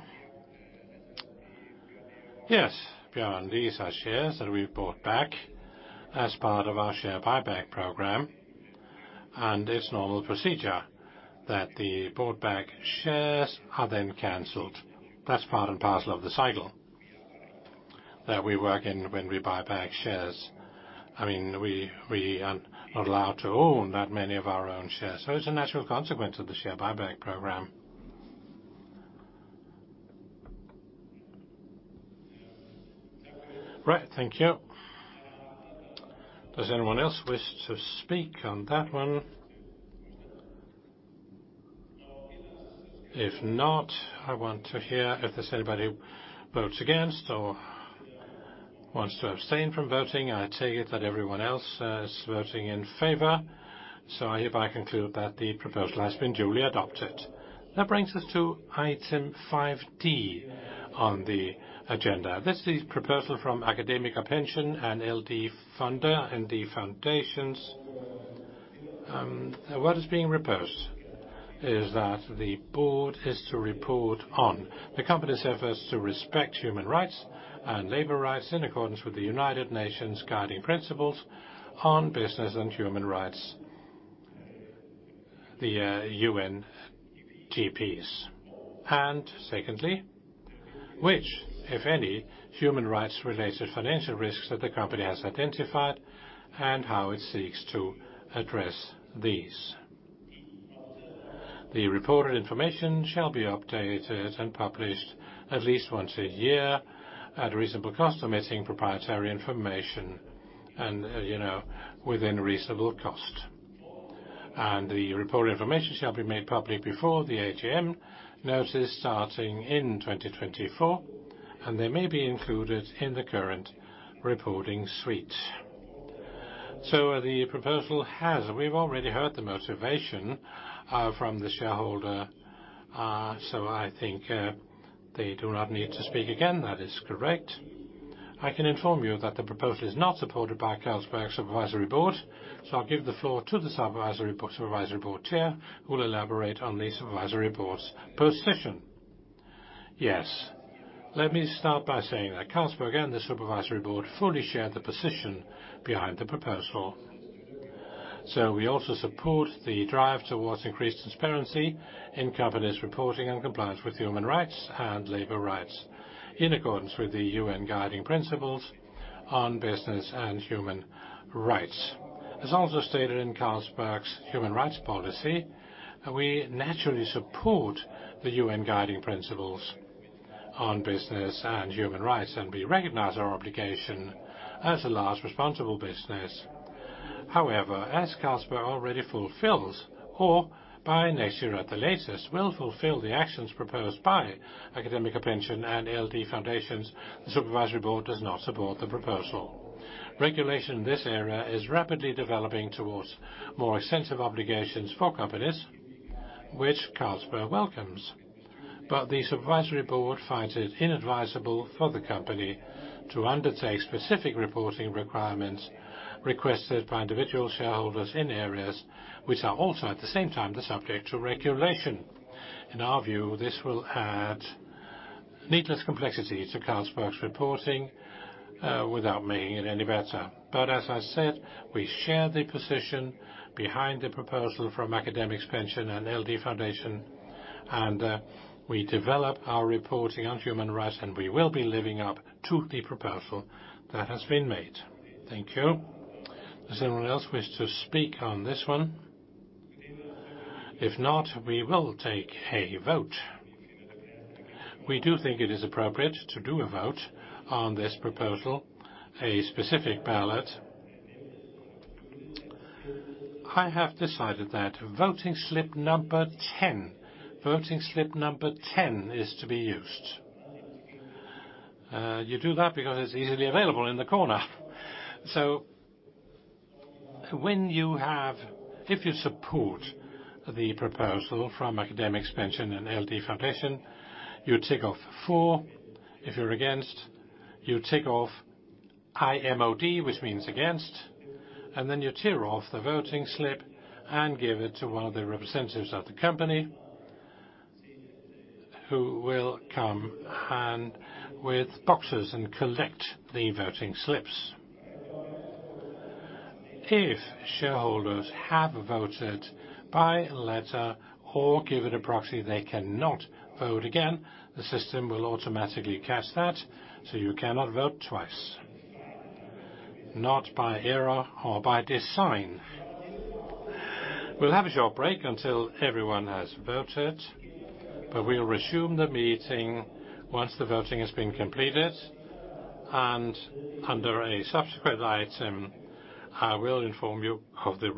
Yes, Bjørn, these are shares that we've bought back as part of our share buyback program. It's normal procedure that the bought back shares are then canceled. That's part and parcel of the cycle that we work in when we buy back shares. I mean, we are not allowed to own that many of our own shares. It's a natural consequence of the share buyback program.
Right. Thank you. Does anyone else wish to speak on that one? If not, I want to hear if there's anybody votes against or wants to abstain from voting. I take it that everyone else is voting in favor. I hereby conclude that the proposal has been duly adopted. That brings us to Item 5 D on the agenda. This is proposal from AkademikerPension and LD Fonde and the foundations. What is being proposed is that the board is to report on the company's efforts to respect human rights and labor rights in accordance with the United Nations Guiding Principles on Business and Human Rights, the UNGPs. Secondly, which, if any, human rights-related financial risks that the company has identified and how it seeks to address these. The reported information shall be updated and published at least once a year at a reasonable cost, omitting proprietary information and, you know, within reasonable cost. The reported information shall be made public before the AGM notice starting in 2024, and they may be included in the current reporting suite. The proposal has... We've already heard the motivation from the shareholder, so I think they do not need to speak again. That is correct. I can inform you that the proposal is not supported by Carlsberg Supervisory Board, so I'll give the floor to the Supervisory Board Chair who will elaborate on the Supervisory Board's position.
Yes. Let me start by saying that Carlsberg and the Supervisory Board fully share the position behind the proposal. We also support the drive towards increased transparency in companies reporting and compliance with human rights and labor rights in accordance with the UN Guiding Principles on Business and Human Rights. As also stated in Carlsberg's human rights policy, we naturally support the UN Guiding Principles on Business and Human Rights, and we recognize our obligation as a large responsible business. As Carlsberg already fulfills, or by next year at the latest, will fulfill the actions proposed by AkademikerPension and LD Fonde, the Supervisory Board does not support the proposal. Regulation in this area is rapidly developing towards more extensive obligations for companies, which Carlsberg welcomes. The Supervisory Board finds it inadvisable for the company to undertake specific reporting requirements requested by individual shareholders in areas which are also, at the same time, the subject to regulation. In our view, this will add needless complexity to Carlsberg's reporting, without making it any better. As I said, we share the position behind the proposal from AkademikerPension and LD Foundation, we develop our reporting on human rights, we will be living up to the proposal that has been made. Thank you.
Does anyone else wish to speak on this one? If not, we will take a vote. We do think it is appropriate to do a vote on this proposal, a specific ballot. I have decided that voting slip number 10, voting slip number 10 is to be used. You do that because it's easily available in the corner. If you support the proposal from AkademikerPension and LD Foundation, you tick off four. If you're against, you tick off IMOD, which means against, and then you tear off the voting slip and give it to one of the representatives of the company who will come hand with boxes and collect the voting slips. If shareholders have voted by letter or given a proxy, they cannot vote again. The system will automatically catch that, so you cannot vote twice, not by error or by design. We'll have a short break until everyone has voted, but we'll resume the meeting once the voting has been completed. Under a subsequent item, I will inform you of the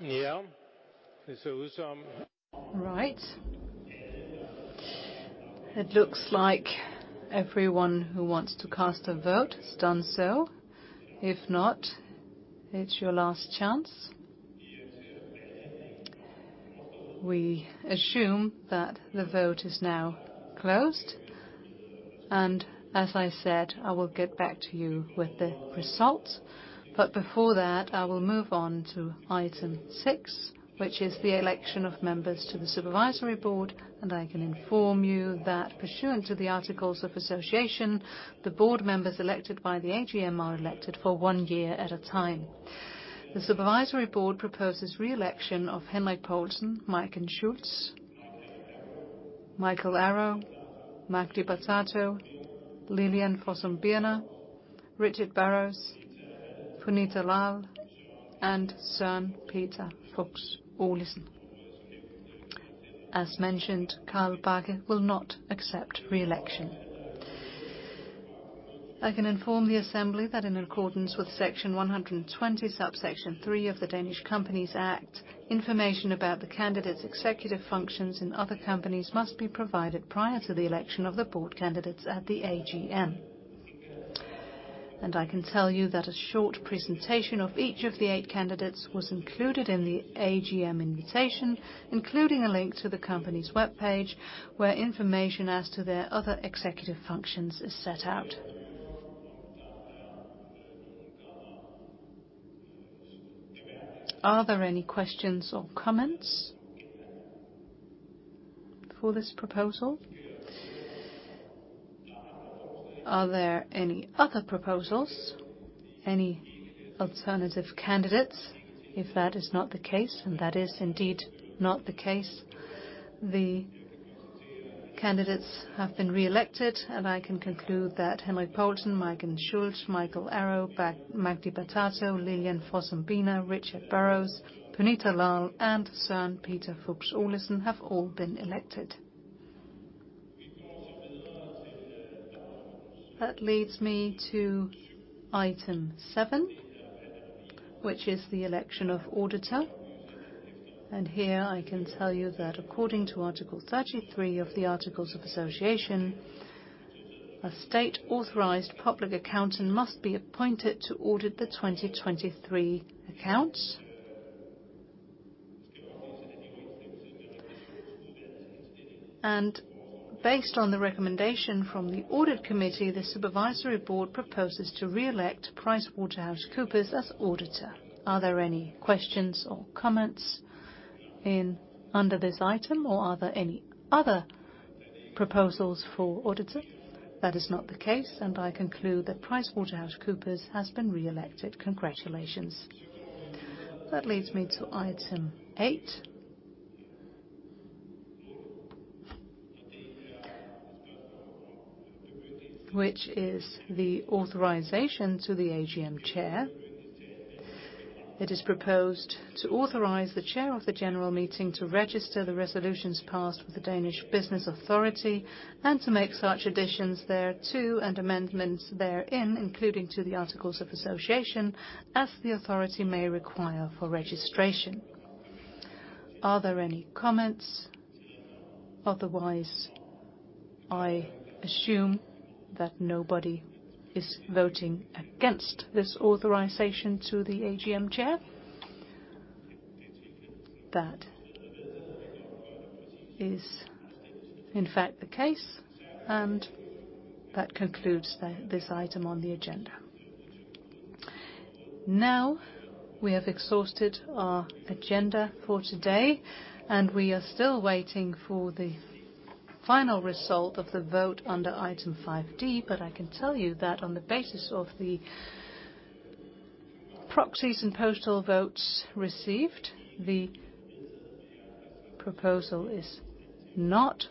result. Right. It looks like everyone who wants to cast a vote has done so. If not, it's your last chance. We assume that the vote is now closed, and as I said, I will get back to you with the results. But before that, I will move on to Item 6, which is the election of members to the supervisory board. And I can inform you that pursuant to the articles of association, the board members elected by the AGM are elected for one year at a time. The supervisory board proposes re-election of Henrik Poulsen, Majken Schultz, Mikael Aro, Magdi Batato, Lilian Fossum Biner, Richard Burrows, Punita Lal, and Søren-Peter Fuchs Olesen. As mentioned, Carl-Johan Bakke will not accept re-election. I can inform the assembly that in accordance with Section 120, Subsection 3 of the Danish Companies Act, information about the candidates' executive functions in other companies must be provided prior to the election of the board candidates at the AGM. I can tell you that a short presentation of each of the eight candidates was included in the AGM invitation, including a link to the company's webpage, where information as to their other executive functions is set out. Are there any questions or comments for this proposal? Are there any other proposals? Any alternative candidates? If that is not the case, and that is indeed not the case, the candidates have been re-elected, and I can conclude that Henrik Poulsen, Majken Schultz, Mikael Aro, Magdi Batato, Lilian Fossum Biner, Richard Burrows, Punita Lal, and Søren-Peter Fuchs Olesen have all been elected. That leads me to Item 7, which is the election of auditor. Here I can tell you that according to Article 33 of the Articles of Association, a state-authorized public accountant must be appointed to audit the 2023 accounts. Based on the recommendation from the audit committee, the supervisory board proposes to re-elect PricewaterhouseCoopers as auditor. Are there any questions or comments under this item, or are there any other proposals for auditor? That is not the case, and I conclude that PricewaterhouseCoopers has been re-elected. Congratulations. That leads me to Item 8. Which is the authorization to the AGM chair. It is proposed to authorize the chair of the general meeting to register the resolutions passed with the Danish Business Authority and to make such additions thereto and amendments therein, including to the Articles of Association, as the authority may require for registration. Are there any comments? Otherwise, I assume that nobody is voting against this authorization to the AGM chair. That is in fact the case. That concludes then this item on the agenda. Now, we have exhausted our agenda for today. We are still waiting for the final result of the vote under Item 5 D. I can tell you that on the basis of the proxies and postal votes received, the proposal is not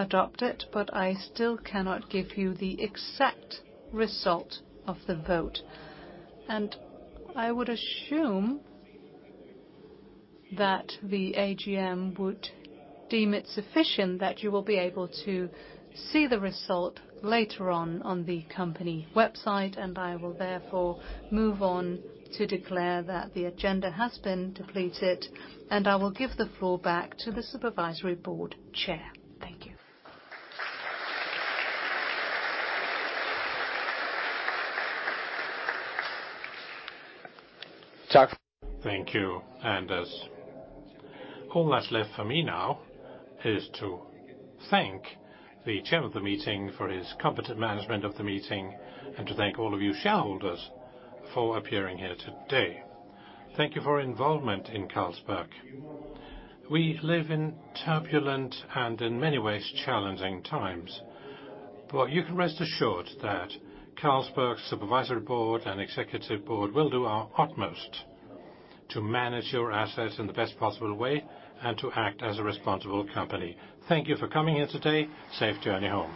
adopted. I still cannot give you the exact result of the vote. I would assume that the AGM would deem it sufficient that you will be able to see the result later on the company website. I will therefore move on to declare that the agenda has been depleted. I will give the floor back to the Supervisory Board Chair. Thank you.
Thank you. As all that's left for me now is to thank the Chair of the Meeting for his competent management of the meeting, and to thank all of you shareholders for appearing here today. Thank you for involvement in Carlsberg. We live in turbulent and, in many ways, challenging times. You can rest assured that Carlsberg Supervisory Board and Executive Board will do our utmost to manage your assets in the best possible way and to act as a responsible company. Thank you for coming here today. Safe journey home.